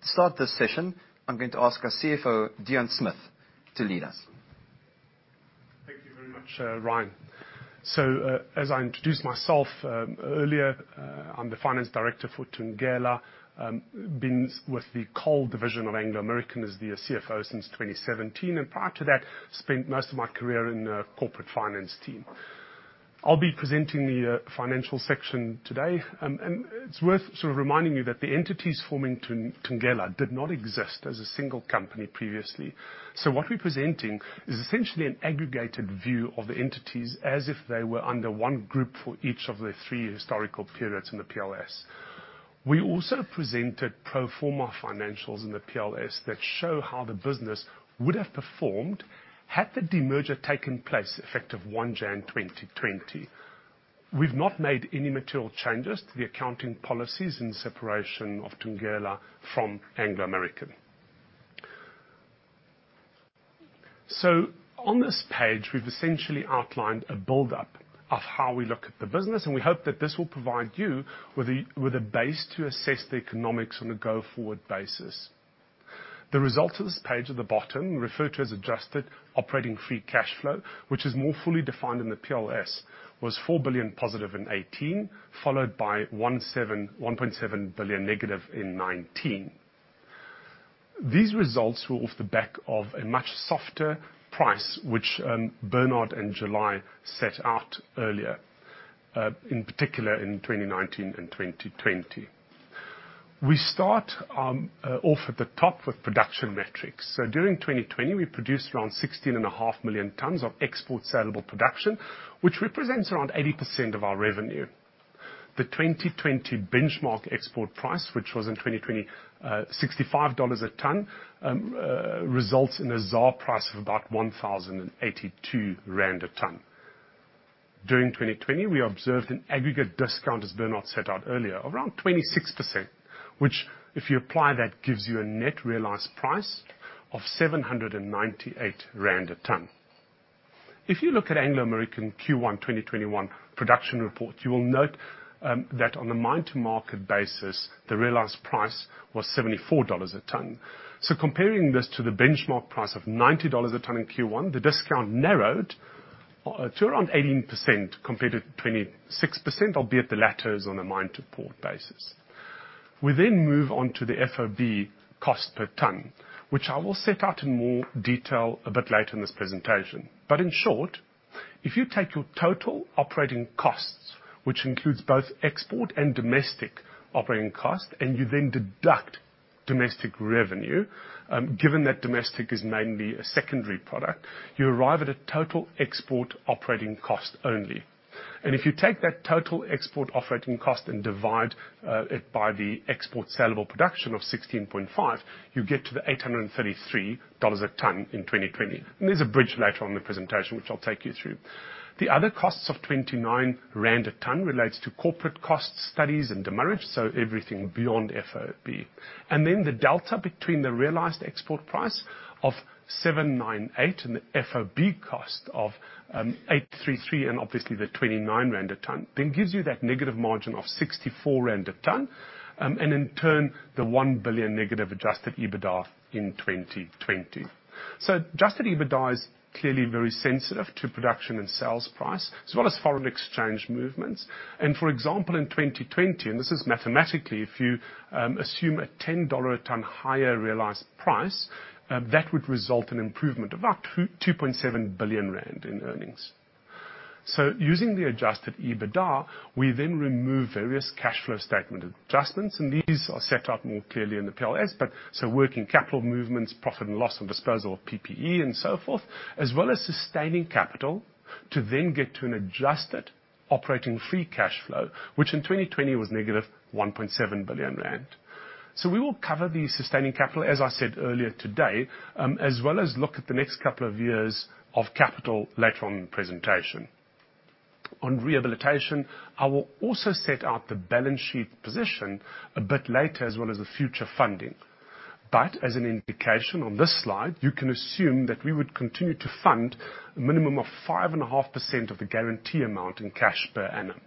To start this session, I'm going to ask our CFO, Deon Smith, to lead us. Thank you very much, Ryan. As I introduced myself earlier, I'm the finance director for Thungela. Been with the coal division of Anglo American as the CFO since 2017, and prior to that, spent most of my career in the corporate finance team. I'll be presenting the financial section today. It's worth reminding you that the entities forming Thungela did not exist as a single company previously. What we're presenting is essentially an aggregated view of the entities as if they were under one group for each of the three historical periods in the PLS. We also presented pro forma financials in the PLS that show how the business would have performed had the demerger taken place effective 1 Jan 2020. We've not made any material changes to the accounting policies in separation of Thungela from Anglo American. On this page, we've essentially outlined a build-up of how we look at the business, and we hope that this will provide you with a base to assess the economics on a go-forward basis. The result of this page at the bottom, referred to as adjusted operating free cash flow, which is more fully defined in the PLS, was 4 billion positive in 2018, followed by 1.7 billion negative in 2019. These results were off the back of a much softer price, which Bernard and July set out earlier, in particular in 2019 and 2020. We start off at the top with production metrics. During 2020, we produced around 16.5 million tons of export saleable production, which represents around 80% of our revenue. The 2020 benchmark export price, which was in 2020, $65 a ton, results in a ZAR price of about 1,082 rand a ton. During 2020, we observed an aggregate discount, as Bernard set out earlier, around 26%, which if you apply that, gives you a net realized price of 798 rand a ton. If you look at Anglo American Q1 2021 production report, you will note that on the mine-to-market basis, the realized price was $74 a ton. Comparing this to the benchmark price of $90 a ton in Q1, the discount narrowed to around 18% compared to 26%, albeit the latter is on a mine-to-port basis. We then move on to the FOB cost per ton, which I will set out in more detail a bit later in this presentation. In short, if you take your total operating costs, which includes both export and domestic operating cost, and you then deduct domestic revenue, given that domestic is mainly a secondary product, you arrive at a total export operating cost only. If you take that total export operating cost and divide it by the export saleable production of 16.5 million tons, you get to the ZAR 833 a ton in 2020. There's a bridge later on in the presentation, which I'll take you through. The other costs of 29 rand a ton relates to corporate cost studies and demurrage, so everything beyond FOB. The delta between the realized export price of $798 and the FOB cost of 833, and obviously the 29 rand a ton, then gives you that negative margin of 64 rand a ton, and in turn, the 1 billion negative adjusted EBITDA in 2020. Adjusted EBITDA is clearly very sensitive to production and sales price, as well as foreign exchange movements. For example, in 2020, and this is mathematically, if you assume a $10 a ton higher realized price, that would result in improvement of about 2.7 billion rand in earnings. Using the adjusted EBITDA, we then remove various cash flow statement adjustments, and these are set out more clearly in the PLS, so working capital movements, profit and loss on disposal of PPE and so forth, as well as sustaining capital to then get to an adjusted operating free cash flow, which in 2020 was -1.7 billion rand. We will cover the sustaining capital, as I said earlier today, as well as look at the next couple of years of capital later on in the presentation. On rehabilitation, I will also set out the balance sheet position a bit later, as well as the future funding. As an indication on this slide, you can assume that we would continue to fund a minimum of 5.5% of the guarantee amount in cash per annum.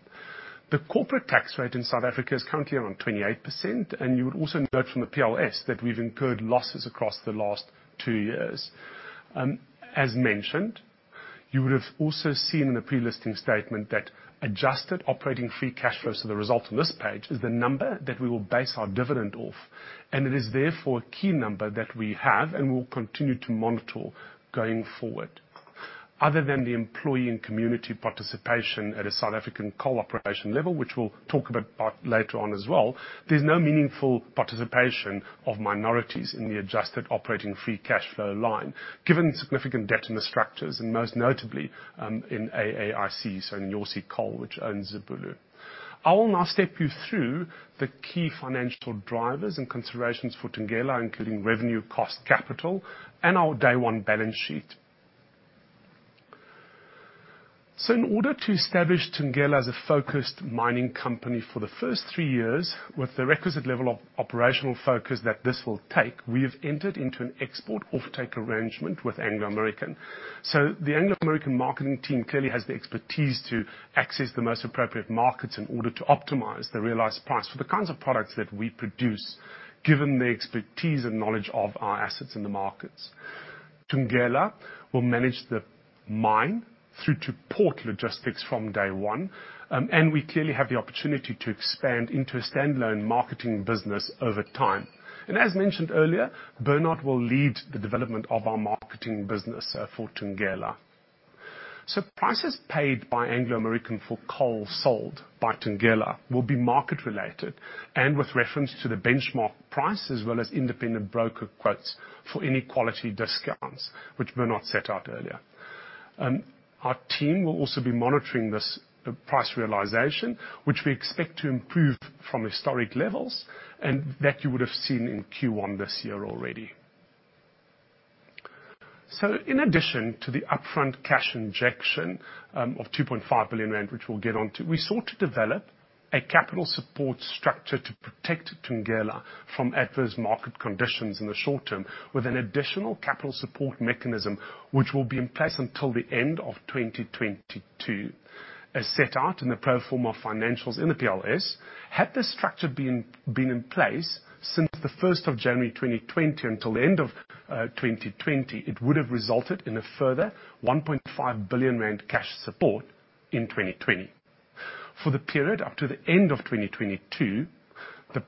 The corporate tax rate in South Africa is currently around 28%, and you would also note from the PLS that we've incurred losses across the last two years. As mentioned, you would have also seen in the pre-listing statement that adjusted operating free cash flows, so the result on this page, is the number that we will base our dividend off. It is therefore a key number that we have and will continue to monitor going forward. Other than the employee and community participation at a South African coal operation level, which we'll talk about later on as well, there's no meaningful participation of minorities in the adjusted operating free cash flow line, given significant debt in the structures and most notably, in AAIC, so in Inyosi Coal, which owns Zibulo. I will now step you through the key financial drivers and considerations for Thungela, including revenue, cost, capital, and our day one balance sheet. In order to establish Thungela as a focused mining company for the first three years, with the requisite level of operational focus that this will take, we have entered into an export offtake arrangement with Anglo American. The Anglo American marketing team clearly has the expertise to access the most appropriate markets in order to optimize the realized price for the kinds of products that we produce, given the expertise and knowledge of our assets in the markets. Thungela will manage the mine through to port logistics from day one, and we clearly have the opportunity to expand into a standalone marketing business over time. As mentioned earlier, Bernard will lead the development of our marketing business for Thungela. Prices paid by Anglo American for coal sold by Thungela will be market related and with reference to the benchmark price, as well as independent broker quotes for any quality discounts, which Bernard set out earlier. Our team will also be monitoring this price realization, which we expect to improve from historic levels, and that you would have seen in Q1 this year already. In addition to the upfront cash injection of 2.5 billion rand, which we will get onto, we sought to develop a capital support structure to protect Thungela from adverse market conditions in the short term with an additional capital support mechanism which will be in place until the end of 2022. As set out in the pro forma financials in the PLS, had this structure been in place since the 1st of January 2020 until the end of 2020, it would have resulted in a further 1.5 billion rand cash support in 2020. For the period up to the end of 2022, at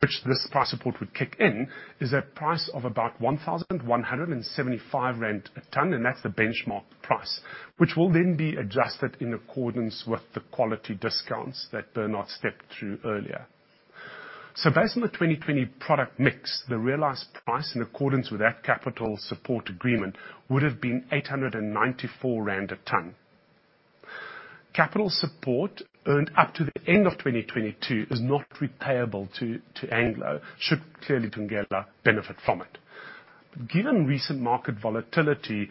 which this price support would kick in is a price of about 1,175 rand a ton, and that is the benchmark price, which will then be adjusted in accordance with the quality discounts that Bernard stepped through earlier. Based on the 2020 product mix, the realized price in accordance with that capital support agreement would have been 894 rand a ton. Capital support earned up to the end of 2022 is not repayable to Anglo, should clearly Thungela benefit from it. Given recent market volatility,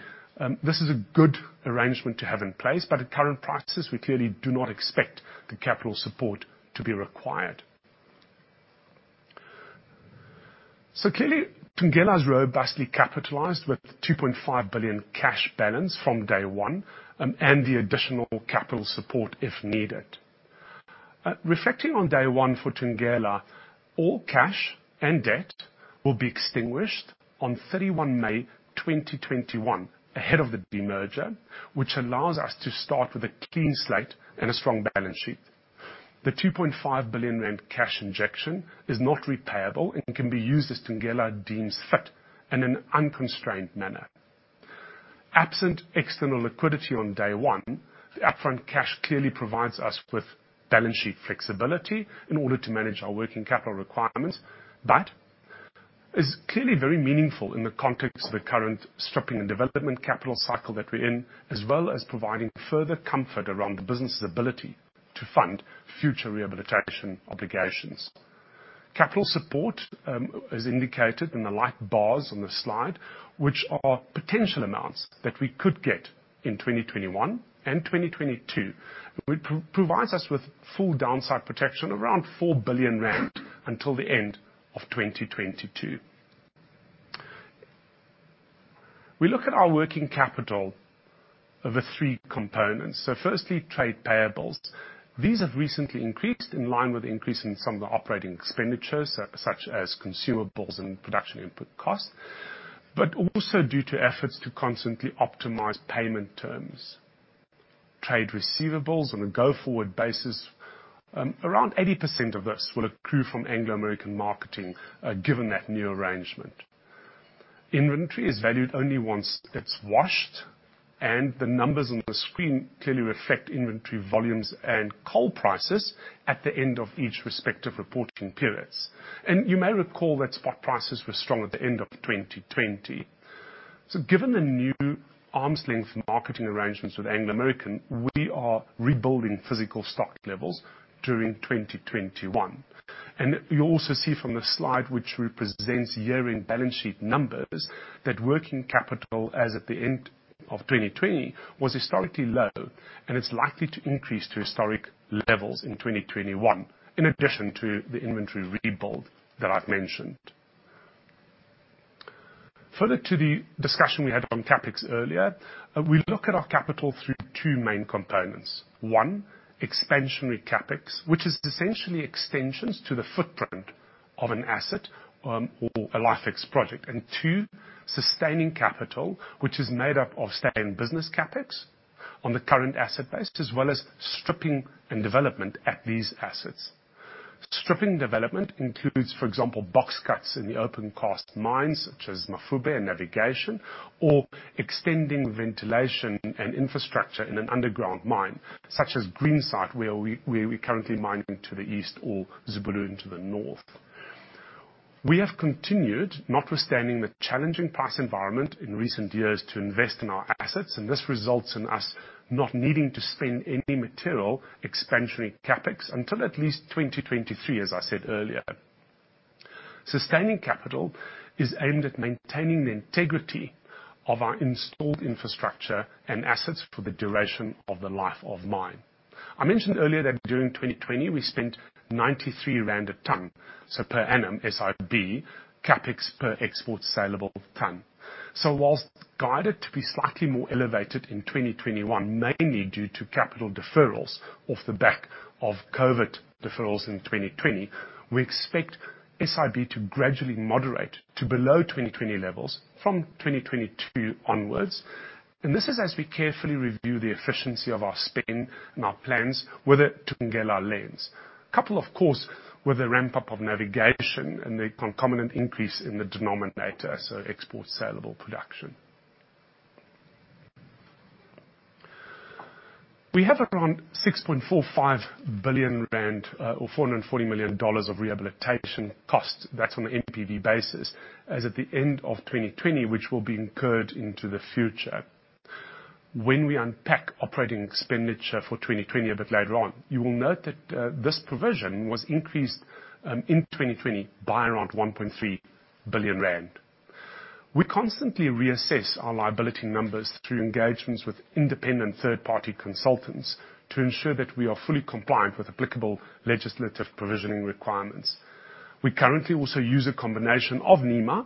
this is a good arrangement to have in place, but at current prices, we clearly do not expect the capital support to be required. Clearly, Thungela is robustly capitalized with 2.5 billion cash balance from day one, and the additional capital support if needed. Reflecting on day one for Thungela, all cash and debt will be extinguished on 31 May 2021, ahead of the demerger, which allows us to start with a clean slate and a strong balance sheet. The 2.5 billion rand cash injection is not repayable and can be used as Thungela deems fit in an unconstrained manner. Absent external liquidity on day one, the upfront cash clearly provides us with balance sheet flexibility in order to manage our working capital requirements, but is clearly very meaningful in the context of the current stripping and development capital cycle that we're in, as well as providing further comfort around the business's ability to fund future rehabilitation obligations. Capital support is indicated in the light bars on the slide, which are potential amounts that we could get in 2021 and 2022, which provides us with full downside protection around 4 billion rand until the end of 2022. We look at our working capital over three components. Firstly, trade payables. These have recently increased in line with increase in some of the operating expenditures, such as consumables and production input costs, but also due to efforts to constantly optimize payment terms. Trade receivables on a go-forward basis, around 80% of this will accrue from Anglo American Marketing, given that new arrangement. Inventory is valued only once it's washed, and the numbers on the screen clearly reflect inventory volumes and coal prices at the end of each respective reporting periods. You may recall that spot prices were strong at the end of 2020. Given the new arm's-length marketing arrangements with Anglo American, we are rebuilding physical stock levels during 2021. You also see from the slide, which represents year-end balance sheet numbers, that working capital as at the end of 2020 was historically low and is likely to increase to historic levels in 2021, in addition to the inventory rebuild that I've mentioned. Further to the discussion we had on CapEx earlier, we look at our capital through two main components. One, expansionary CapEx, which is essentially extensions to the footprint of an asset, or a life extension project. Two, sustaining capital, which is made up of sustaining business CapEx on the current asset base, as well as stripping and development at these assets. Stripping development includes, for example, box cuts in the opencast mines such as Mafube and Navigation, or extending ventilation and infrastructure in an underground mine, such as Greenside, where we're currently mining to the east or Zibulo to the north. We have continued, notwithstanding the challenging price environment in recent years, to invest in our assets, and this results in us not needing to spend any material expansionary CapEx until at least 2023, as I said earlier. Sustaining capital is aimed at maintaining the integrity of our installed infrastructure and assets for the duration of the life of mine. I mentioned earlier that during 2020, we spent 93 rand a ton per annum, SIB CapEx per export saleable ton. Whilst guided to be slightly more elevated in 2021, mainly due to capital deferrals off the back of COVID deferrals in 2020, we expect SIB to gradually moderate to below 2020 levels from 2022 onwards, this is as we carefully review the efficiency of our spend and our plans with a Thungela lens. Couple of course, with the ramp-up of Navigation, the concomitant increase in the denominator, export saleable production. We have around 6.45 billion rand, or $440 million of rehabilitation costs. That's on an NPV basis as at the end of 2020, which will be incurred into the future. When we unpack operating expenditure for 2020 a bit later on, you will note that this provision was increased in 2020 by around 1.3 billion rand. We constantly reassess our liability numbers through engagements with independent third-party consultants to ensure that we are fully compliant with applicable legislative provisioning requirements. We currently also use a combination of NEMA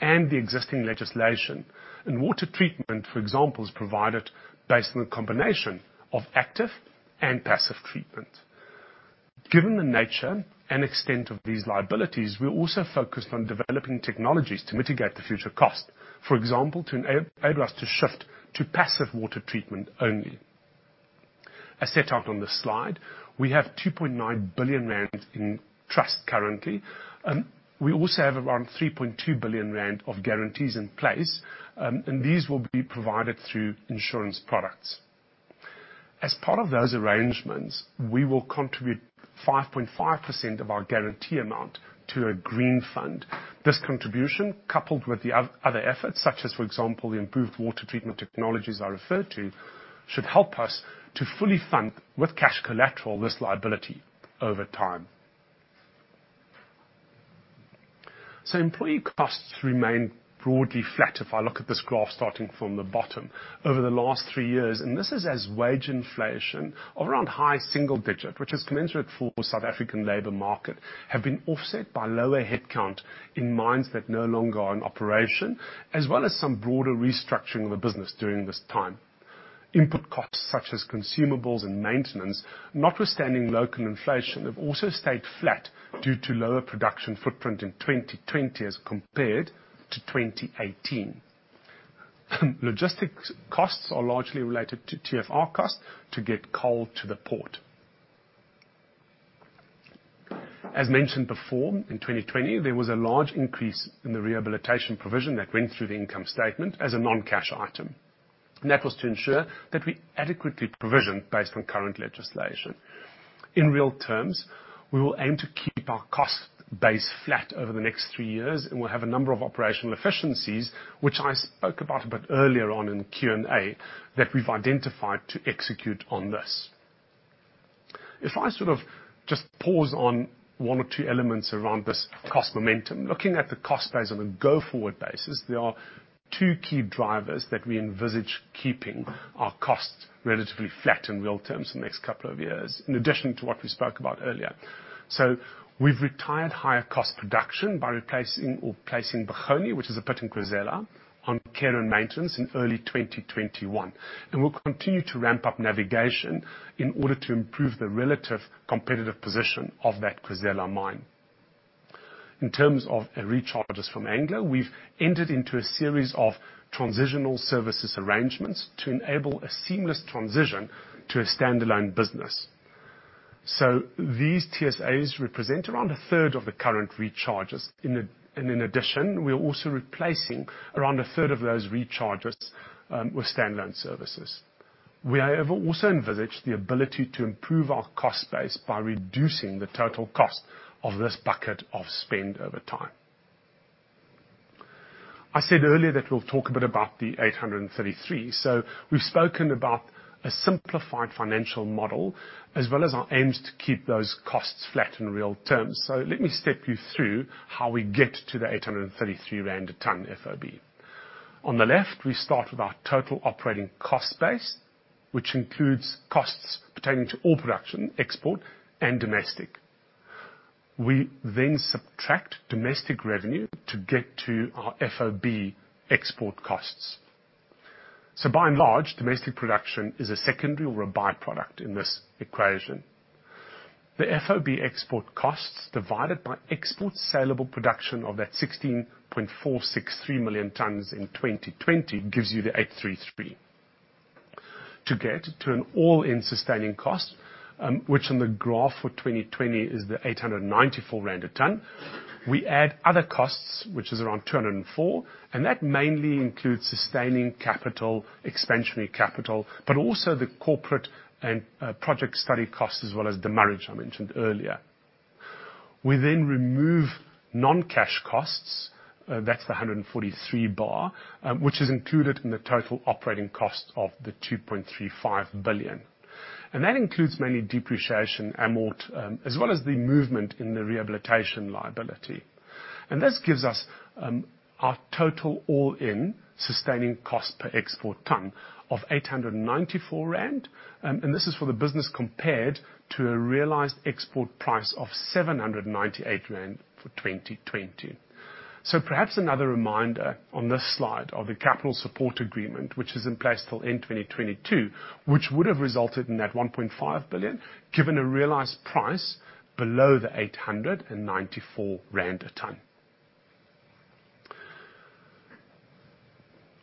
and the existing legislation, and water treatment, for example, is provided based on a combination of active and passive treatment. Given the nature and extent of these liabilities, we're also focused on developing technologies to mitigate the future cost. For example, to enable us to shift to passive water treatment only. As set out on this slide, we have 2.9 billion rand in trust currently. We also have around 3.2 billion rand of guarantees in place, and these will be provided through insurance products. As part of those arrangements, we will contribute 5.5% of our guarantee amount to a Green Fund. This contribution, coupled with the other efforts such as, for example, the improved water treatment technologies I referred to, should help us to fully fund with cash collateral this liability over time. Employee costs remain broadly flat if I look at this graph starting from the bottom over the last three years, and this is as wage inflation of around high single digit, which is commensurate for South African labor market, have been offset by lower head count in mines that no longer are in operation, as well as some broader restructuring of the business during this time. Input costs such as consumables and maintenance, notwithstanding local inflation, have also stayed flat due to lower production footprint in 2020 as compared to 2018. Logistics costs are largely related to TFR costs to get coal to the port. As mentioned before, in 2020, there was a large increase in the rehabilitation provision that went through the income statement as a non-cash item. That was to ensure that we adequately provisioned based on current legislation. In real terms, we will aim to keep our cost base flat over the next three years, and we'll have a number of operational efficiencies, which I spoke about a bit earlier on in Q&A, that we've identified to execute on this. If I sort of just pause on one or two elements around this cost momentum, looking at the cost base on a go-forward basis, there are two key drivers that we envisage keeping our costs relatively flat in real terms in the next couple of years, in addition to what we spoke about earlier. We've retired higher cost production by replacing or placing Bokgoni, which is a pit in Khwezela, on care and maintenance in early 2021. We'll continue to ramp-up Navigation in order to improve the relative competitive position of that Khwezela mine. In terms of recharges from Anglo, we've entered into a series of Transitional Services Arrangements to enable a seamless transition to a standalone business. These TSAs represent around a third of the current recharges. In addition, we're also replacing around 1/3 of those recharges with standalone services. We have also envisaged the ability to improve our cost base by reducing the total cost of this bucket of spend over time. I said earlier that we'll talk a bit about the 833. We've spoken about a simplified financial model, as well as our aims to keep those costs flat in real terms. Let me step you through how we get to the 833 rand a ton FOB. On the left, we start with our total operating cost base, which includes costs pertaining to all production, export, and domestic. We subtract domestic revenue to get to our FOB export costs. By and large, domestic production is a secondary or a by-product in this equation. The FOB export costs divided by export saleable production of that 16.463 million tons in 2020 gives you the 833. To get to an all-in sustaining cost, which on the graph for 2020 is the 894 rand a tonne, we add other costs, which is around 204, and that mainly includes sustaining capital, expansionary capital, but also the corporate and project study costs as well as the management I mentioned earlier. We remove non-cash costs, that's the 143, which is included in the total operating cost of the 2.35 billion. That includes mainly depreciation, amort, as well as the movement in the rehabilitation liability. This gives us our total all-in sustaining cost per export tonne of 894 rand. This is for the business compared to a realized export price of 798 rand for 2020. Perhaps another reminder on this slide of the Capital Support Agreement, which is in place till end 2022, which would have resulted in that 1.5 billion, given a realized price below the 894 rand a tonne.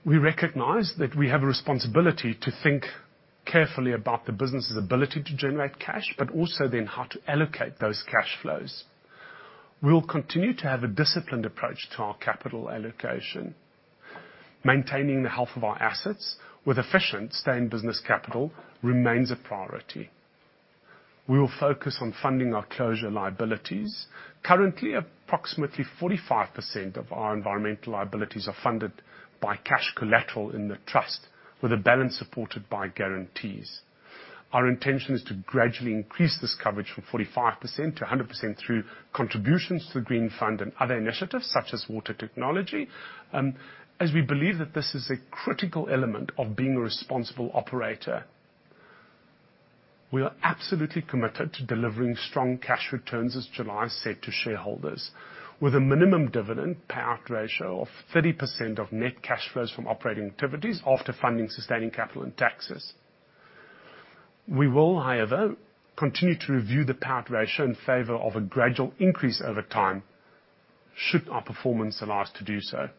We recognize that we have a responsibility to think carefully about the business's ability to generate cash, but also then how to allocate those cash flows. We'll continue to have a disciplined approach to our capital allocation. Maintaining the health of our assets with efficient sustaining capital remains a priority. We will focus on funding our closure liabilities. Currently, approximately 45% of our environmental liabilities are funded by cash collateral in the trust with a balance supported by guarantees. Our intention is to gradually increase this coverage from 45% to 100% through contributions to the Green Fund and other initiatives such as water technology, as we believe that this is a critical element of being a responsible operator. We are absolutely committed to delivering strong cash returns, as July said to shareholders, with a minimum dividend payout ratio of 30% of net cash flows from operating activities after funding sustaining capital and taxes. We will, however, continue to review the payout ratio in favor of a gradual increase over time should our performance allow us to do so.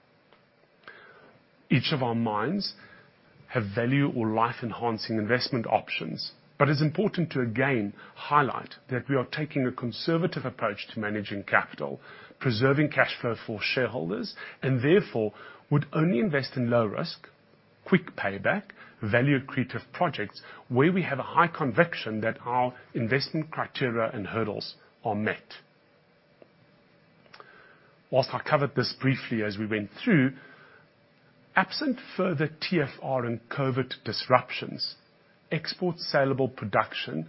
Each of our mines have value or life-enhancing investment options. It's important to again highlight that we are taking a conservative approach to managing capital, preserving cash flow for shareholders, and therefore would only invest in low risk, quick payback, value-accretive projects where we have a high conviction that our investment criteria and hurdles are met. While I covered this briefly as we went through, absent further TFR and COVID disruptions, export saleable production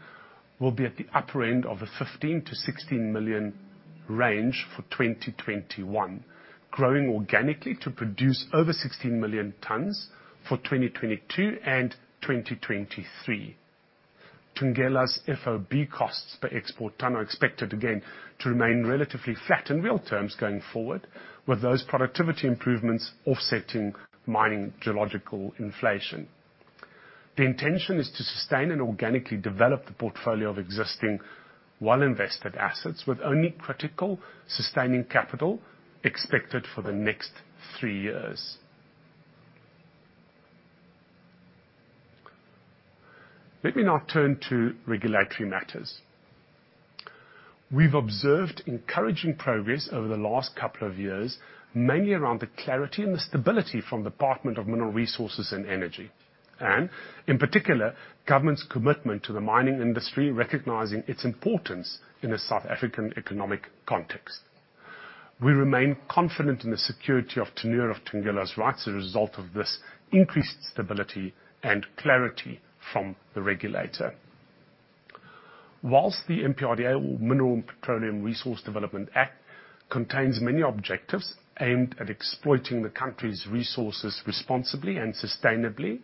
will be at the upper end of the 15 million tons-16 million tons range for 2021, growing organically to produce over 16 million tons for 2022 and 2023. Thungela's FOB costs per export ton are expected, again, to remain relatively flat in real terms going forward, with those productivity improvements offsetting mining geological inflation. The intention is to sustain and organically develop the portfolio of existing well-invested assets with only critical sustaining capital expected for the next three years. Let me now turn to regulatory matters. We've observed encouraging progress over the last couple of years, mainly around the clarity and the stability from Department of Mineral Resources and Energy and, in particular, government's commitment to the mining industry, recognizing its importance in a South African economic context. We remain confident in the security of tenure of Thungela's rights as a result of this increased stability and clarity from the regulator. Whilst the MPRDA or Mineral and Petroleum Resources Development Act contains many objectives aimed at exploiting the country's resources responsibly and sustainably,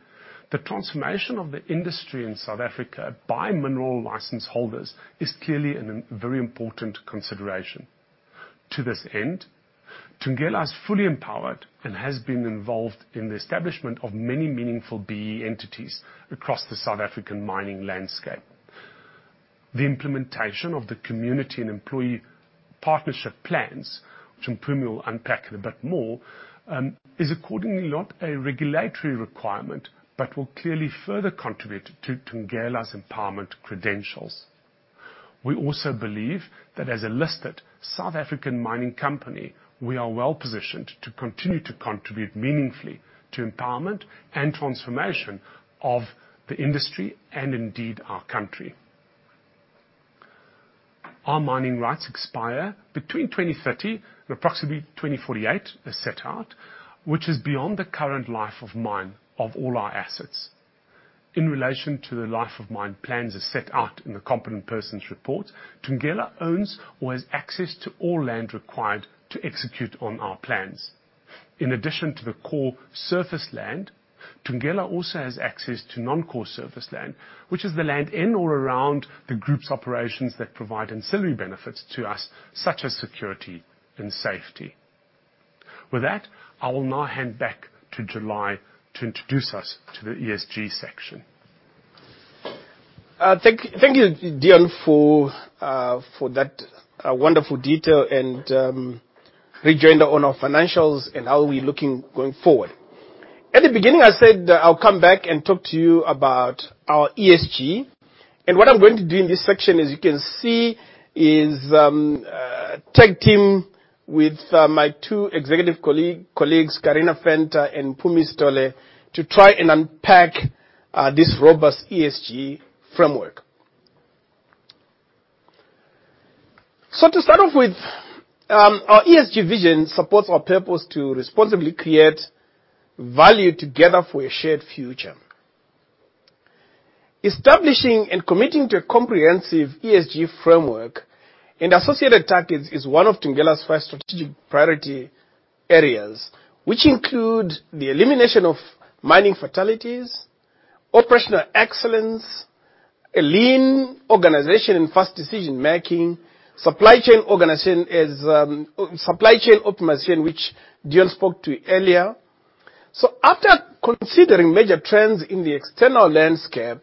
the transformation of the industry in South Africa by mineral license holders is clearly a very important consideration. To this end, Thungela is fully empowered and has been involved in the establishment of many meaningful BEE entities across the South African mining landscape. The implementation of the community and employee partnership plans, which Mpumi will unpack in a bit more, is accordingly not a regulatory requirement but will clearly further contribute to Thungela's empowerment credentials. We also believe that as a listed South African mining company, we are well-positioned to continue to contribute meaningfully to empowerment and transformation of the industry and indeed our country. Our mining rights expire between 2030 and approximately 2048 as set out, which is beyond the current life of mine of all our assets. In relation to the life of mine plans as set out in the competent person's report, Thungela owns or has access to all land required to execute on our plans. In addition to the core surface land, Thungela also has access to non-core surface land, which is the land in or around the group's operations that provide ancillary benefits to us, such as security and safety. With that, I will now hand back to July to introduce us to the ESG section. Thank you, Deon, for that wonderful detail and great agenda on our financials and how we're looking going forward. At the beginning, I said I'll come back and talk to you about our ESG. What I'm going to do in this section, as you can see, is tag team with my two executive colleagues, Carina Venter and Mpumi Sithole, to try and unpack this robust ESG framework. To start off with, our ESG vision supports our purpose to responsibly create value together for a shared future. Establishing and committing to a comprehensive ESG framework and associated targets is one of Thungela's five strategic priority areas, which include the elimination of mining fatalities, operational excellence, a lean organization and fast decision-making, supply chain optimization, which Deon spoke to earlier. After considering major trends in the external landscape,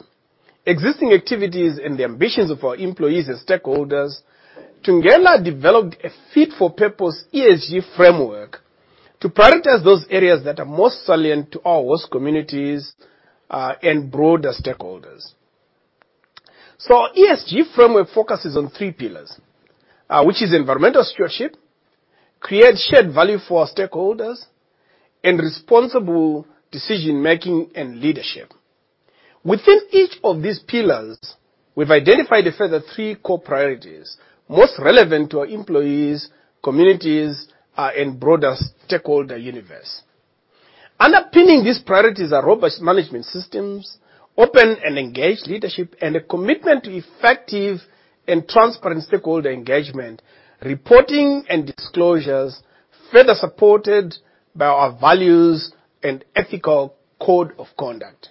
existing activities, and the ambitions of our employees and stakeholders, Thungela developed a fit-for-purpose ESG framework to prioritize those areas that are most salient to our host communities, and broader stakeholders. Our ESG framework focuses on three pillars, which is environmental stewardship, create shared value for our stakeholders, and responsible decision-making and leadership. Within each of these pillars, we've identified a further three core priorities, most relevant to our employees, communities, and broader stakeholder universe. Underpinning these priorities are robust management systems, open and engaged leadership, and a commitment to effective and transparent stakeholder engagement, reporting, and disclosures further supported by our values and ethical code of conduct.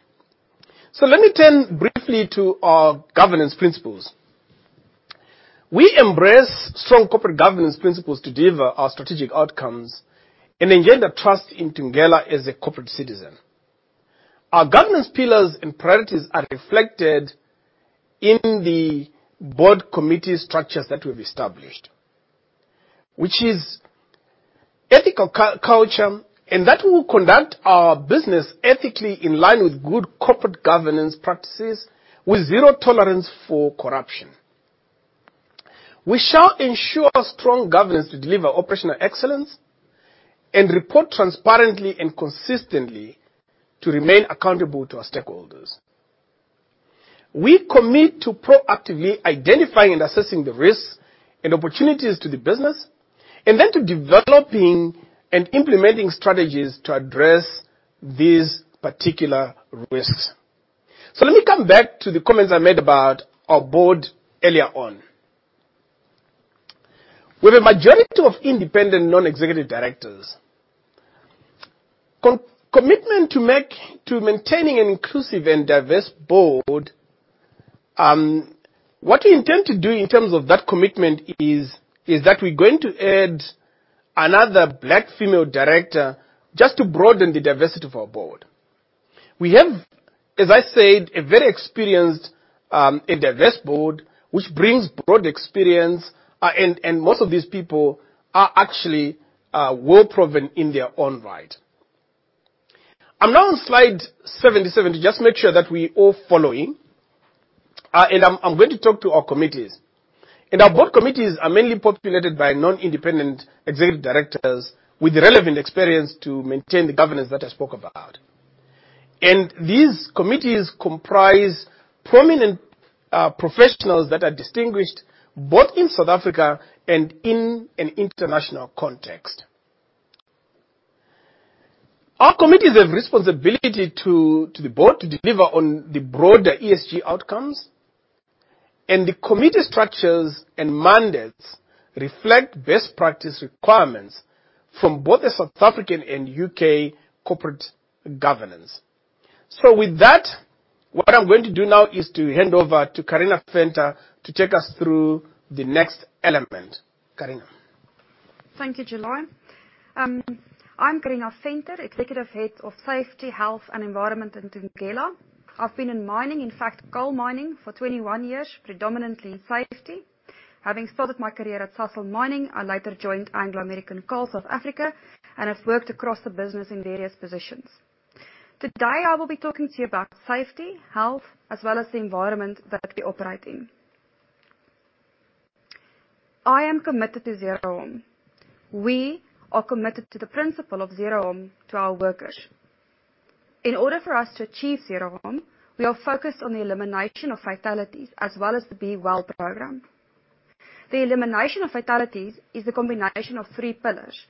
Let me turn briefly to our governance principles. We embrace strong corporate governance principles to deliver our strategic outcomes and engender trust in Thungela as a corporate citizen. Our governance pillars and priorities are reflected in the board committee structures that we've established, which is ethical culture, and that we will conduct our business ethically in line with good corporate governance practices with zero tolerance for corruption. We shall ensure strong governance to deliver operational excellence and report transparently and consistently to remain accountable to our stakeholders. We commit to proactively identifying and assessing the risks and opportunities to the business, and then to developing and implementing strategies to address these particular risks. Let me come back to the comments I made about our board earlier on. With a majority of independent non-executive directors, commitment to maintaining an inclusive and diverse board, what we intend to do in terms of that commitment is that we're going to add another black female director just to broaden the diversity of our board. We have, as I said, a very experienced and diverse board, which brings broad experience, and most of these people are actually well-proven in their own right. I'm now on slide 77, just make sure that we're all following. I'm going to talk to our committees. Our board committees are mainly populated by non-independent executive directors with relevant experience to maintain the governance that I spoke about. These committees comprise prominent professionals that are distinguished both in South Africa and in an international context. Our committees have responsibility to the board to deliver on the broader ESG outcomes. The committee structures and mandates reflect best practice requirements from both the South African and U.K. corporate governance. With that, what I'm going to do now is to hand over to Carina Venter to take us through the next element. Carina. Thank you, July. I'm Carina Venter, Executive Head of Safety, Health, and Environment in Thungela. I've been in mining, in fact, coal mining for 21 years, predominantly in safety. Having started my career at Sasol Mining, I later joined Anglo American Coal South Africa and have worked across the business in various positions. I will be talking to you about safety, health, as well as the environment that we operate in. I am committed to zero harm. We are committed to the principle of zero harm to our workers. In order for us to achieve zero harm, we are focused on the elimination of fatalities as well as the Be Well program. The elimination of fatalities is a combination of three pillars.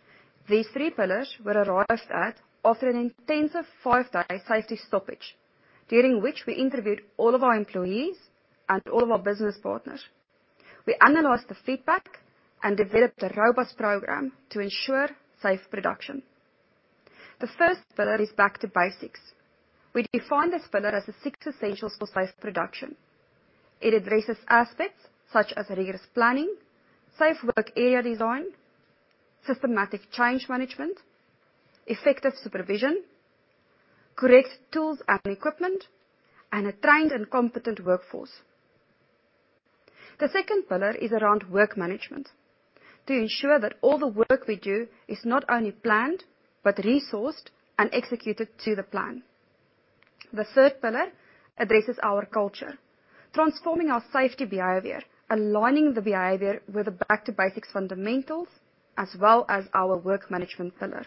These three pillars were arrived at after an intensive five-day safety stoppage, during which we interviewed all of our employees and all of our business partners. We analyzed the feedback and developed a robust program to ensure safe production. The first pillar is back to basics. We define this pillar as the six essentials for safe production. It addresses aspects such as rigorous planning, safe work area design, systematic change management, effective supervision, correct tools and equipment, and a trained and competent workforce. The second pillar is around work management, to ensure that all the work we do is not only planned, but resourced and executed to the plan. The third pillar addresses our culture, transforming our safety behavior, aligning the behavior with the back to basics fundamentals, as well as our work management pillar.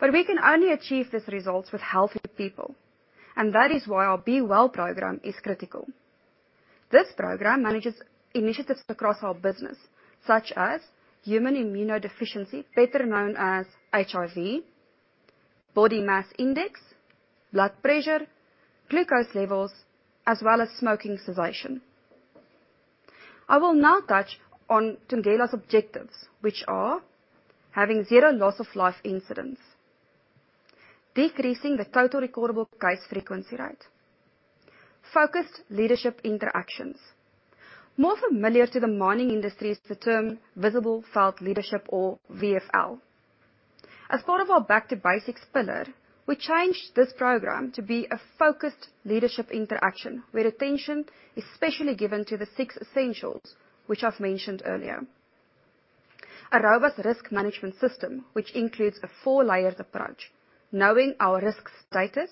We can only achieve these results with healthy people, and that is why our Be Well program is critical. This program manages initiatives across our business, such as human immunodeficiency, better known as HIV, body mass index, blood pressure, glucose levels, as well as smoking cessation. I will now touch on Thungela's objectives, which are having zero loss of life incidents, decreasing the total recordable case frequency rate, focused leadership interactions. More familiar to the mining industry is the term visible felt leadership, or VFL. As part of our back to basics pillar, we changed this program to be a focused leadership interaction, where attention is specially given to the six essentials, which I've mentioned earlier. A robust risk management system, which includes a four-layered approach, knowing our risk status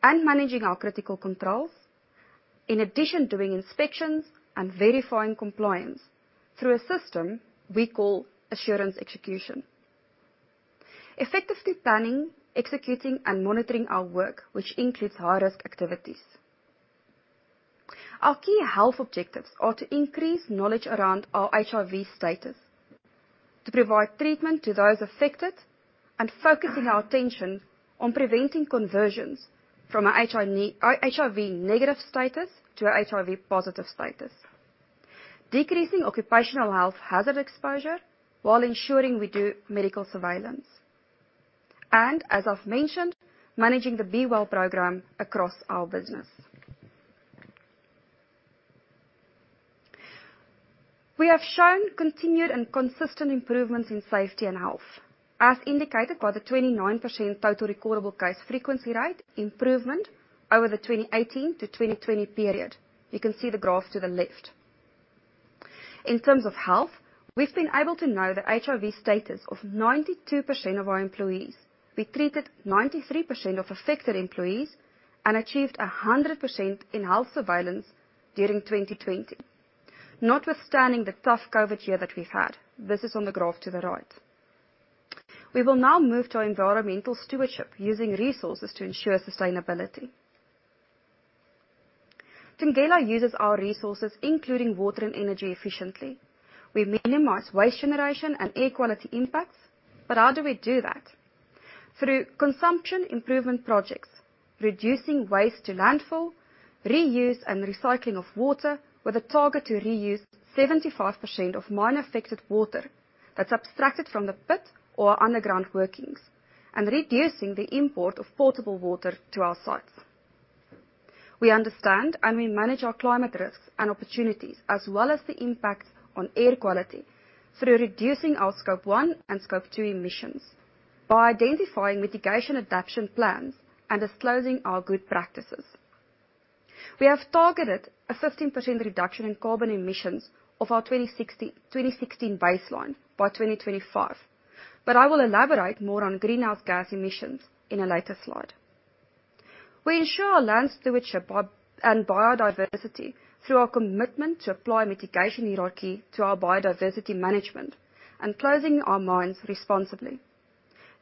and managing our critical controls. In addition, doing inspections and verifying compliance through a system we call assurance execution. Effectively planning, executing, and monitoring our work, which includes high-risk activities. Our key health objectives are to increase knowledge around our HIV status, to provide treatment to those affected, focusing our attention on preventing conversions from a HIV-negative status to a HIV-positive status. Decreasing occupational health hazard exposure while ensuring we do medical surveillance. As I've mentioned, managing the Be Well program across our business. We have shown continued and consistent improvements in safety and health, as indicated by the 29% total recordable case frequency rate improvement over the 2018-2020 period. You can see the graph to the left. In terms of health, we've been able to know the HIV status of 92% of our employees. We treated 93% of affected employees and achieved 100% in health surveillance during 2020, notwithstanding the tough COVID year that we've had. This is on the graph to the right. We will now move to our environmental stewardship, using resources to ensure sustainability. Thungela uses our resources, including water and energy, efficiently. We minimize waste generation and air quality impacts. How do we do that? Through consumption improvement projects, reducing waste to landfill, reuse and recycling of water with a target to reuse 75% of mine-affected water that's abstracted from the pit or underground workings, and reducing the import of portable water to our sites. We understand and we manage our climate risks and opportunities, as well as the impact on air quality, through reducing our Scope 1 and Scope 2 emissions by identifying mitigation adaption plans and disclosing our good practices. We have targeted a 15% reduction in carbon emissions of our 2016 baseline by 2025. I will elaborate more on greenhouse gas emissions in a later slide. We ensure our land stewardship and biodiversity through our commitment to apply mitigation hierarchy to our biodiversity management and closing our mines responsibly.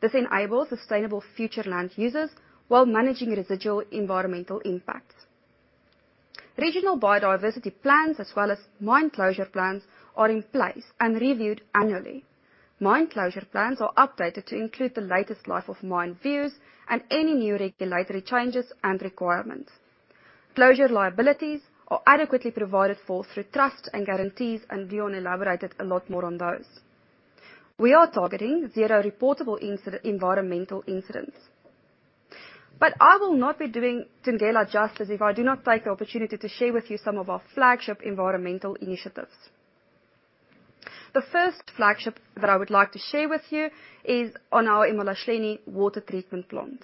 This enables sustainable future land users while managing residual environmental impacts. Regional biodiversity plans, as well as mine closure plans, are in place and reviewed annually. Mine closure plans are updated to include the latest life of mine views and any new regulatory changes and requirements. Closure liabilities are adequately provided for through trust and guarantees. Deon elaborated a lot more on those. We are targeting zero reportable incident, environmental incidents. I will not be doing Thungela justice if I do not take the opportunity to share with you some of our flagship environmental initiatives. The first flagship that I would like to share with you is on our eMalahleni Water Treatment Plant.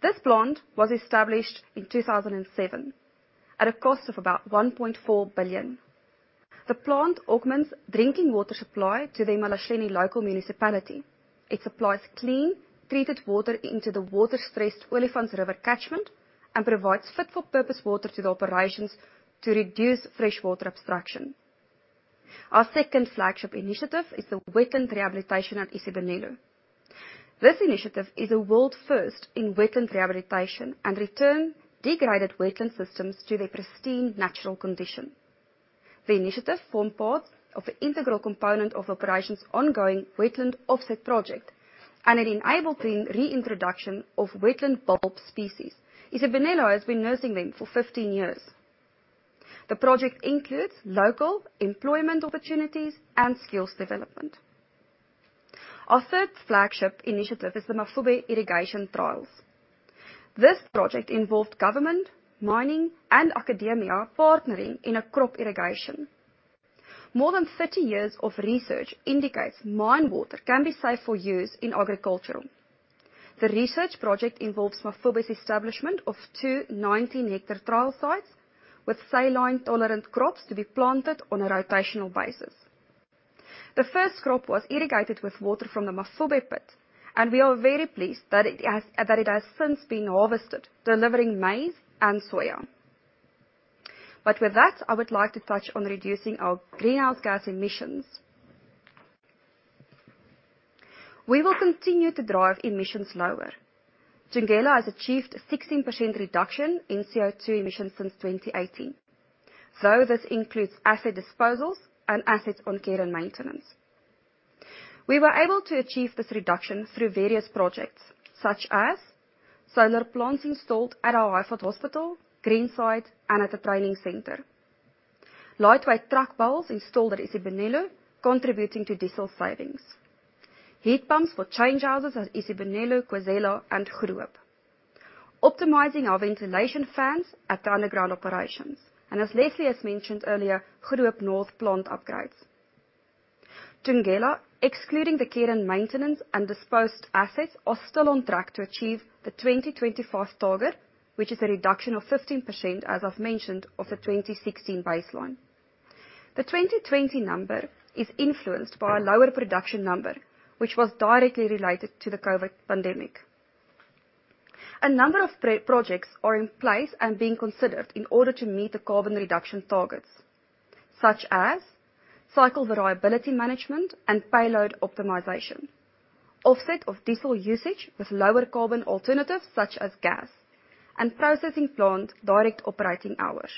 This plant was established in 2007 at a cost of about 1.4 billion. The plant augments drinking water supply to the eMalahleni local municipality. It supplies clean, treated water into the water-stressed Olifants River catchment and provides fit-for-purpose water to the operations to reduce freshwater abstraction. Our second flagship initiative is the wetland rehabilitation at Isibonelo. This initiative is a world first in wetland rehabilitation and return degraded wetland systems to their pristine natural condition. The initiative forms part of an integral component of operations ongoing wetland offset project. It enabled the reintroduction of wetland bulb species. Isibonelo has been nursing them for 15 years. The project includes local employment opportunities and skills development. Our third flagship initiative is the Mafube irrigation trials. This project involved government, mining, and academia partnering in a crop irrigation. More than 30 years of research indicates mine water can be safe for use in agriculture. The research project involves Mafube's establishment of two 19-hectare trial sites with saline-tolerant crops to be planted on a rotational basis. The first crop was irrigated with water from the Mafube pit. We are very pleased that it has since been harvested, delivering maize and soya. With that, I would like to touch on reducing our greenhouse gas emissions. We will continue to drive emissions lower. Thungela has achieved 16% reduction in CO2 emissions since 2018, though this includes asset disposals and assets on care and maintenance. We were able to achieve this reduction through various projects, such as solar plants installed at our Highveld Hospital, Greenside, and at the training center. Lightweight truck bodies installed at Isibonelo, contributing to diesel savings. Heat pumps for change houses at Isibonelo, Khwezela, and Goedehoop. Optimizing our ventilation fans at the underground operations, and as Leslie has mentioned earlier, Goedehoop North plant upgrades. Thungela, excluding the care and maintenance and disposed assets, are still on track to achieve the 2025 target, which is a reduction of 15%, as I've mentioned, of the 2016 baseline. The 2020 number is influenced by a lower production number, which was directly related to the COVID pandemic. A number of projects are in place and being considered in order to meet the carbon reduction targets, such as cycle variability management and payload optimization, offset of diesel usage with lower carbon alternatives such as gas, and processing plant direct operating hours.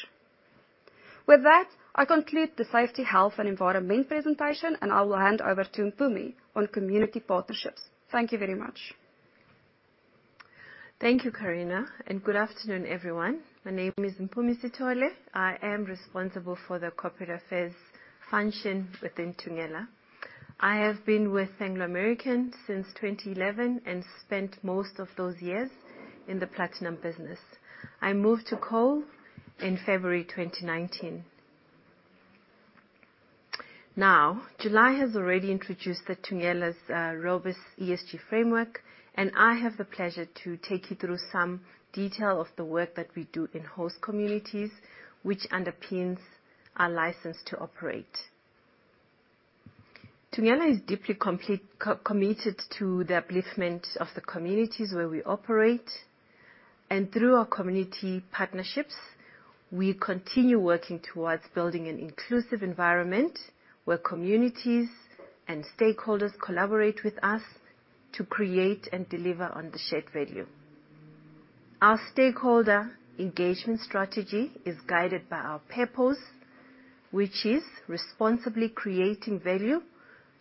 With that, I conclude the safety, health, and environment presentation, and I will hand over to Mpumi on community partnerships. Thank you very much. Thank you, Carina, and good afternoon, everyone. My name is Mpumi Sithole. I am responsible for the corporate affairs function within Thungela. I have been with Anglo American since 2011 and spent most of those years in the platinum business. I moved to coal in February 2019. July has already introduced Thungela's robust ESG framework, and I have the pleasure to take you through some detail of the work that we do in host communities, which underpins our license to operate. Thungela is deeply committed to the upliftment of the communities where we operate, and through our community partnerships, we continue working towards building an inclusive environment where communities and stakeholders collaborate with us to create and deliver on the shared value. Our stakeholder engagement strategy is guided by our purpose, which is responsibly creating value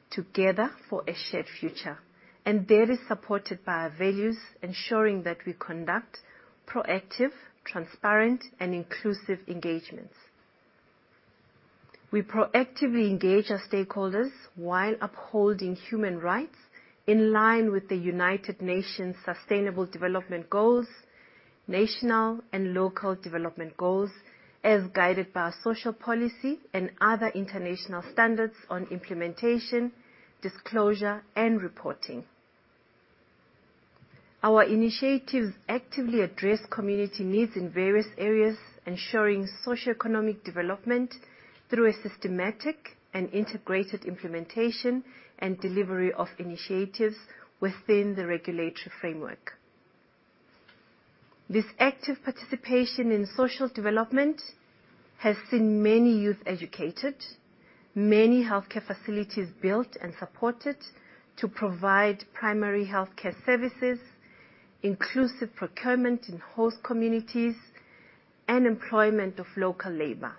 together for a shared future, and that is supported by our values, ensuring that we conduct proactive, transparent, and inclusive engagements. We proactively engage our stakeholders while upholding human rights in line with the United Nations Sustainable Development Goals, national and local development goals, as guided by our social policy and other international standards on implementation, disclosure, and reporting. Our initiatives actively address community needs in various areas, ensuring socioeconomic development through a systematic and integrated implementation and delivery of initiatives within the regulatory framework. This active participation in social development has seen many youth educated, many healthcare facilities built and supported to provide primary healthcare services, inclusive procurement in host communities, and employment of local labor.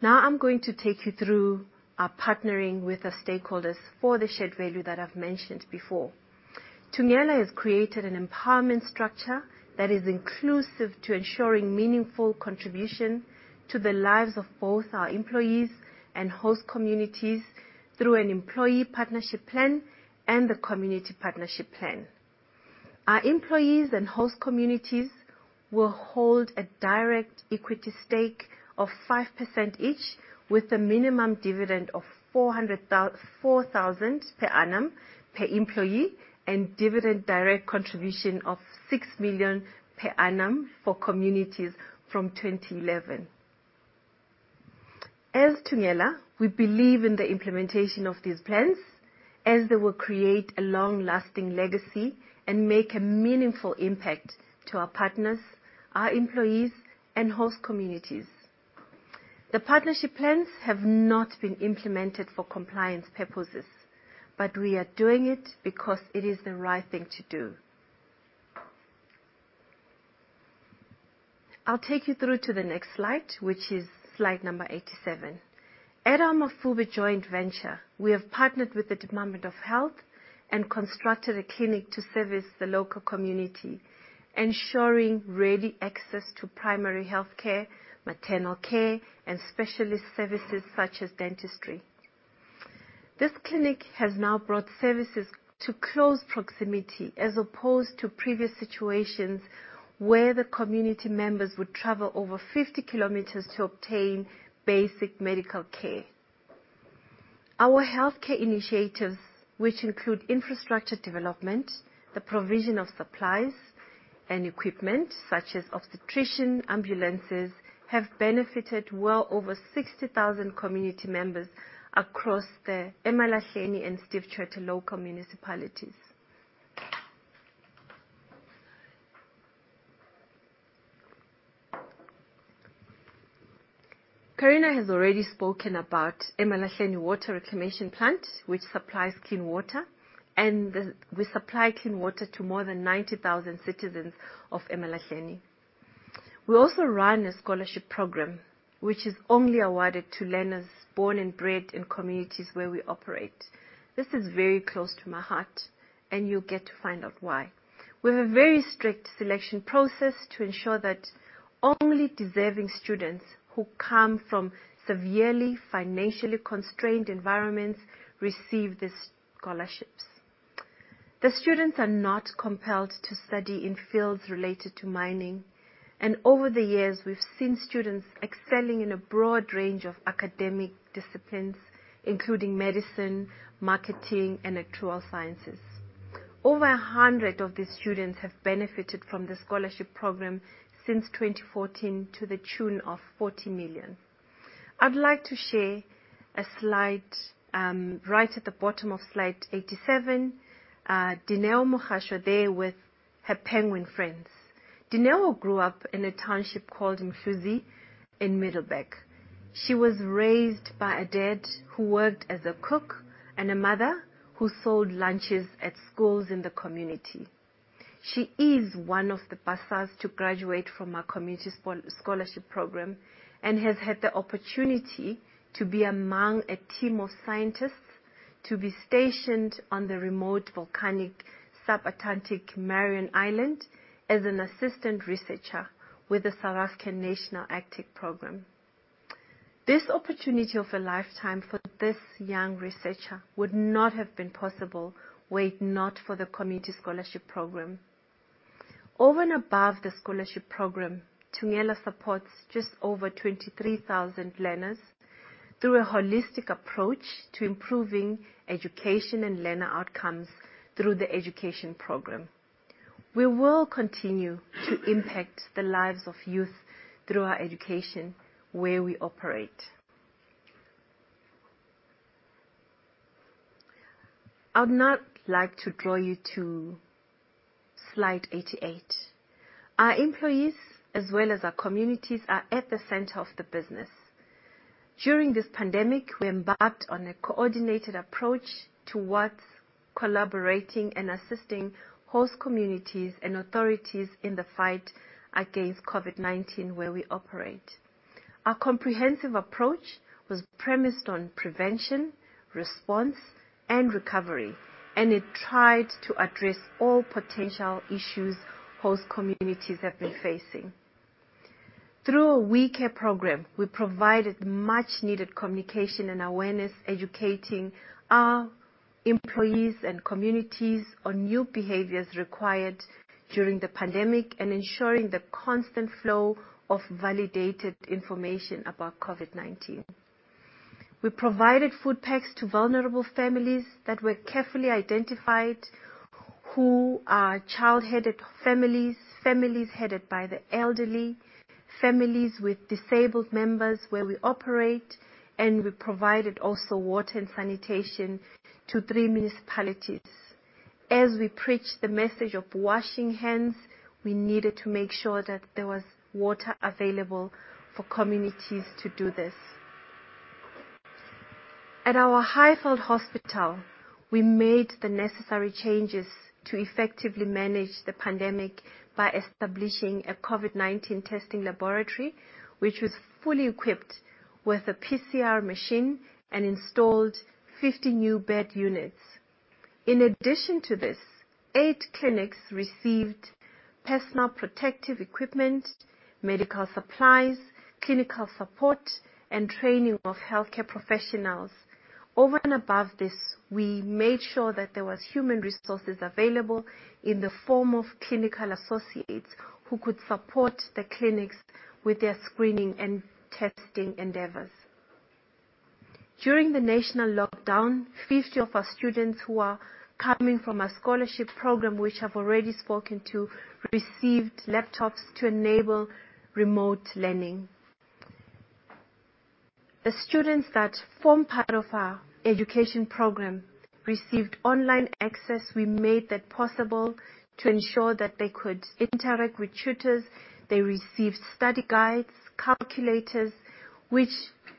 Now I'm going to take you through our partnering with our stakeholders for the shared value that I've mentioned before. Thungela has created an empowerment structure that is inclusive to ensuring meaningful contribution to the lives of both our employees and host communities through an Employee Partnership Plan and the Community Partnership Plan. Our employees and host communities will hold a direct equity stake of 5% each, with a minimum dividend of 4,000 per annum per employee and dividend direct contribution of 6 million per annum for communities from 2011. As Thungela, we believe in the implementation of these plans, as they will create a long-lasting legacy and make a meaningful impact to our partners, our employees, and host communities. The partnership plans have not been implemented for compliance purposes, but we are doing it because it is the right thing to do. I will take you through to the next slide, which is slide number 87. At our Mafube joint venture, we have partnered with the Department of Health and constructed a clinic to service the local community, ensuring ready access to primary healthcare, maternal care, and specialist services such as dentistry. This clinic has now brought services to close proximity, as opposed to previous situations, where the community members would travel over 50 km to obtain basic medical care. Our healthcare initiatives, which include infrastructure development, the provision of supplies and equipment such as obstetrician ambulances, have benefited well over 60,000 community members across the Emalahleni and Steve Tshwete local municipalities. Carina has already spoken about Emalahleni Water Reclamation Plant, which supplies clean water. And we supply clean water to more than 90,000 citizens of Emalahleni. We also run a scholarship program, which is only awarded to learners born and bred in communities where we operate. This is very close to my heart, and you'll get to find out why. We have a very strict selection process to ensure that only deserving students who come from severely financially constrained environments receive these scholarships. The students are not compelled to study in fields related to mining. Over the years, we've seen students excelling in a broad range of academic disciplines, including medicine, marketing, and actuarial sciences. Over 100 of these students have benefited from the scholarship program since 2014 to the tune of 40 million. I'd like to share a slide, right at the bottom of slide 87. Dineo Mogashoa there with her penguin friends. Dineo grew up in a township called Mhluzi in Middelburg. She was raised by a dad who worked as a cook and a mother who sold lunches at schools in the community. She is one of the bursars to graduate from our Community Scholarship Program and has had the opportunity to be among a team of scientists to be stationed on the remote volcanic Sub-Antarctic Marion Island as an assistant researcher with the South African National Antarctic Programme. This opportunity of a lifetime for this young researcher would not have been possible were it not for the Community Scholarship Program. Over and above the scholarship program, Thungela supports just over 23,000 learners through a holistic approach to improving education and learner outcomes through the Education Program. We will continue to impact the lives of youth through our education where we operate. I would now like to draw you to slide 88. Our employees, as well as our communities, are at the center of the business. During this pandemic, we embarked on a coordinated approach towards collaborating and assisting host communities and authorities in the fight against COVID-19 where we operate. Our comprehensive approach was premised on prevention, response, and recovery, and it tried to address all potential issues host communities have been facing. Through a WeCare program, we provided much needed communication and awareness, educating our employees and communities on new behaviors required during the pandemic, and ensuring the constant flow of validated information about COVID-19. We provided food packs to vulnerable families that were carefully identified who are child-headed families headed by the elderly, families with disabled members where we operate, and we also provided water and sanitation to three municipalities. As we preached the message of washing hands, we needed to make sure that there was water available for communities to do this. At our Highveld Hospital, we made the necessary changes to effectively manage the pandemic by establishing a COVID-19 testing laboratory, which was fully equipped with a PCR machine and installed 50 new bed units. In addition to this, eight clinics received personal protective equipment, medical supplies, clinical support, and training of healthcare professionals. Over and above this, we made sure that there was human resources available in the form of clinical associates who could support the clinics with their screening and testing endeavors. During the national lockdown, 50 of our students who are coming from our scholarship program, which I've already spoken to, received laptops to enable remote learning. The students that form part of our education program received online access. We made that possible to ensure that they could interact with tutors. They received study guides, calculators, which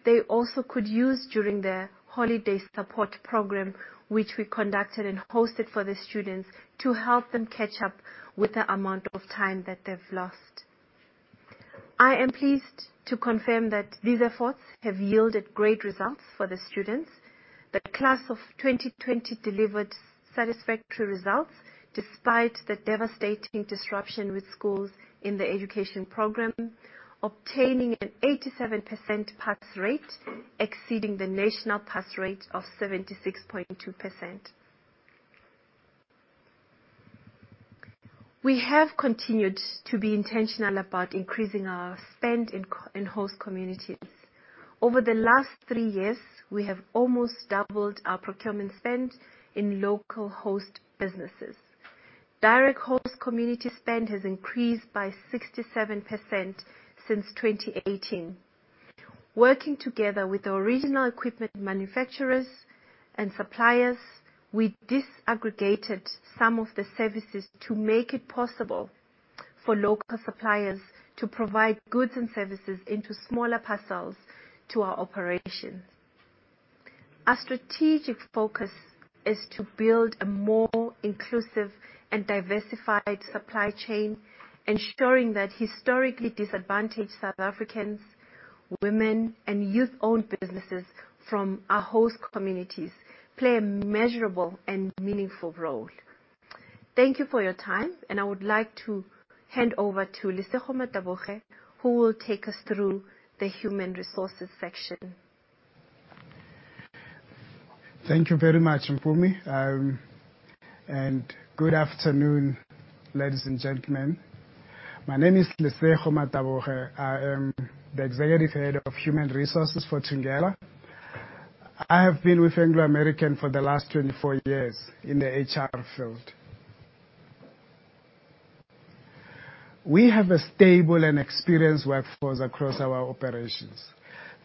they also could use during the holiday support program, which we conducted and hosted for the students to help them catch up with the amount of time that they've lost. I am pleased to confirm that these efforts have yielded great results for the students. The Class of 2020 delivered satisfactory results despite the devastating disruption with schools in the education program, obtaining an 87% pass rate, exceeding the national pass rate of 76.2%. We have continued to be intentional about increasing our spend in host communities. Over the last three years, we have almost doubled our procurement spend in local host businesses. Direct host community spend has increased by 67% since 2018. Working together with original equipment manufacturers and suppliers, we disaggregated some of the services to make it possible for local suppliers to provide goods and services into smaller parcels to our operations. Our strategic focus is to build a more inclusive and diversified supply chain, ensuring that historically disadvantaged South Africans, women, and youth-owned businesses from our host communities play a measurable and meaningful role. Thank you for your time, and I would like to hand over to Lesego Mataboge, who will take us through the human resources section. Thank you very much, Mpumi, and good afternoon, ladies and gentlemen. My name is Lesego Mataboge. I am the Executive Head of Human Resources for Thungela. I have been with Anglo American for the last 24 years in the HR field. We have a stable and experienced workforce across our operations.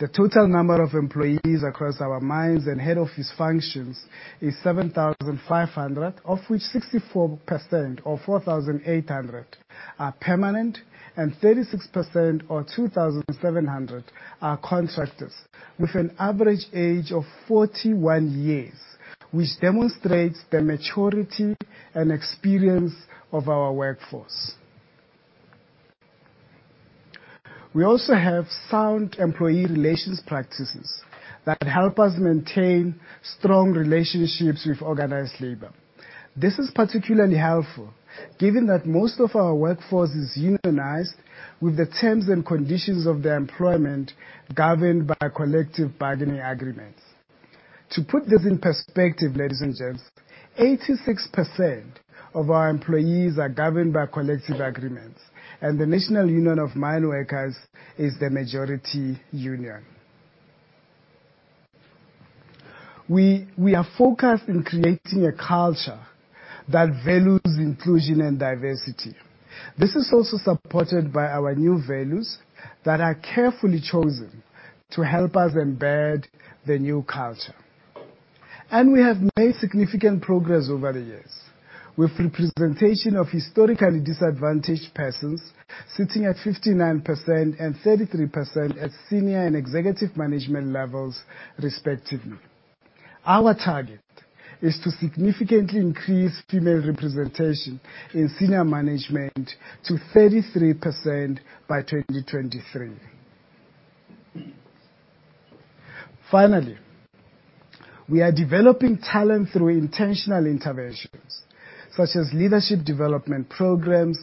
The total number of employees across our mines and head office functions is 7,500, of which 64%, or 4,800, are permanent, and 36%, or 2,700, are contractors with an average age of 41 years, which demonstrates the maturity and experience of our workforce. We also have sound employee relations practices that help us maintain strong relationships with organized labor. This is particularly helpful given that most of our workforce is unionized with the terms and conditions of their employment governed by collective bargaining agreements. To put this in perspective, ladies and gents, 86% of our employees are governed by collective agreements, and the National Union of Mineworkers is the majority union. We are focused on creating a culture that values inclusion and diversity. This is also supported by our new values that are carefully chosen to help us embed the new culture. We have made significant progress over the years with representation of historically disadvantaged persons sitting at 59% and 33% at senior and executive management levels, respectively. Our target is to significantly increase female representation in senior management to 33% by 2023. Finally, we are developing talent through intentional interventions such as leadership development programs,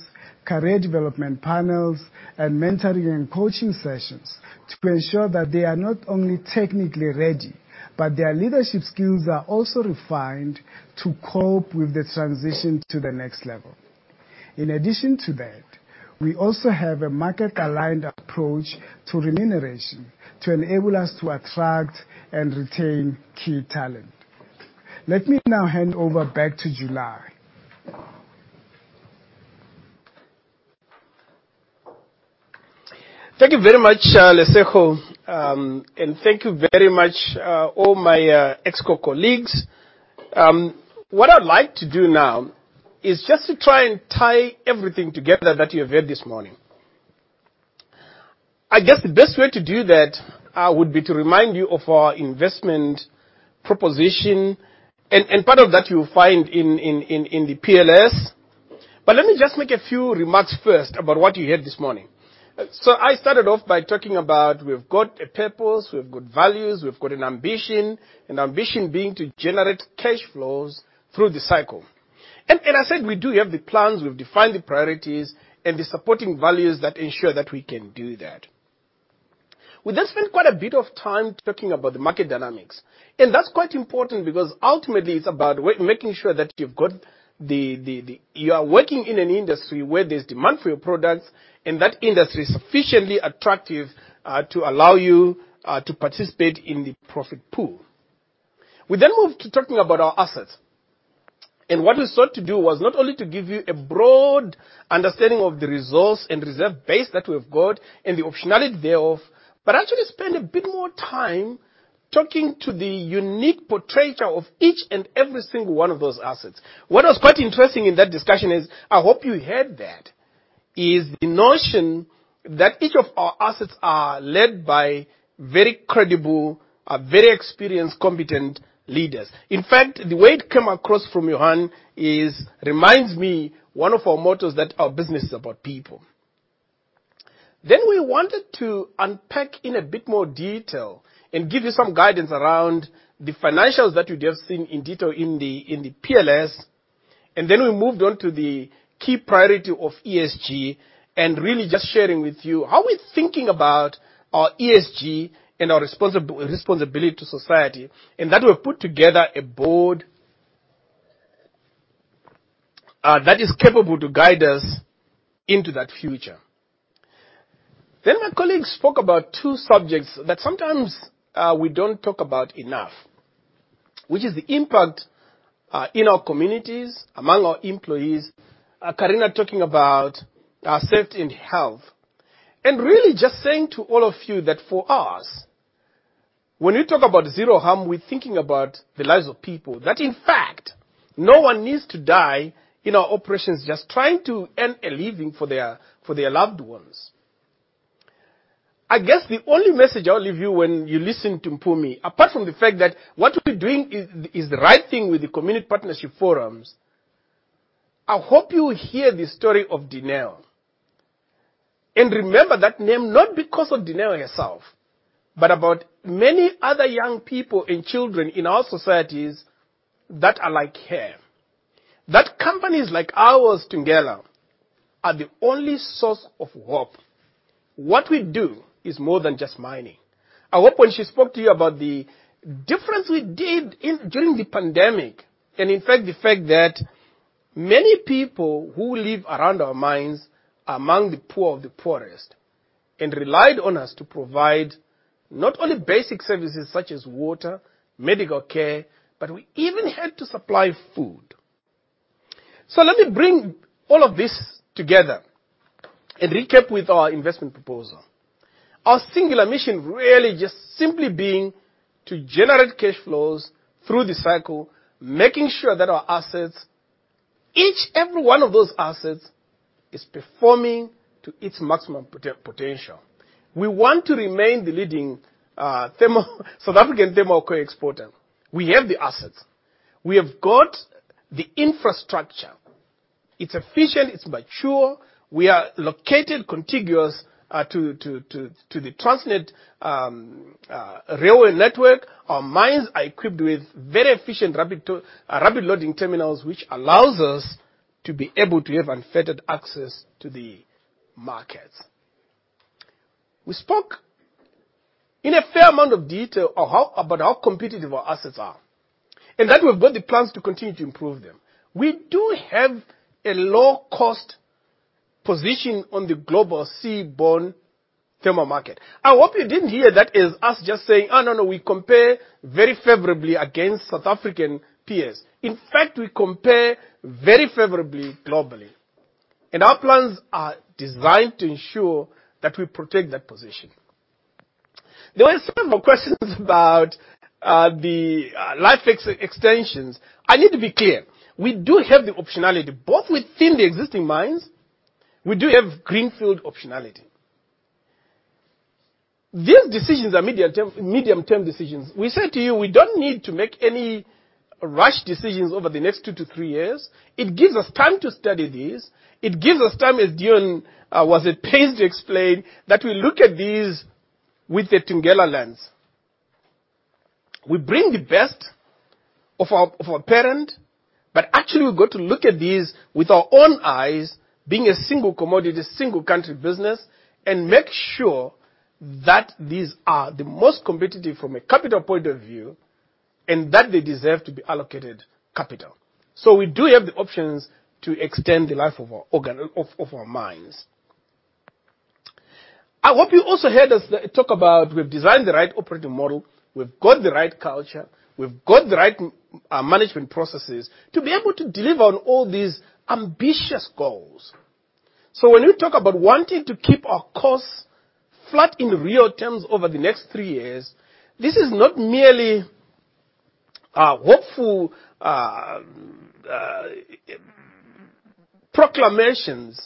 career development panels, and mentoring and coaching sessions to ensure that they are not only technically ready, but their leadership skills are also refined to cope with the transition to the next level. In addition to that, we also have a market-aligned approach to remuneration to enable us to attract and retain key talent. Let me now hand over back to July. Thank you very much, Lesego, and thank you very much, all my ex-co colleagues. What I'd like to do now is just to try and tie everything together that you have heard this morning. I guess the best way to do that would be to remind you of our investment proposition, and part of that you will find in the PLS. Let me just make a few remarks first about what you heard this morning. I started off by talking about we've got a purpose, we've got values, we've got an ambition. An ambition being to generate cash flows through the cycle. I said, we do have the plans, we've defined the priorities and the supporting values that ensure that we can do that. We spent quite a bit of time talking about the market dynamics, and that's quite important because ultimately it's about making sure that you are working in an industry where there's demand for your products, and that industry is sufficiently attractive to allow you to participate in the profit pool. We moved to talking about our assets. What we sought to do was not only to give you a broad understanding of the resource and reserve base that we've got and the optionality thereof, but actually spend a bit more time talking to the unique portraiture of each and every single one of those assets. What was quite interesting in that discussion is, I hope you heard that, is the notion that each of our assets are led by very credible, very experienced, competent leaders. In fact, the way it came across from Johan reminds me one of our mottos that our business is about people. We wanted to unpack in a bit more detail and give you some guidance around the financials that you'd have seen in detail in the PLS. We moved on to the key priority of ESG and really just sharing with you how we're thinking about our ESG and our responsibility to society. In that, we've put together a board that is capable to guide us into that future. My colleagues spoke about two subjects that sometimes we don't talk about enough, which is the impact in our communities, among our employees. Carina, talking about our safety and health, really just saying to all of you that for us, when we talk about zero harm, we're thinking about the lives of people. That, in fact, no one needs to die in our operations just trying to earn a living for their loved ones. I guess the only message I'll leave you when you listen to Mpumi, apart from the fact that what we're doing is the right thing with the community partnership forums. I hope you hear the story of Dineo. Remember that name, not because of Dineo herself, but about many other young people and children in our societies that are like her. That companies like ours together are the only source of hope. What we do is more than just mining. I hope when she spoke to you about the difference we did during the pandemic, and in fact, the fact that many people who live around our mines are among the poor of the poorest, and relied on us to provide not only basic services such as water, medical care, but we even had to supply food. Let me bring all of this together and recap with our investment proposal. Our singular mission really just simply being to generate cash flows through the cycle, making sure that our assets, each and every one of those assets, is performing to its maximum potential. We want to remain the leading South African thermal coal exporter. We have the assets. We have got the infrastructure. It's efficient, it's mature. We are located contiguous to the Transnet railway network. Our mines are equipped with very efficient rapid loading terminals, which allows us to be able to have unfettered access to the markets. We spoke in a fair amount of detail about how competitive our assets are, and that we've got the plans to continue to improve them. We do have a low-cost position on the global seaborne thermal market. I hope you didn't hear that as us just saying, "Oh, no, we compare very favorably against South African peers." In fact, we compare very favorably globally. Our plans are designed to ensure that we protect that position. There were several questions about the life extensions. I need to be clear. We do have the optionality, both within the existing mines, we do have greenfield optionality. These decisions are medium-term decisions. We said to you, we don't need to make any rash decisions over the next two to three years. It gives us time to study these. It gives us time, as Deon was at pains to explain, that we look at these with a Thungela lens. Actually, we've got to look at these with our own eyes, being a single commodity, single country business, and make sure that these are the most competitive from a capital point of view, and that they deserve to be allocated capital. We do have the options to extend the life of our mines. I hope you also heard us talk about we've designed the right operating model, we've got the right culture, we've got the right management processes to be able to deliver on all these ambitious goals. When we talk about wanting to keep our costs flat in real terms over the next three years, this is not merely hopeful proclamations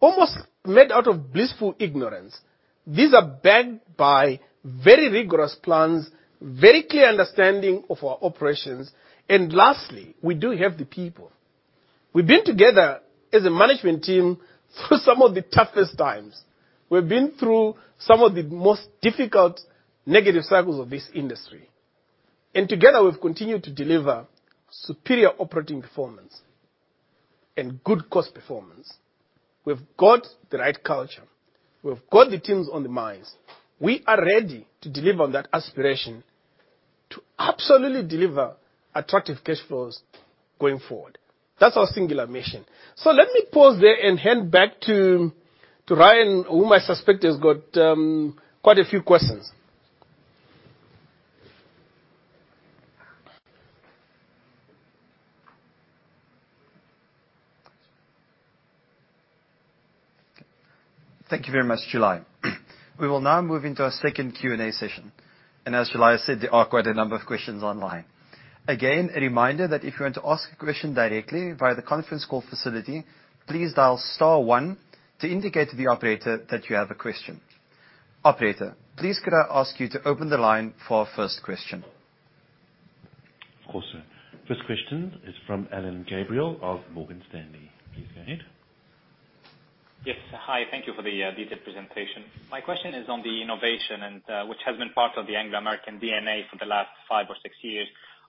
almost made out of blissful ignorance. These are backed by very rigorous plans, very clear understanding of our operations. Lastly, we do have the people. We've been together as a management team through some of the toughest times. We've been through some of the most difficult negative cycles of this industry. Together, we've continued to deliver superior operating performance and good cost performance. We've got the right culture. We've got the teams on the mines. We are ready to deliver on that aspiration to absolutely deliver attractive cash flows going forward. That's our singular mission. Let me pause there and hand back to Ryan, whom I suspect has got quite a few questions. Thank you very much, July. We will now move into our second Q&A session. As July said, there are quite a number of questions online. Again, a reminder that if you want to ask a question directly via the conference call facility, please dial star one to indicate to the operator that you have a question. Operator, please could I ask you to open the line for our first question? Of course, sir. First question is from Alain Gabriel of Morgan Stanley. Please go ahead. Yes. Hi, thank you for the detailed presentation. My question is on the innovation, which has been part of the Anglo American DNA for the last five or six years.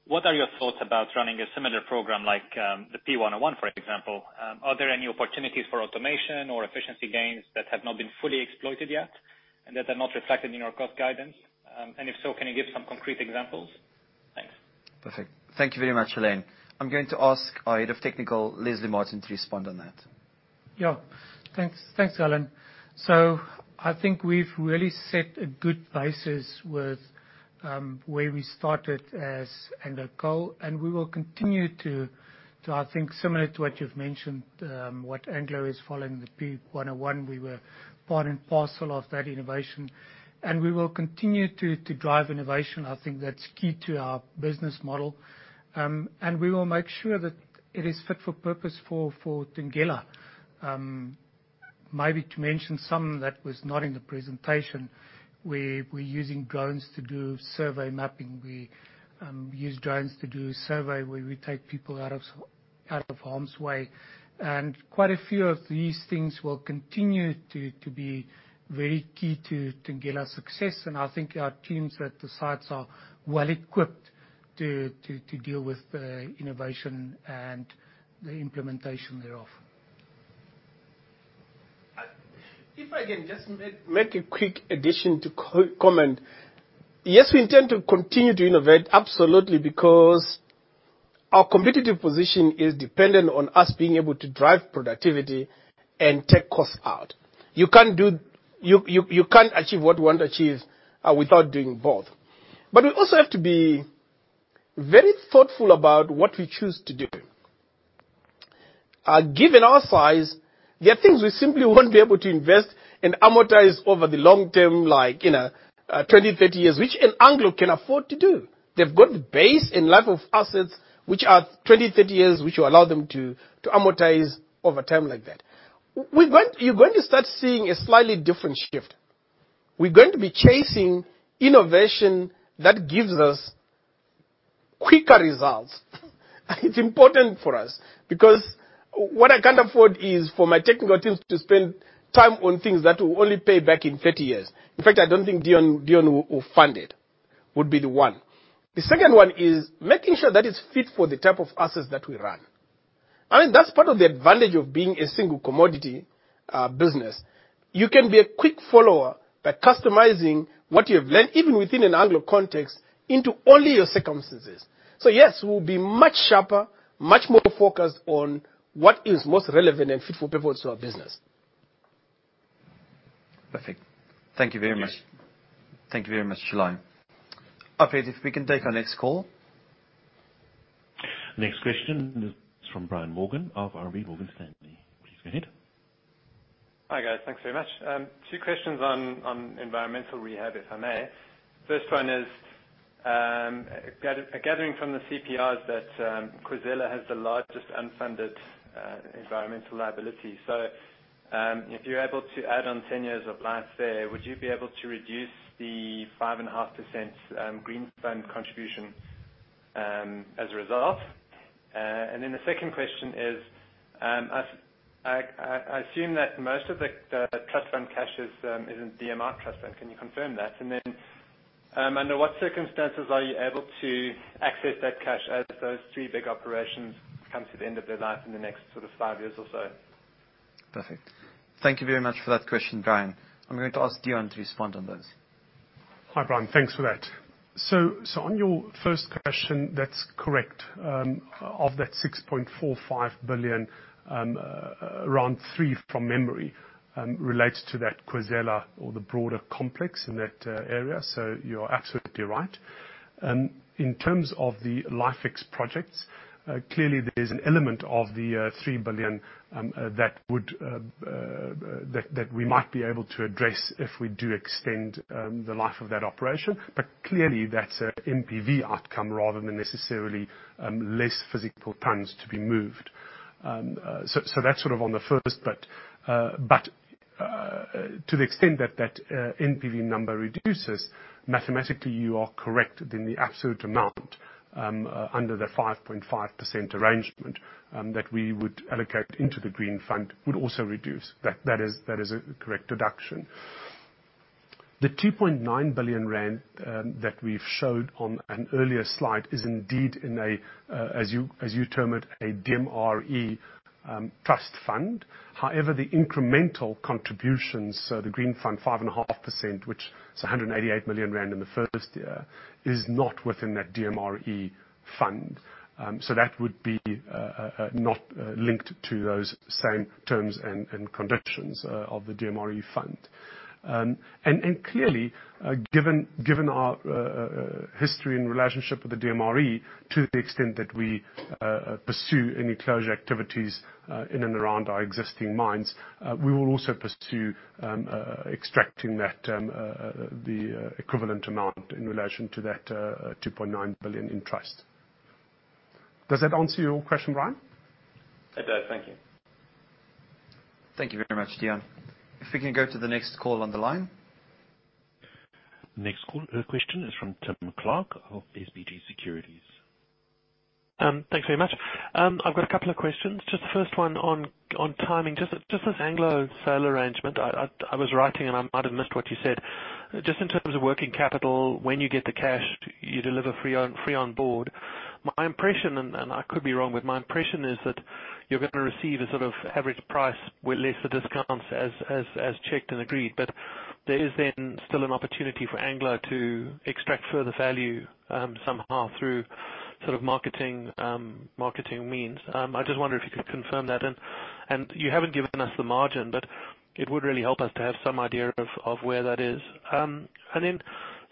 What are your thoughts about running a similar program like, the P101, for example? Are there any opportunities for automation or efficiency gains that have not been fully exploited yet and that are not reflected in your cost guidance? If so, can you give some concrete examples? Thanks. Perfect. Thank you very much, Alain. I'm going to ask our Head of Technical, Leslie Martin, to respond on that. Yeah. Thanks, Alain. I think we've really set a good basis with where we started as Anglo Coal, and we will continue to, I think, similar to what you've mentioned, what Anglo is following, the P101, we were part and parcel of that innovation. We will continue to drive innovation. I think that's key to our business model. We will make sure that it is fit for purpose for Thungela. Maybe to mention something that was not in the presentation, we're using drones to do survey mapping. We use drones to do survey, where we take people out of harm's way. Quite a few of these things will continue to be very key to Thungela's success. I think our teams at the sites are well-equipped to deal with the innovation and the implementation thereof. If I can just make a quick addition to comment. Yes, we intend to continue to innovate, absolutely, because our competitive position is dependent on us being able to drive productivity and take costs out. You can't achieve what we want to achieve without doing both. We also have to be very thoughtful about what we choose to do. Given our size, there are things we simply won't be able to invest and amortize over the long term, like 20, 30 years, which Anglo can afford to do. They've got the base and life of assets which are 20, 30 years, which will allow them to amortize over time like that. You're going to start seeing a slightly different shift. We're going to be chasing innovation that gives us quicker results. It's important for us because what I can't afford is for my technical teams to spend time on things that will only pay back in 30 years. In fact, I don't think Deon will fund it, would be the one. The second one is making sure that it's fit for the type of assets that we run. That's part of the advantage of being a single commodity business. You can be a quick follower by customizing what you have learned, even within an Anglo context, into only your circumstances. Yes, we'll be much sharper, much more focused on what is most relevant and fit for purpose to our business. Perfect. Thank you very much. Thank you very much, July. Operator, if we can take our next call. Next question is from Brian Morgan of RMB Morgan Stanley. Please go ahead. Hi, guys. Thanks very much. Two questions on environmental rehab, if I may. First one is, gathering from the CPRs that Khwezela has the largest unfunded environmental liability. If you're able to add on 10 years of life there, would you be able to reduce the 5.5% Green Fund contribution as a result? The second question is, I assume that most of the trust fund cash is in DMRE Trust Fund. Can you confirm that? Under what circumstances are you able to access that cash as those three big operations come to the end of their life in the next five years or so? Perfect. Thank you very much for that question, Brian. I'm going to ask Deon to respond on those. Hi, Brian. Thanks for that. On your first question, that's correct. Of that 6.45 billion, around 3 billion from memory, relates to that Khwezela or the broader complex in that area. You're absolutely right. In terms of the life fix projects, clearly there's an element of the 3 billion that we might be able to address if we do extend the life of that operation. Clearly that's an NPV outcome rather than necessarily less physical tons to be moved. That's on the first bit. To the extent that that NPV number reduces, mathematically you are correct, then the absolute amount under the 5.5% arrangement that we would allocate into the Green Fund would also reduce. That is a correct deduction. The 2.9 billion rand that we've showed on an earlier slide is indeed, as you term it, a DMRE Trust Fund. The incremental contributions, so the Green Fund 5.5%, which is 188 million rand in the first year, is not within that DMRE Fund. That would be not linked to those same terms and conditions of the DMRE Fund. Clearly, given our history and relationship with the DMRE, to the extent that we pursue any closure activities in and around our existing mines, we will also pursue extracting the equivalent amount in relation to that 2.9 billion in trust. Does that answer your question, Brian? It does. Thank you. Thank you very much, Deon. If we can go to the next call on the line. Next question is from Tim Clark of SBG Securities. Thanks very much. I've got a couple of questions. The first one on timing. This Anglo sale arrangement. I was writing and I might have missed what you said. In terms of working capital, when you get the cash, you deliver free on board. My impression, and I could be wrong, but my impression is that you're going to receive a sort of average price with lesser discounts as checked and agreed, but there is then still an opportunity for Anglo to extract further value somehow through sort of marketing means. I wonder if you could confirm that, and you haven't given us the margin, but it would really help us to have some idea of where that is.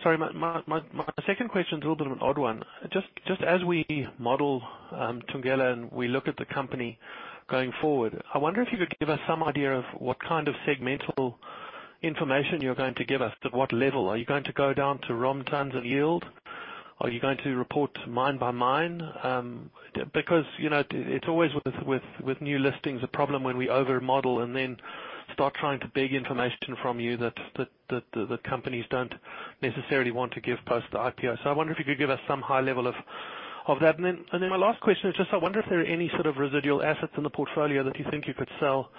Sorry, my second question is a little bit of an odd one. Just as we model Thungela and we look at the company going forward, I wonder if you could give us some idea of what kind of segmental information you're going to give us, at what level? Are you going to go down to ROM tons and yield? Are you going to report mine by mine? It's always, with new listings, a problem when we over-model and then start trying to beg information from you that the companies don't necessarily want to give post the IPO. I wonder if you could give us some high level of that. My last question is just, I wonder if there are any sort of residual assets in the portfolio that you think you could sell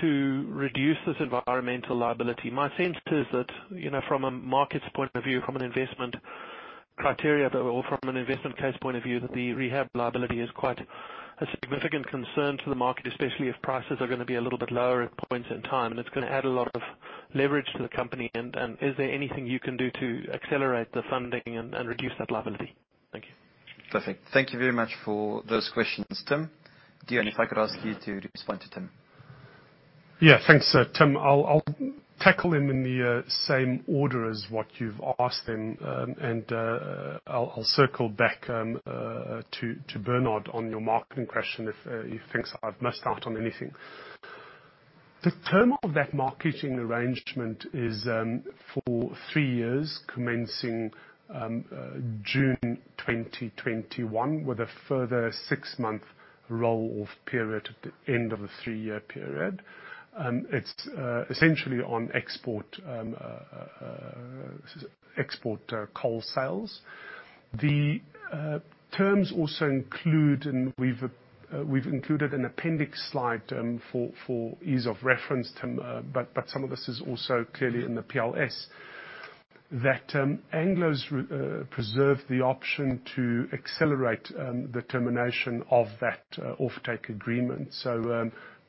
to reduce this environmental liability. My sense is that from a market's point of view, from an investment criteria, or from an investment case point of view, that the rehab liability is quite a significant concern to the market, especially if prices are going to be a little bit lower at points in time, and it's going to add a lot of leverage to the company. Is there anything you can do to accelerate the funding and reduce that liability? Thank you. Perfect. Thank you very much for those questions, Tim. Deon, if I could ask you to respond to Tim. Thanks, Tim. I'll tackle them in the same order as what you've asked, and I'll circle back to Bernard on your marketing question if he thinks I've missed out on anything. The term of that marketing arrangement is for three years, commencing June 2021, with a further six-month roll-off period at the end of the three-year period. It's essentially on export coal sales. The terms also include, and we've included an appendix slide for ease of reference, Tim, but some of this is also clearly in the PLS, that Anglo's preserved the option to accelerate the termination of that offtake agreement.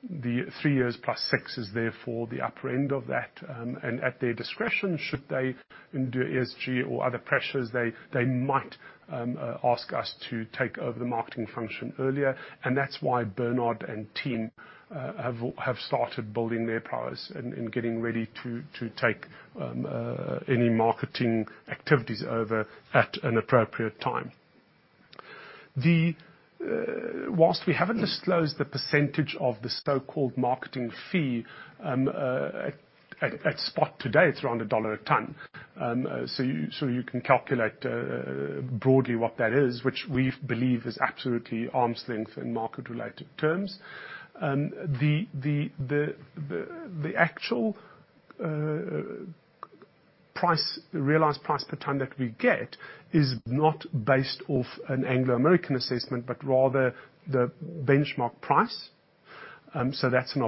The three years plus six is therefore the upper end of that. At their discretion, should they do ESG or other pressures, they might ask us to take over the marketing function earlier. That's why Bernard and team have started building their prowess and getting ready to take any marketing activities over at an appropriate time. Whilst we haven't disclosed the percentage of the so-called marketing fee, at spot today, it's around a dollar a ton. So you can calculate broadly what that is, which we believe is absolutely arm's length and market-related terms. The actual realized price per ton that we get is not based off an Anglo American assessment, but rather the benchmark price. So that's an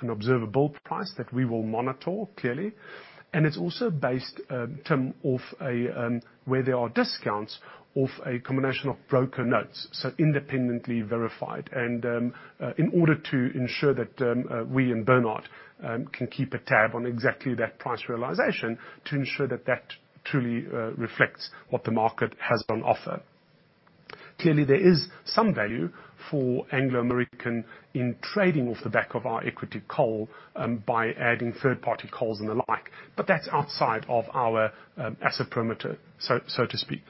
observable price that we will monitor, clearly. It's also based, Tim, off where there are discounts off a combination of broker notes, so independently verified. In order to ensure that we and Bernard can keep a tab on exactly that price realization to ensure that that truly reflects what the market has on offer. Clearly, there is some value for Anglo American in trading off the back of our equity coal by adding third-party coals and the like, but that's outside of our asset perimeter, so to speak.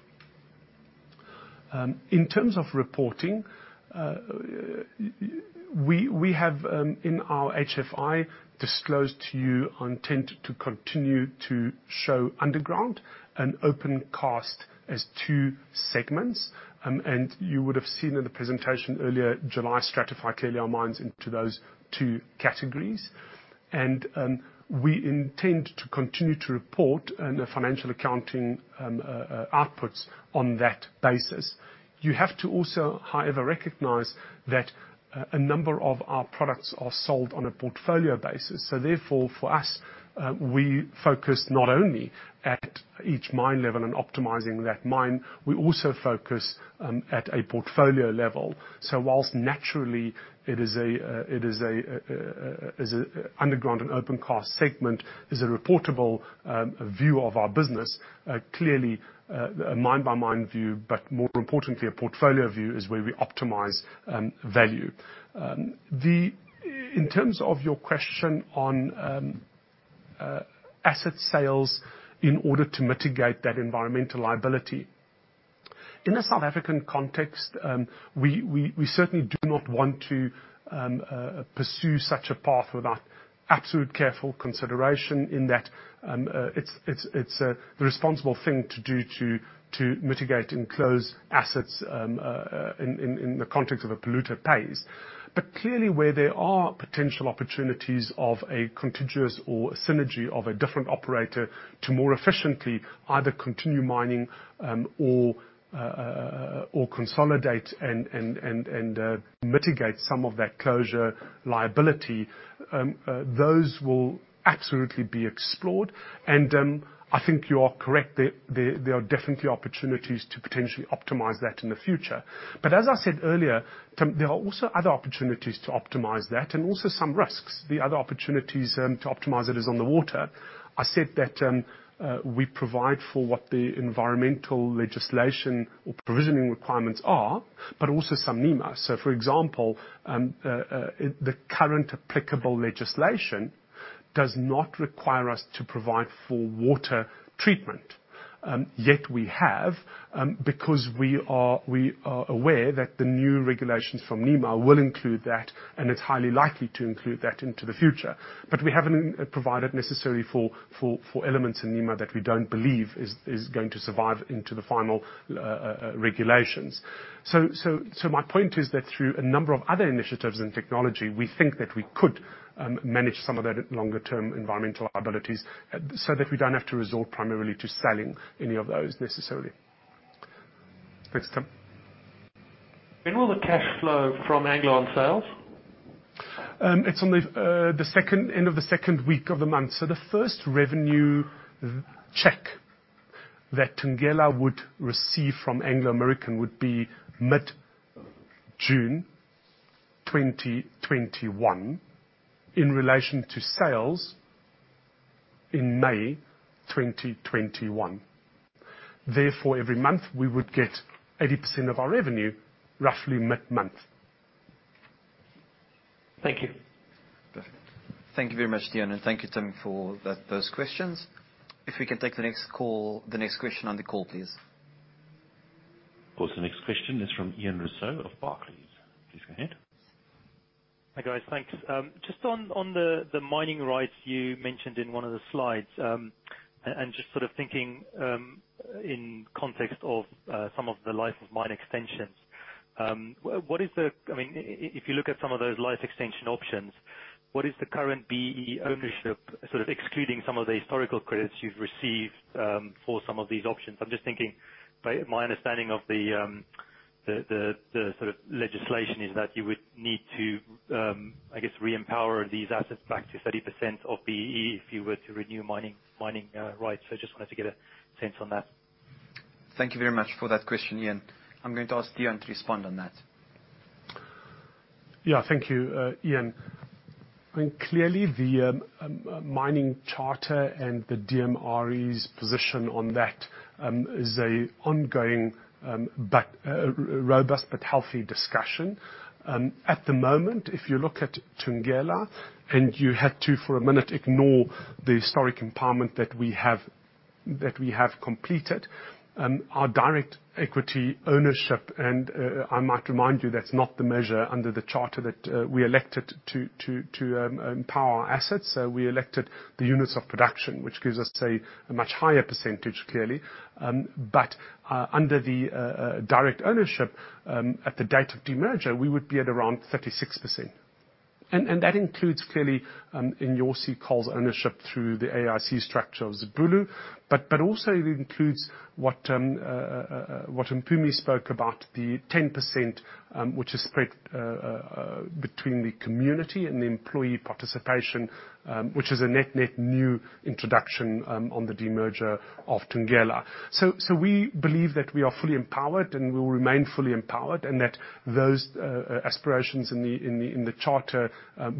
In terms of reporting, we have in our H1 disclosed to you intent to continue to show underground and opencast as two segments. You would've seen in the presentation earlier, July stratify clearly our mines into those two categories. We intend to continue to report in the financial accounting outputs on that basis. You have to also, however, recognize that a number of our products are sold on a portfolio basis. Therefore, for us, we focus not only at each mine level and optimizing that mine, we also focus at a portfolio level. Whilst naturally it is an underground and opencast segment, is a reportable view of our business, clearly a mine-by-mine view, but more importantly a portfolio view is where we optimize value. In terms of your question on asset sales in order to mitigate that environmental liability. In the South African context, we certainly do not want to pursue such a path without absolute careful consideration in that it's the responsible thing to do to mitigate and close assets in the context of a polluter pays. Clearly where there are potential opportunities of a contiguous or a synergy of a different operator to more efficiently either continue mining or consolidate and mitigate some of that closure liability, those will absolutely be explored. I think you are correct, there are definitely opportunities to potentially optimize that in the future. As I said earlier, there are also other opportunities to optimize that and also some risks. The other opportunities to optimize it is on the water. I said that we provide for what the environmental legislation or provisioning requirements are, but also some NEMA. For example, the current applicable legislation does not require us to provide for water treatment. Yet we have, because we are aware that the new regulations from NEMA will include that, and it's highly likely to include that into the future. We haven't provided necessarily for elements in NEMA that we don't believe is going to survive into the final regulations. My point is that through a number of other initiatives in technology, we think that we could manage some of that longer term environmental liabilities so that we don't have to resort primarily to selling any of those necessarily. Thanks, Tim. When will the cash flow from Anglo on sales? It's on the end of the second week of the month. The first revenue check that Thungela would receive from Anglo American would be mid-June 2021 in relation to sales in May 2021. Therefore, every month we would get 80% of our revenue roughly mid-month. Thank you. Thank you very much, Deon, and thank you, Tim, for those questions. If we can take the next question on the call, please. Of course. The next question is from Ian Rossouw of Barclays. Please go ahead. Hi, guys. Thanks. Just on the mining rights you mentioned in one of the slides, and just sort of thinking in context of some of the life of mine extensions. If you look at some of those life extension options, what is the current BEE ownership, sort of excluding some of the historical credits you've received for some of these options? I'm just thinking, my understanding of the sort of legislation is that you would need to I guess, re-empower these assets back to 30% of BEE if you were to renew mining rights. I just wanted to get a sense on that. Thank you very much for that question, Ian. I'm going to ask Deon to respond on that. Thank you, Ian. Clearly the Mining Charter and the DMRE's position on that is an ongoing robust but healthy discussion. At the moment, if you look at Thungela, you had to, for a minute, ignore the historic empowerment that we have completed, our direct equity ownership, and I might remind you, that's not the measure under the charter that we elected to empower our assets. We elected the units of production, which gives us a much higher percentage clearly. Under the direct ownership, at the date of demerger, we would be at around 36%. That includes clearly Inyosi Coal's ownership through the AIC structure of Zibulo, but also it includes what Mpumi spoke about, the 10% which is spread between the community and the employee participation, which is a net new introduction on the demerger of Thungela. We believe that we are fully empowered and we will remain fully empowered, and that those aspirations in the Charter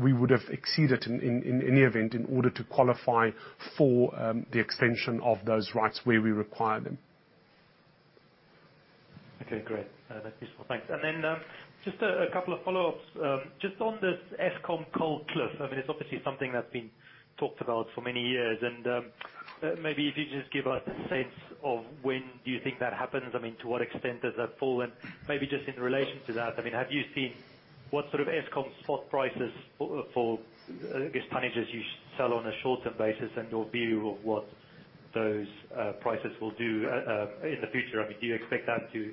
we would've exceeded in any event in order to qualify for the extension of those rights where we require them. Okay, great. That's useful. Thanks. Just a couple of follow-ups. Just on this Eskom coal cliff, I mean, it's obviously something that's been talked about for many years. Maybe if you just give us a sense of when do you think that happens. I mean, to what extent has that fallen? Maybe just in relation to that, have you seen what sort of Eskom spot prices for, I guess, tonnages you sell on a short-term basis and your view of what those prices will do in the future. Do you expect that to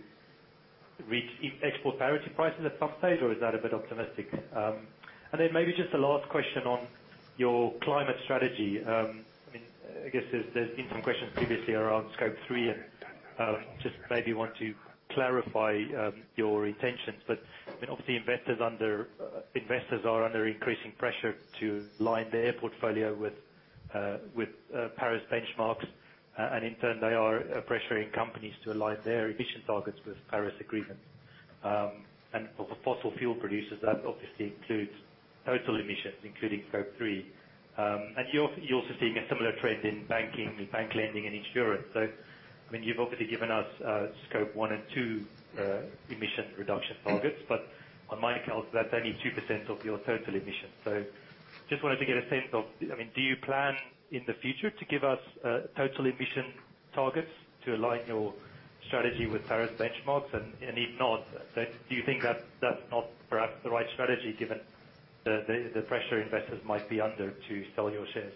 reach export parity prices at some stage, or is that a bit optimistic? Maybe just a last question on your climate strategy. I guess there's been some questions previously around Scope 3, and just maybe want to clarify your intentions. Obviously, investors are under increasing pressure to line their portfolio with Paris benchmarks. In turn, they are pressuring companies to align their emission targets with Paris Agreement. For the fossil fuel producers, that obviously includes total emissions, including Scope 3. You're also seeing a similar trend in banking, bank lending, and insurance. You've obviously given us Scope 1 and 2 emission reduction targets, but on my account, that's only 2% of your total emissions. Just wanted to get a sense of, do you plan in the future to give us total emission targets to align your strategy with Paris benchmarks? If not, do you think that's not perhaps the right strategy given the pressure investors might be under to sell your shares?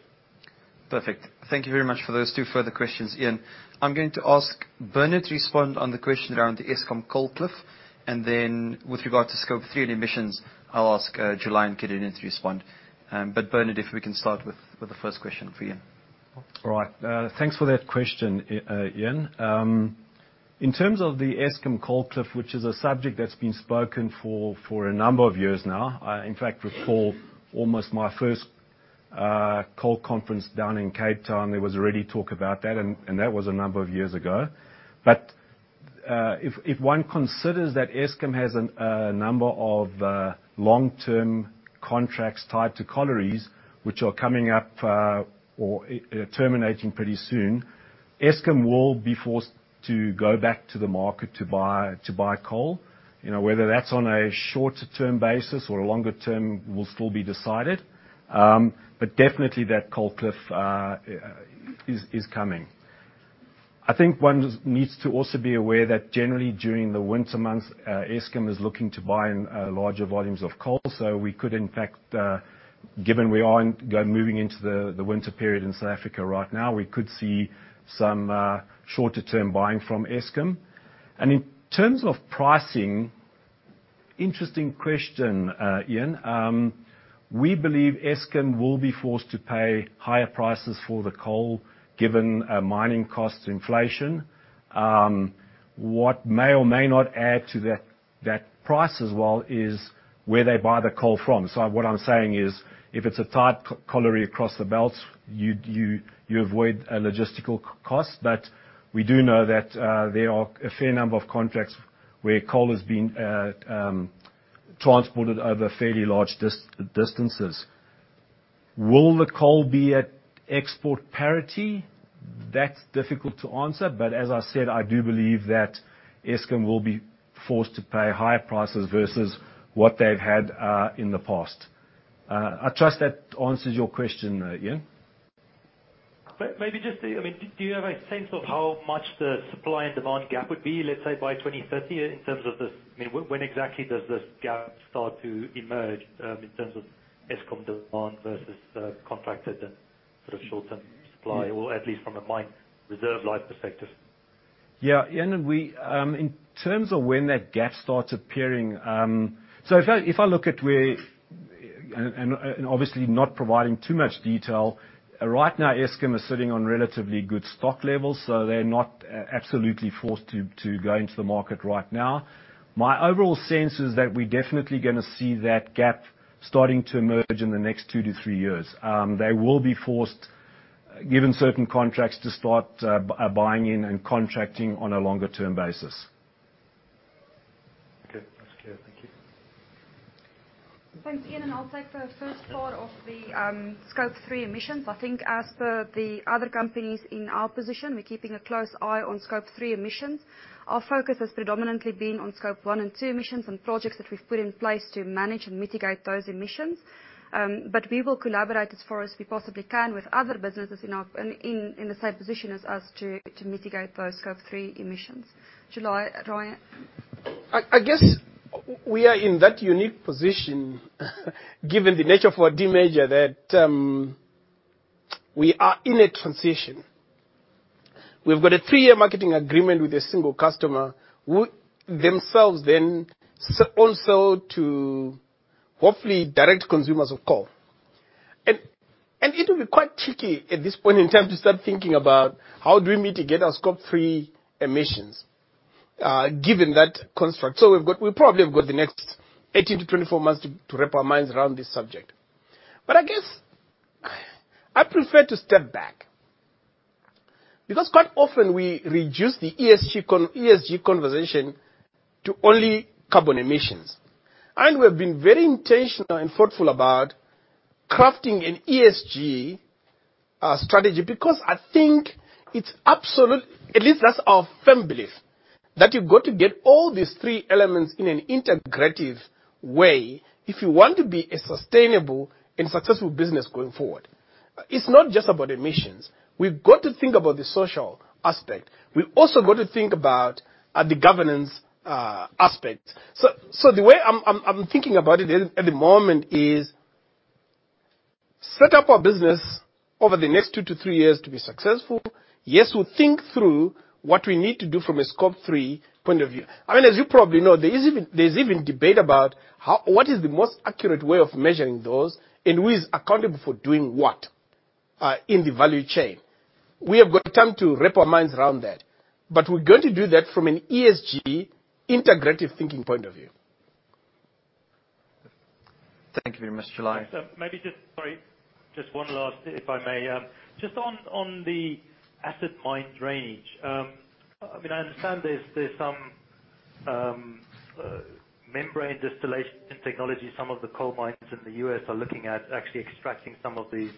Perfect. Thank you very much for those two further questions, Ian. I'm going to ask Bernard to respond on the question around the Eskom coal cliff, and then with regard to Scope 3 and emissions, I'll ask July and Carina to respond. Bernard, if we can start with the first question for Ian. All right. Thanks for that question, Ian. In terms of the Eskom coal cliff, which is a subject that's been spoken for a number of years now. Recall almost my first coal conference down in Cape Town, there was already talk about that, and that was a number of years ago. If one considers that Eskom has a number of long-term contracts tied to collieries, which are coming up or terminating pretty soon, Eskom will be forced to go back to the market to buy coal. Whether that's on a shorter term basis or a longer term will still be decided. Definitely that coal cliff is coming. I think one needs to also be aware that generally during the winter months, Eskom is looking to buy in larger volumes of coal. We could in fact, given we are moving into the winter period in South Africa right now, we could see some shorter term buying from Eskom. In terms of pricing, interesting question, Ian. We believe Eskom will be forced to pay higher prices for the coal, given mining costs inflation. What may or may not add to that price as well is where they buy the coal from. What I'm saying is, if it's a tight colliery across the belt, you avoid logistical costs. We do know that there are a fair number of contracts where coal has been transported over fairly large distances. Will the coal be at export parity? That's difficult to answer. As I said, I do believe that Eskom will be forced to pay higher prices versus what they've had in the past. I trust that answers your question, Ian. Maybe just, do you have a sense of how much the supply and demand gap would be, let's say, by 2030, in terms of when exactly does this gap start to emerge in terms of Eskom demand versus contracted and sort of shortened supply, or at least from a mine reserve life perspective? Yeah, Ian. In terms of when that gap starts appearing, if I look at where, and obviously not providing too much detail, right now, Eskom is sitting on relatively good stock levels. They're not absolutely forced to go into the market right now. My overall sense is that we're definitely gonna see that gap starting to emerge in the next two to three years. They will be forced, given certain contracts, to start buying in and contracting on a longer term basis. Okay, that's clear. Thank you. Thanks, Ian, I'll take the first part of the Scope 3 emissions. I think as per the other companies in our position, we're keeping a close eye on Scope 3 emissions. Our focus has predominantly been on Scope 1 and 2 emissions and projects that we've put in place to manage and mitigate those emissions. We will collaborate as far as we possibly can with other businesses in the same position as us to mitigate those Scope 3 emissions. July? I guess we are in that unique position given the nature of our demerger that we are in a transition. We've got a three-year marketing agreement with a single customer, who themselves then onsell to hopefully direct consumers of coal. It will be quite tricky at this point in time to start thinking about how do we mitigate our Scope 3 emissions, given that construct. We probably have got the next 18-24 months to wrap our minds around this subject. I guess I prefer to step back, because quite often we reduce the ESG conversation to only carbon emissions. We have been very intentional and thoughtful about crafting an ESG strategy, because I think at least that's our firm belief, that you've got to get all these three elements in an integrative way if you want to be a sustainable and successful business going forward. It's not just about emissions. We've got to think about the social aspect. We've also got to think about the governance aspect. The way I'm thinking about it at the moment is set up our business over the next two to three years to be successful. Yes, we'll think through what we need to do from a Scope 3 point of view. As you probably know, there's even debate about what is the most accurate way of measuring those, and who is accountable for doing what, in the value chain. We have got time to wrap our minds around that, but we're going to do that from an ESG integrative thinking point of view. Thank you very much, July. Maybe just, sorry, just one last, if I may. Just on the acid mine drainage. I understand there's some membrane distillation technology some of the coal mines in the U.S. are looking at actually extracting some of these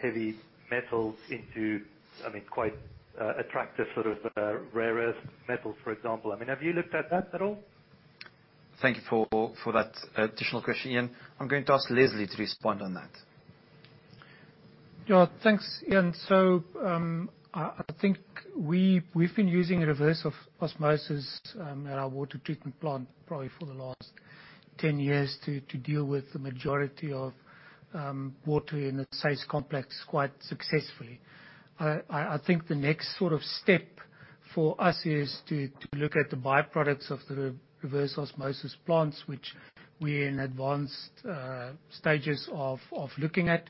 heavy metals into quite attractive sort of rare earth metals, for example. Have you looked at that at all? Thank you for that additional question, Ian. I'm going to ask Leslie to respond on that. Yeah. Thanks, Ian. I think we've been using reverse osmosis at our water treatment plant probably for the last 10 years to deal with the majority of water in the SACE complex quite successfully. I think the next step for us is to look at the by-products of the reverse osmosis plants, which we're in advanced stages of looking at.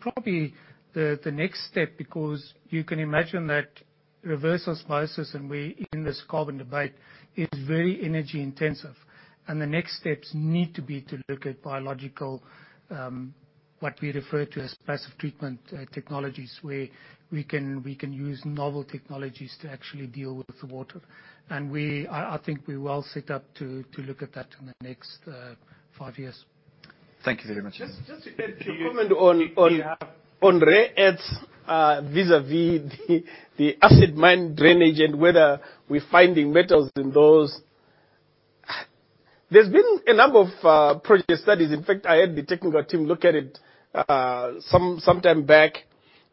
Probably the next step, because you can imagine that reverse osmosis, and we're in this carbon debate, is very energy intensive. The next steps need to be to look at biological, what we refer to as passive treatment technologies, where we can use novel technologies to actually deal with the water. I think we're well set up to look at that in the next five years. Thank you very much. Just a quick comment on rare earths vis-a-vis the acid mine drainage and whether we're finding metals in those. There's been a number of project studies. In fact, I had the technical team look at it sometime back.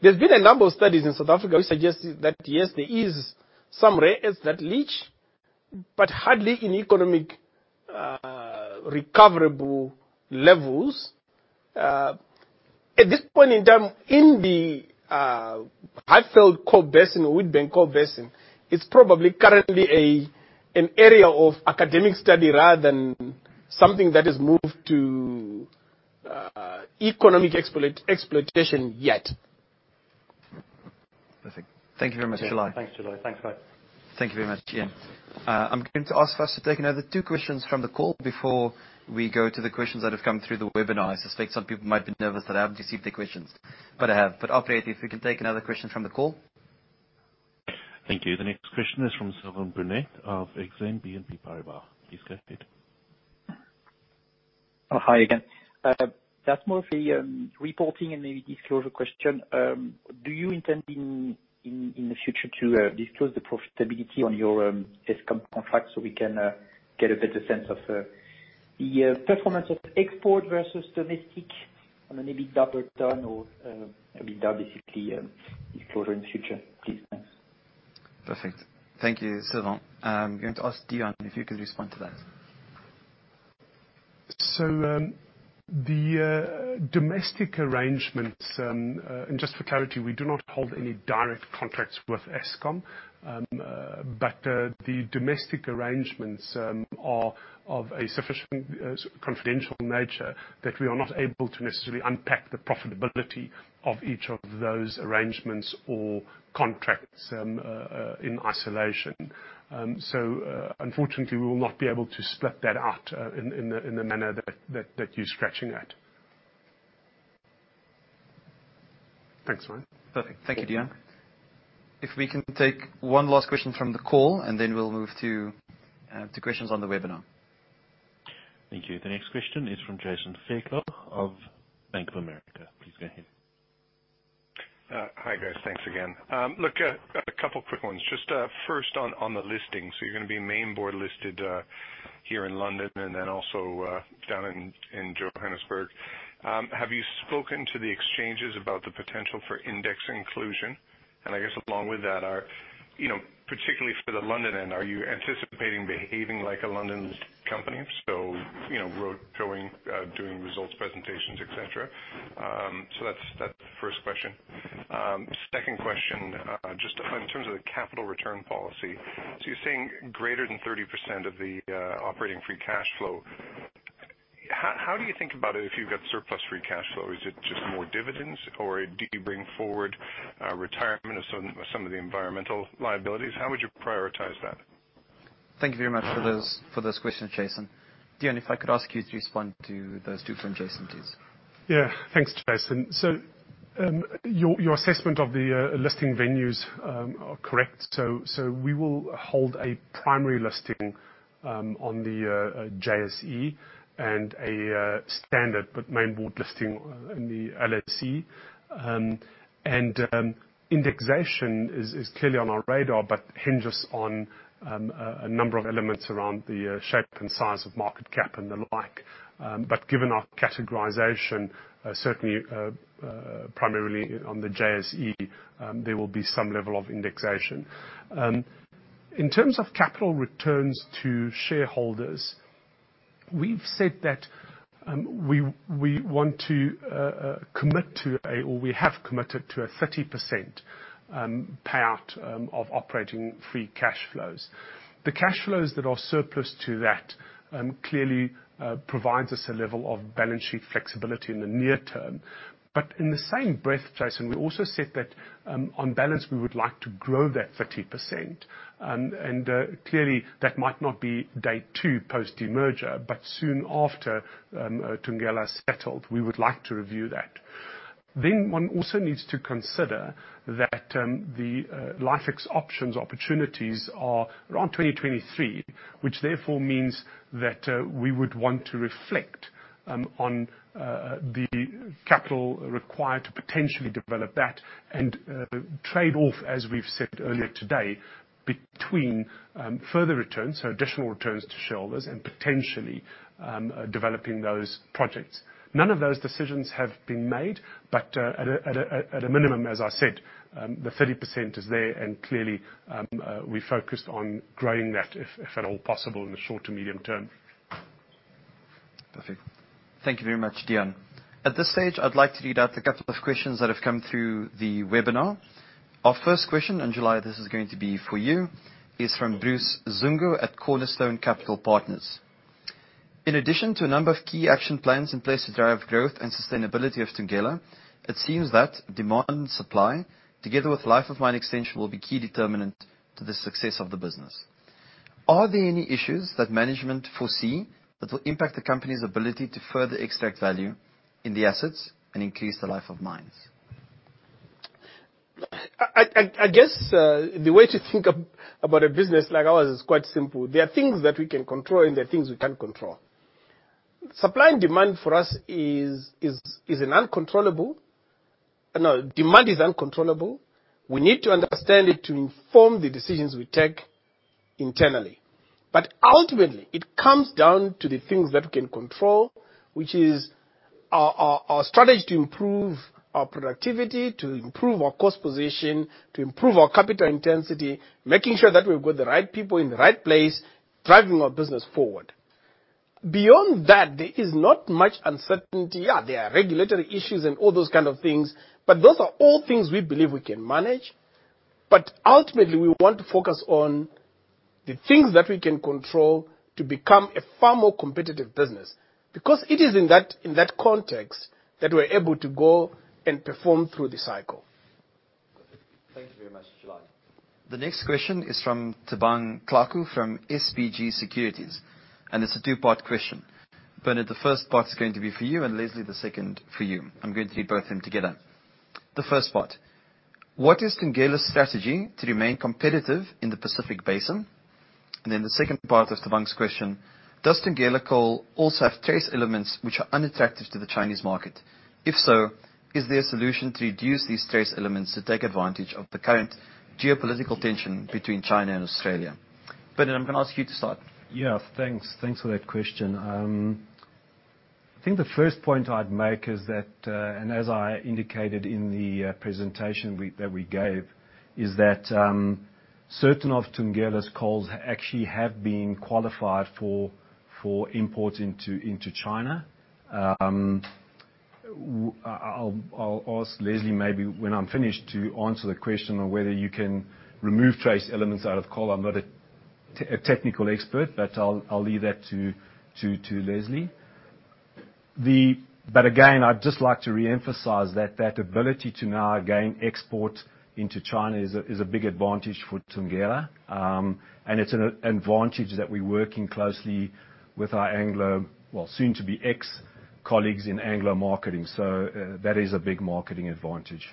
There's been a number of studies in South Africa which suggest that yes, there is some rare earths that leach, but hardly in economic recoverable levels. At this point in time in the Highveld Coal Basin or Witbank Coal Basin, it's probably currently an area of academic study rather than something that has moved to economic exploitation yet. Perfect. Thank you very much, July. Thanks, July. Thanks, bye. Thank you very much, Ian. I'm going to ask if us to take another two questions from the call before we go to the questions that have come through the webinar. I suspect some people might be nervous that I haven't received their questions, but I have. Operator, if we can take another question from the call. Thank you. The next question is from Sylvain Brunet of Exane BNP Paribas. Please go ahead. Oh, hi again. That's more of a reporting and maybe disclosure question. Do you intend in the future to disclose the profitability on your Eskom contract so we can get a better sense of the performance of export versus domestic on an EBITDA return or, EBITDA basically disclosure in the future, please? Thanks. Perfect. Thank you, Sylvain. I'm going to ask Deon if you could respond to that. The domestic arrangements, and just for clarity, we do not hold any direct contracts with Eskom. The domestic arrangements are of a confidential nature that we are not able to necessarily unpack the profitability of each of those arrangements or contracts in isolation. Unfortunately, we will not be able to split that out in the manner that you're scratching at. Thanks, Ryan. Perfect. Thank you, Deon. If we can take one last question from the call, and then we'll move to questions on the webinar. Thank you. The next question is from Jason Fairclough of Bank of America. Please go ahead. Hi, guys. Thanks again. Look, a couple quick ones. Just first on the listing. You're gonna be main board listed here in London and then also down in Johannesburg. Have you spoken to the exchanges about the potential for index inclusion? I guess along with that are, particularly for the London end, are you anticipating behaving like a London listed company? Doing results presentations, et cetera. That's the first question. Second question, just in terms of the capital return policy. You're saying greater than 30% of the operating free cash flow. How do you think about it if you've got surplus free cash flow? Is it just more dividends or do you bring forward retirement of some of the environmental liabilities? How would you prioritize that? Thank you very much for those questions, Jason. Deon, if I could ask you to respond to those two from Jason, please. Yeah. Thanks, Jason. Your assessment of the listing venues are correct. We will hold a primary listing on the JSE and a standard but main board listing in the LSE. Indexation is clearly on our radar but hinges on a number of elements around the shape and size of market cap and the like. Given our categorization, certainly primarily on the JSE, there will be some level of indexation. In terms of capital returns to shareholders, we've said that we want to commit to, or we have committed to a 30% payout of operating free cash flows. The cash flows that are surplus to that clearly provides us a level of balance sheet flexibility in the near term. In the same breath, Jason, we also said that on balance, we would like to grow that 30%. Clearly, that might not be day two post-demerger, but soon after Thungela is settled, we would like to review that. One also needs to consider that the LifeEx options opportunities are around 2023, which therefore means that we would want to reflect on the capital required to potentially develop that and trade off, as we've said earlier today, between further returns, so additional returns to shareholders, and potentially developing those projects. At a minimum, as I said, the 30% is there, and clearly, we focused on growing that if at all possible in the short to medium term. Perfect. Thank you very much, Deon. At this stage, I'd like to read out a couple of questions that have come through the webinar. Our first question, and July, this is going to be for you, is from Bruce Zungu at Cornerstone Capital Partners. In addition to a number of key action plans in place to drive growth and sustainability of Thungela, it seems that demand and supply, together with life of mine extension will be key determinant to the success of the business. Are there any issues that management foresee that will impact the company's ability to further extract value in the assets and increase the life of mines? I guess, the way to think about a business like ours is quite simple. There are things that we can control, and there are things we can't control. Supply and demand for us is an uncontrollable. No, demand is uncontrollable. We need to understand it to inform the decisions we take internally. Ultimately, it comes down to the things that we can control, which is our strategy to improve our productivity, to improve our cost position, to improve our capital intensity, making sure that we've got the right people in the right place driving our business forward. Beyond that, there is not much uncertainty. Yeah, there are regulatory issues and all those kinds of things, those are all things we believe we can manage. Ultimately, we want to focus on the things that we can control to become a far more competitive business. Because it is in that context that we're able to go and perform through the cycle. Thank you very much, July. The next question is from Thabang Thlaku from SBG Securities. It's a two-part question. Bernard, the first part's going to be for you. Leslie, the second for you. I'm going to read both of them together. The first part, what is Thungela's strategy to remain competitive in the Pacific Basin? The second part of Thabang's question, does Thungela Coal also have trace elements which are unattractive to the Chinese market? If so, is there a solution to reduce these trace elements to take advantage of the current geopolitical tension between China and Australia? Bernard, I'm going to ask you to start. Yeah, thanks. Thanks for that question. I think the first point I'd make is that, as I indicated in the presentation that we gave, certain of Thungela's coals actually have been qualified for import into China. I'll ask Leslie maybe when I'm finished to answer the question on whether you can remove trace elements out of coal. I'm not a technical expert, but I'll leave that to Leslie. Again, I'd just like to reemphasize that that ability to now again export into China is a big advantage for Thungela. It's an advantage that we're working closely with our Anglo, well, soon to be ex-colleagues in Anglo Marketing. That is a big marketing advantage.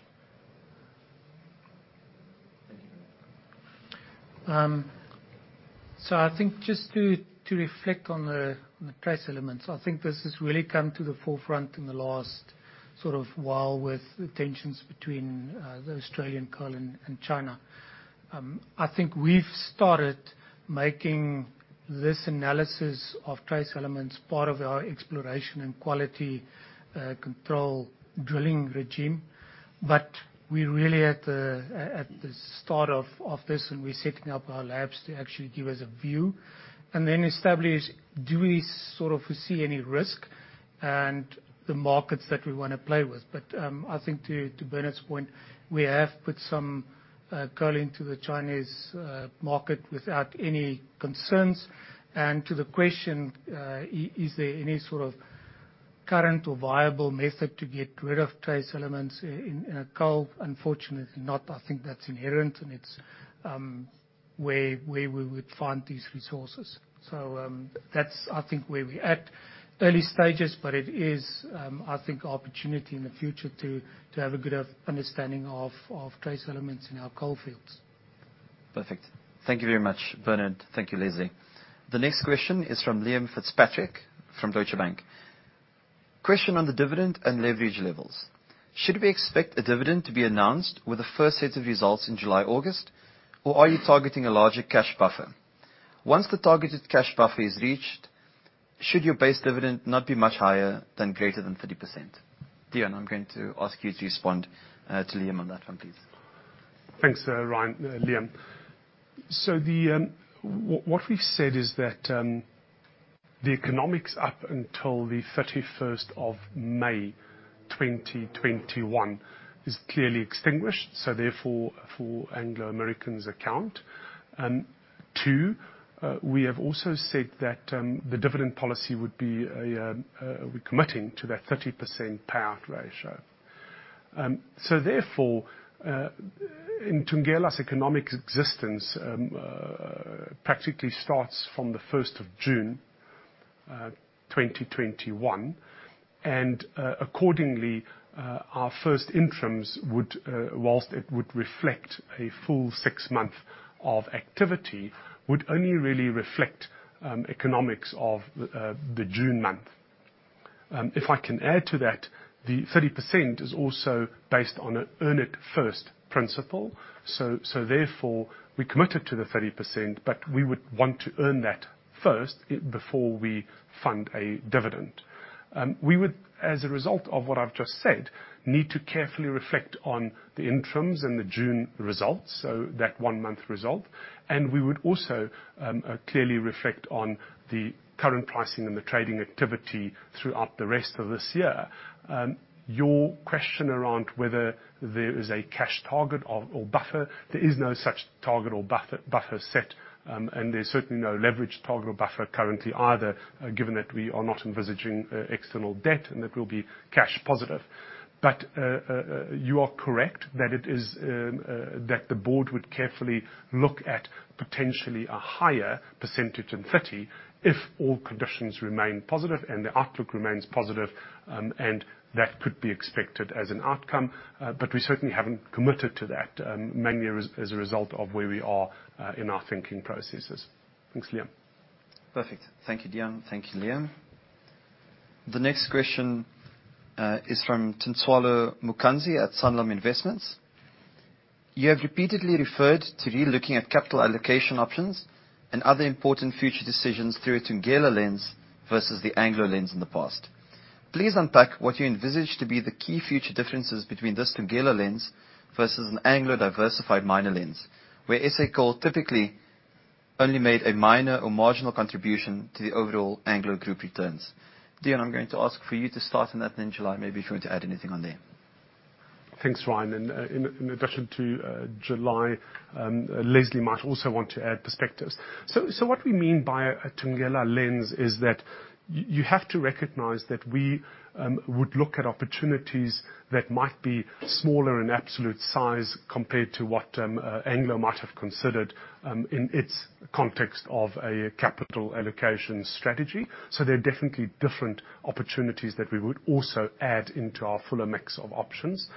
I think just to reflect on the trace elements, I think this has really come to the forefront in the last sort of while with the tensions between the Australian coal and China. I think we've started making this analysis of trace elements part of our exploration and quality control drilling regime. We're really at the start of this, and we're setting up our labs to actually give us a view, and then establish, do we sort of foresee any risk and the markets that we want to play with. I think to Bernard's point, we have put some coal into the Chinese market without any concerns. To the question, is there any sort of current or viable method to get rid of trace elements in a coal? Unfortunately not. I think that's inherent, and it's where we would find these resources. That's, I think, where we're at. Early stages, but it is I think an opportunity in the future to have a good understanding of trace elements in our coal fields. Perfect. Thank you very much, Bernard. Thank you, Leslie. The next question is from Liam Fitzpatrick from Deutsche Bank. Question on the dividend and leverage levels. Should we expect a dividend to be announced with the first set of results in July, August, or are you targeting a larger cash buffer? Once the targeted cash buffer is reached, should your base dividend not be much higher than greater than 30%? Deon, I am going to ask you to respond to Liam on that one, please. Thanks, Ryan, Liam. What we've said is that the economics up until the 31st of May 2021 is clearly extinguished, therefore, for Anglo American's account. Two, we have also said that the dividend policy would be committing to that 30% payout ratio. Therefore, in Thungela's economic existence, practically starts from the 1st of June 2021, and accordingly, our first interims, whilst it would reflect a full six month of activity, would only really reflect economics of the June month. If I can add to that, the 30% is also based on an earn it first principle. Therefore, we committed to the 30%, but we would want to earn that first before we fund a dividend. We would, as a result of what I've just said, need to carefully reflect on the interims and the June results, so that one-month result, and we would also clearly reflect on the current pricing and the trading activity throughout the rest of this year. Your question around whether there is a cash target or buffer, there is no such target or buffer set. There's certainly no leverage target or buffer currently either, given that we are not envisaging external debt and that we'll be cash positive. You are correct that the board would carefully look at potentially a higher percentage than 30% if all conditions remain positive and the outlook remains positive, and that could be expected as an outcome. We certainly haven't committed to that, mainly as a result of where we are in our thinking processes. Thanks, Liam. Perfect. Thank you, Deon. Thank you, Liam. The next question is from Tintswalo Manganyi at Sanlam Investments. You have repeatedly referred to re-looking at capital allocation options and other important future decisions through a Thungela lens versus the Anglo lens in the past. Please unpack what you envisage to be the key future differences between this Thungela lens versus an Anglo diversified miner lens, where SA coal typically only made a minor or marginal contribution to the overall Anglo group returns. Deon, I am going to ask for you to start on that, then July, maybe if you want to add anything on there. Thanks, Ryan. In addition to July, Leslie might also want to add perspectives. What we mean by a Thungela lens is that you have to recognize that we would look at opportunities that might be smaller in absolute size compared to what Anglo might have considered, in its context of a capital allocation strategy. They're definitely different opportunities that we would also add into our fuller mix of options.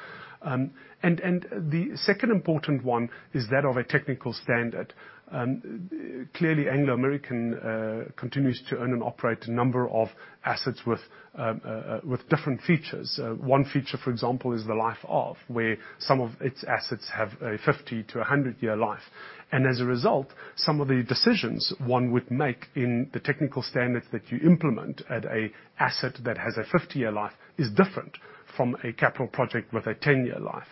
The second important one is that of a technical standard. Clearly, Anglo American continues to own and operate a number of assets with different features. One feature, for example, is the life of, where some of its assets have a 50-100-year life. As a result, some of the decisions one would make in the technical standards that you implement at an asset that has a 50-year life is different from a capital project with a 10-year life.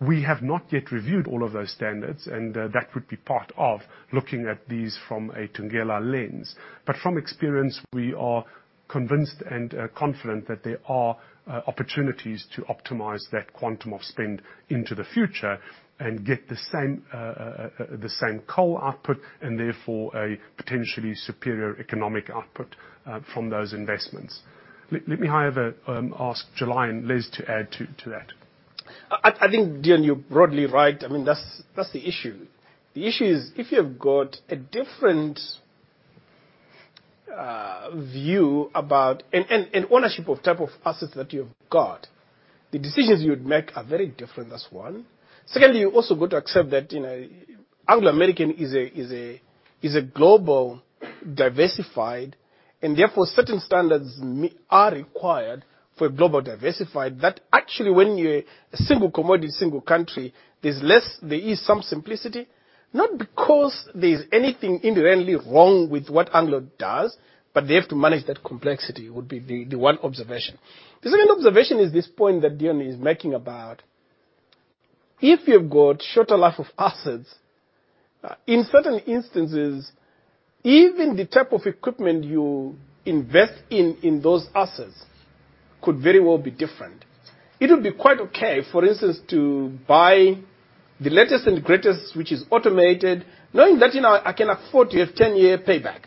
We have not yet reviewed all of those standards, and that would be part of looking at these from a Thungela lens. From experience, we are convinced and confident that there are opportunities to optimize that quantum of spend into the future and get the same coal output and therefore a potentially superior economic output from those investments. Let me have ask July and Les to add to that. I think, Deon, you're broadly right. That's the issue. The issue is if you have got a different view about, and ownership of type of assets that you've got, the decisions you would make are very different. That's one. You also got to accept that Anglo American is a global, diversified, and therefore certain standards are required for a global diversified that actually when you're a single commodity, single country, there is some simplicity. Not because there's anything inherently wrong with what Anglo does, but they have to manage that complexity, would be the one observation. The second observation is this point that Deon is making about if you've got shorter life of assets, in certain instances, even the type of equipment you invest in those assets could very well be different. It would be quite okay, for instance, to buy the latest and greatest, which is automated, knowing that I can afford to have 10-year payback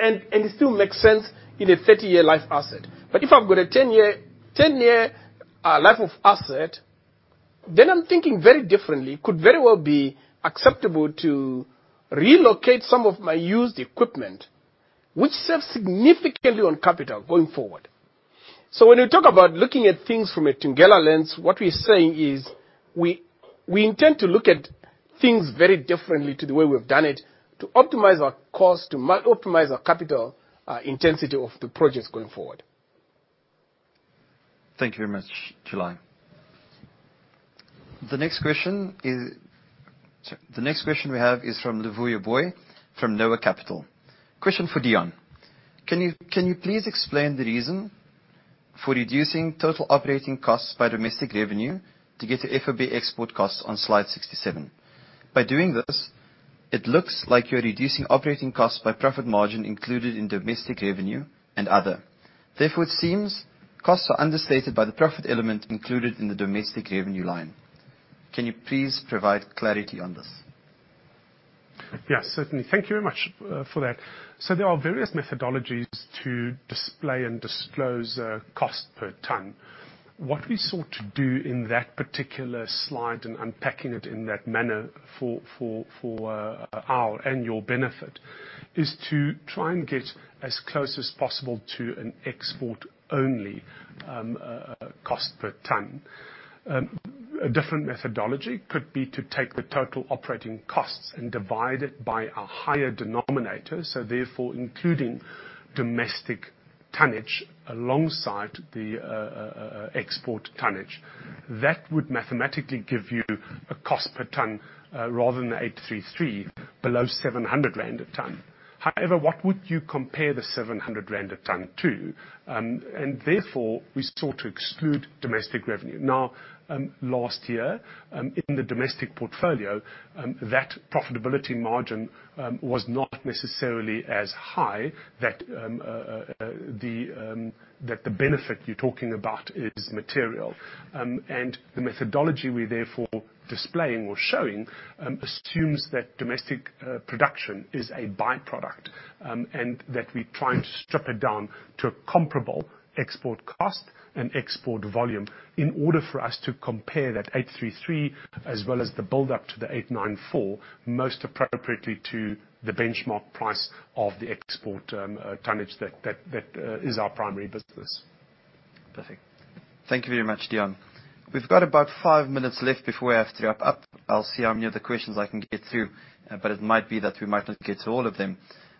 and it still makes sense in a 30-year life asset. If I've got a 10-year life of asset, then I'm thinking very differently. Could very well be acceptable to relocate some of my used equipment, which saves significantly on capital going forward. When we talk about looking at things from a Thungela lens, what we're saying is we intend to look at things very differently to the way we've done it to optimize our cost, to optimize our capital intensity of the projects going forward. Thank you very much, July. The next question we have is from Luvuyo Booi from Noah Capital. Question for Deon. Can you please explain the reason for reducing total operating costs by domestic revenue to get to FOB export costs on slide 67? By doing this, it looks like you're reducing operating costs by profit margin included in domestic revenue and other. It seems costs are understated by the profit element included in the domestic revenue line. Can you please provide clarity on this? Yes, certainly. Thank you very much for that. There are various methodologies to display and disclose cost per ton. What we sought to do in that particular slide, and unpacking it in that manner for our annual benefit, is to try and get as close as possible to an export-only cost per ton. A different methodology could be to take the total operating costs and divide it by a higher denominator, so therefore, including domestic tonnage alongside the export tonnage. That would mathematically give you a cost per ton rather than the 833 below 700 rand a ton. However, what would you compare the 700 rand a ton to? Therefore, we sought to exclude domestic revenue. Now, last year, in the domestic portfolio, that profitability margin was not necessarily as high that the benefit you're talking about is material. The methodology we're therefore displaying or showing assumes that domestic production is a by-product, and that we're trying to strip it down to a comparable export cost and export volume in order for us to compare that 833 as well as the build-up to the 894 most appropriately to the benchmark price of the export tonnage that is our primary business. Perfect. Thank you very much, Deon. We've got about five minutes left before we have to wrap-up. I'll see how many other questions I can get to, but it might be that we might not get to all of them.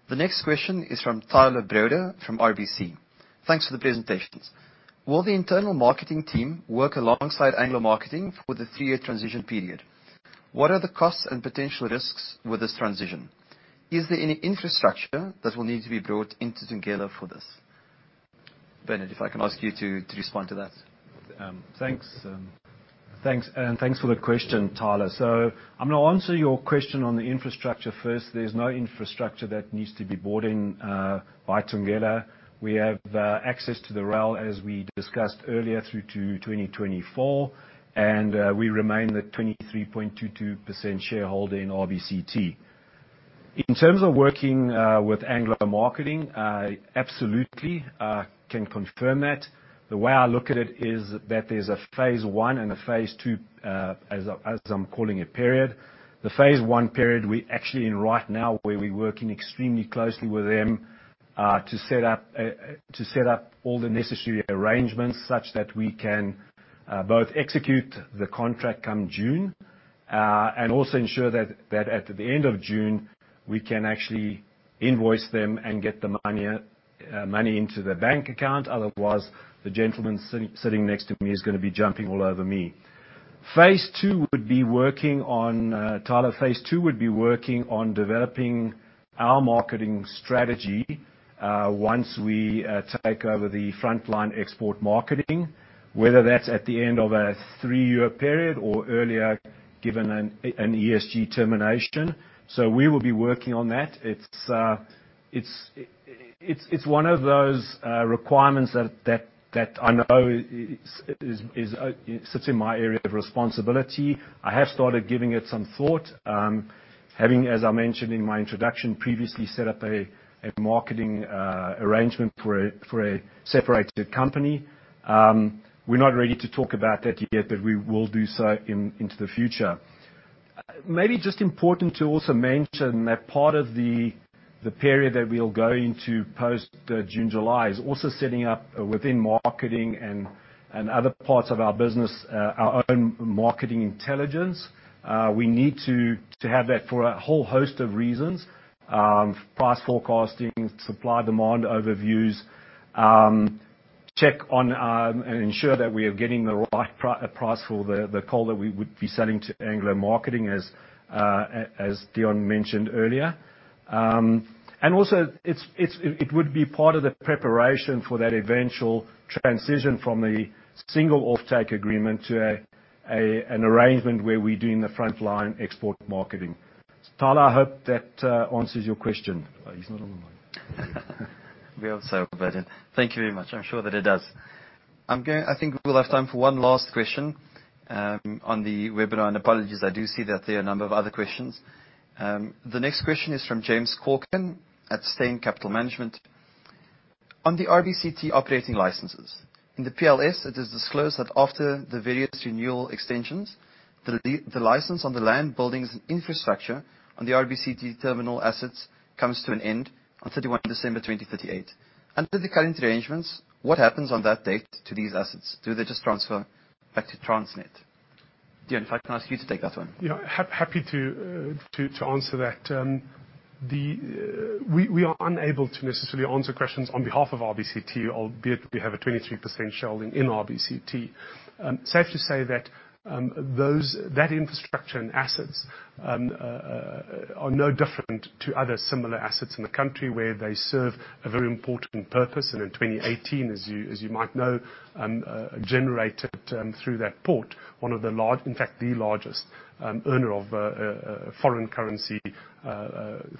The next question is from Tyler Broda, from RBC. Thanks for the presentations. Will the internal marketing team work alongside Anglo Marketing for the three-year transition period? What are the costs and potential risks with this transition? Is there any infrastructure that will need to be brought into Thungela for this? Bernard, if I can ask you to respond to that. Thanks. Thanks for the question, Tyler. I'm going to answer your question on the infrastructure first. There's no infrastructure that needs to be brought in by Thungela. We have access to the rail, as we discussed earlier, through to 2024, and we remain the 23.22% shareholder in RBCT. In terms of working with Anglo Marketing, I absolutely can confirm that. The way I look at it is that there's a phase one and a phase two, as I'm calling it, period. The phase one period we're actually in right now, where we're working extremely closely with them to set up all the necessary arrangements such that we can both execute the contract come June, and also ensure that at the end of June, we can actually invoice them and get the money into the bank account. Otherwise, the gentleman sitting next to me is going to be jumping all over me. Tyler, phase two would be working on developing our marketing strategy once we take over the frontline export marketing, whether that's at the end of a three-year period or earlier, given an ESG termination. We will be working on that. It's one of those requirements that I know sits in my area of responsibility. I have started giving it some thought, having, as I mentioned in my introduction previously, set up a marketing arrangement for a separated company. We're not ready to talk about that yet, but we will do so into the future. Just important to also mention that part of the period that we're going to post June, July, is also setting up within marketing and other parts of our business, our own marketing intelligence. We need to have that for a whole host of reasons. Price forecasting, supply, demand overviews, check on and ensure that we are getting the right price for the coal that we would be selling to Anglo Marketing, as Deon mentioned earlier. Also, it would be part of the preparation for that eventual transition from the single offtake agreement to an arrangement where we're doing the frontline export marketing. Tyler, I hope that answers your question. He's not on the line. We hope so, Bernard. Thank you very much. I am sure that it does. I think we will have time for one last question on the webinar. Apologies, I do see that there are a number of other questions. The next question is from James Corgan at Steyn Capital Management. On the RBCT operating licenses. In the PLS, it is disclosed that after the various renewal extensions, the license on the land, buildings, and infrastructure on the RBCT terminal assets comes to an end on 31 December 2038. Under the current arrangements, what happens on that date to these assets? Do they just transfer back to Transnet? Deon, if I can ask you to take that one. Yeah, happy to answer that. We are unable to necessarily answer questions on behalf of RBCT, albeit we have a 23% holding in RBCT. Safe to say that infrastructure and assets are no different to other similar assets in the country where they serve a very important purpose. In 2018, as you might know, generated through that port, in fact, the largest earner of foreign currency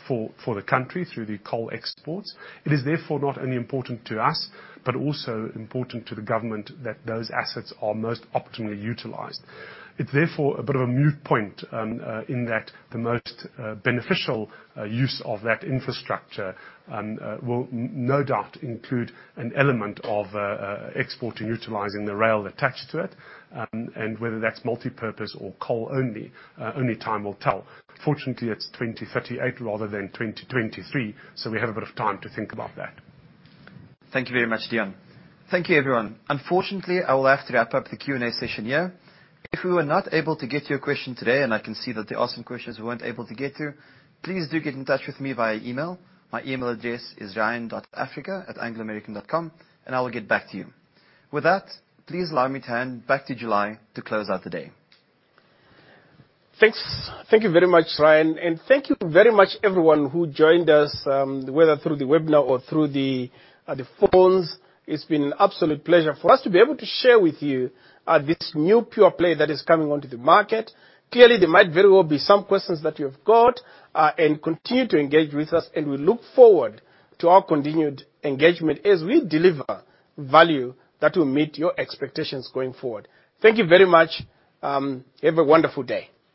for the country through the coal exports. It is therefore not only important to us, but also important to the government that those assets are most optimally utilized. It's therefore a bit of a moot point, in that the most beneficial use of that infrastructure will no doubt include an element of exporting, utilizing the rail attached to it. And whether that's multipurpose or coal only time will tell. Fortunately, it's 2038 rather than 2023, so we have a bit of time to think about that. Thank you very much, Deon. Thank you, everyone. Unfortunately, I will have to wrap-up the Q&A session here. If we were not able to get to your question today, and I can see that there are some questions we weren't able to get to, please do get in touch with me via email. My email address is ryan.africa@angloamerican.com, and I will get back to you. With that, please allow me to hand back to July to close out the day. Thanks. Thank you very much, Ryan. Thank you very much everyone who joined us, whether through the webinar or through the phones. It's been an absolute pleasure for us to be able to share with you this new pure play that is coming onto the market. Clearly, there might very well be some questions that you've got, continue to engage with us, we look forward to our continued engagement as we deliver value that will meet your expectations going forward. Thank you very much. Have a wonderful day.